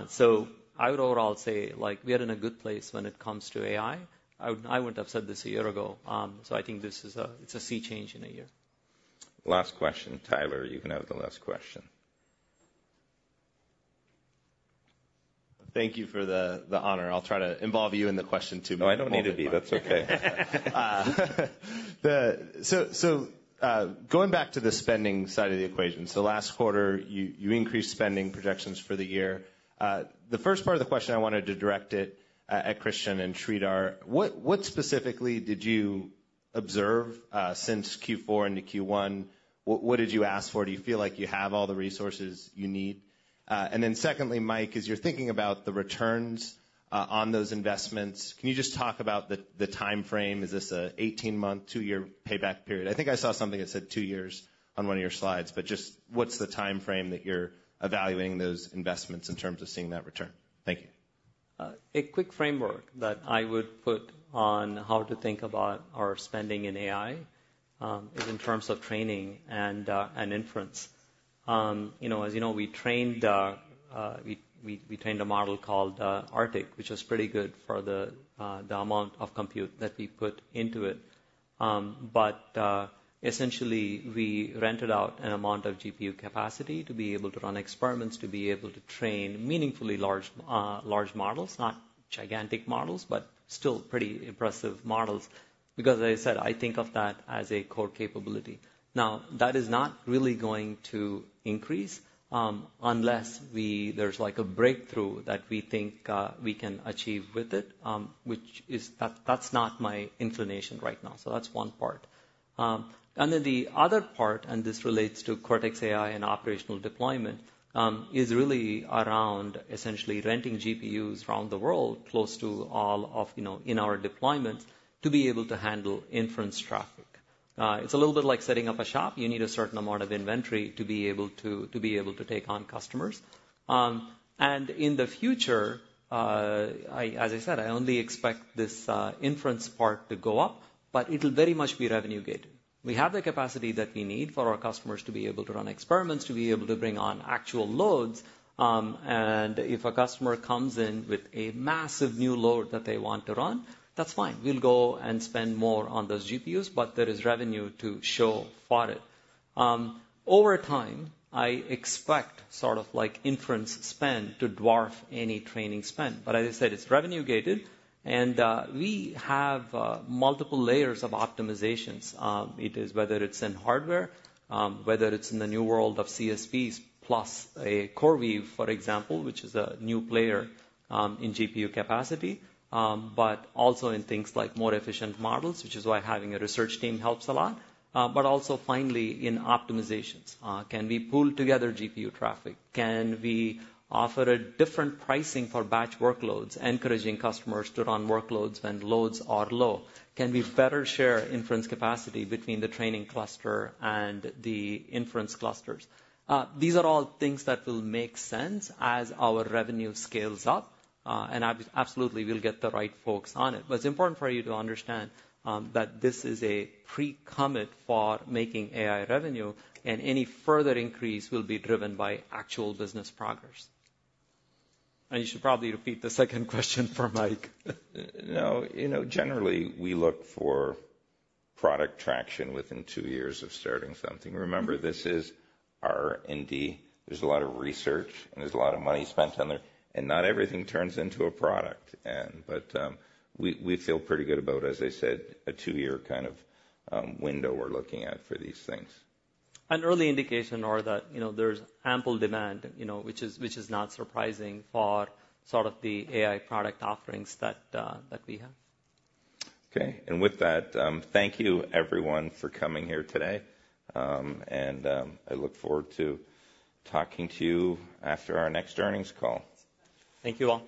So I would overall say we are in a good place when it comes to AI. I wouldn't have said this a year ago. So I think it's a sea change in a year. Last question. Tyler, you can have the last question. Thank you for the honor. I'll try to involve you in the question too. No, I don't need to be. That's okay. Going back to the spending side of the equation, last quarter, you increased spending projections for the year. The first part of the question, I wanted to direct it at Christian and Sridhar. What specifically did you observe since Q4 into Q1? What did you ask for? Do you feel like you have all the resources you need? And then secondly, Mike, as you're thinking about the returns on those investments, can you just talk about the time frame? Is this an 18-month, two-year payback period? I think I saw something that said two years on one of your slides, but just what's the time frame that you're evaluating those investments in terms of seeing that return? Thank you. A quick framework that I would put on how to think about our spending in AI is in terms of training and inference. As you know, we trained a model called Arctic, which was pretty good for the amount of compute that we put into it. But essentially, we rented out an amount of GPU capacity to be able to run experiments, to be able to train meaningfully large models, not gigantic models, but still pretty impressive models. Because as I said, I think of that as a core capability. Now, that is not really going to increase unless there's a breakthrough that we think we can achieve with it, which is, that's not my inclination right now. So that's one part. And then the other part, and this relates to Cortex AI and operational deployment, is really around essentially renting GPUs around the world close to all of in our deployments to be able to handle inference traffic. It's a little bit like setting up a shop. You need a certain amount of inventory to be able to take on customers. And in the future, as I said, I only expect this inference part to go up, but it'll very much be revenue-giving. We have the capacity that we need for our customers to be able to run experiments, to be able to bring on actual loads. And if a customer comes in with a massive new load that they want to run, that's fine. We'll go and spend more on those GPUs, but there is revenue to show for it. Over time, I expect sort of inference spend to dwarf any training spend. But as I said, it's revenue-given, and we have multiple layers of optimizations. It is whether it's in hardware, whether it's in the new world of CSPs plus a CoreWeave, for example, which is a new player in GPU capacity, but also in things like more efficient models, which is why having a research team helps a lot. But also finally, in optimizations. Can we pool together GPU traffic? Can we offer a different pricing for batch workloads, encouraging customers to run workloads when loads are low? Can we better share inference capacity between the training cluster and the inference clusters? These are all things that will make sense as our revenue scales up. And absolutely, we'll get the right folks on it. But it's important for you to understand that this is a pre-commit for making AI revenue, and any further increase will be driven by actual business progress. You should probably repeat the second question for Mike. No, generally, we look for product traction within two years of starting something. Remember, this is our R&D. There's a lot of research, and there's a lot of money spent on there, and not everything turns into a product. But we feel pretty good about, as I said, a two-year kind of window we're looking at for these things. An early indication or that there's ample demand, which is not surprising for sort of the AI product offerings that we have. Okay. With that, thank you, everyone, for coming here today. I look forward to talking to you after our next earnings call. Thank you all.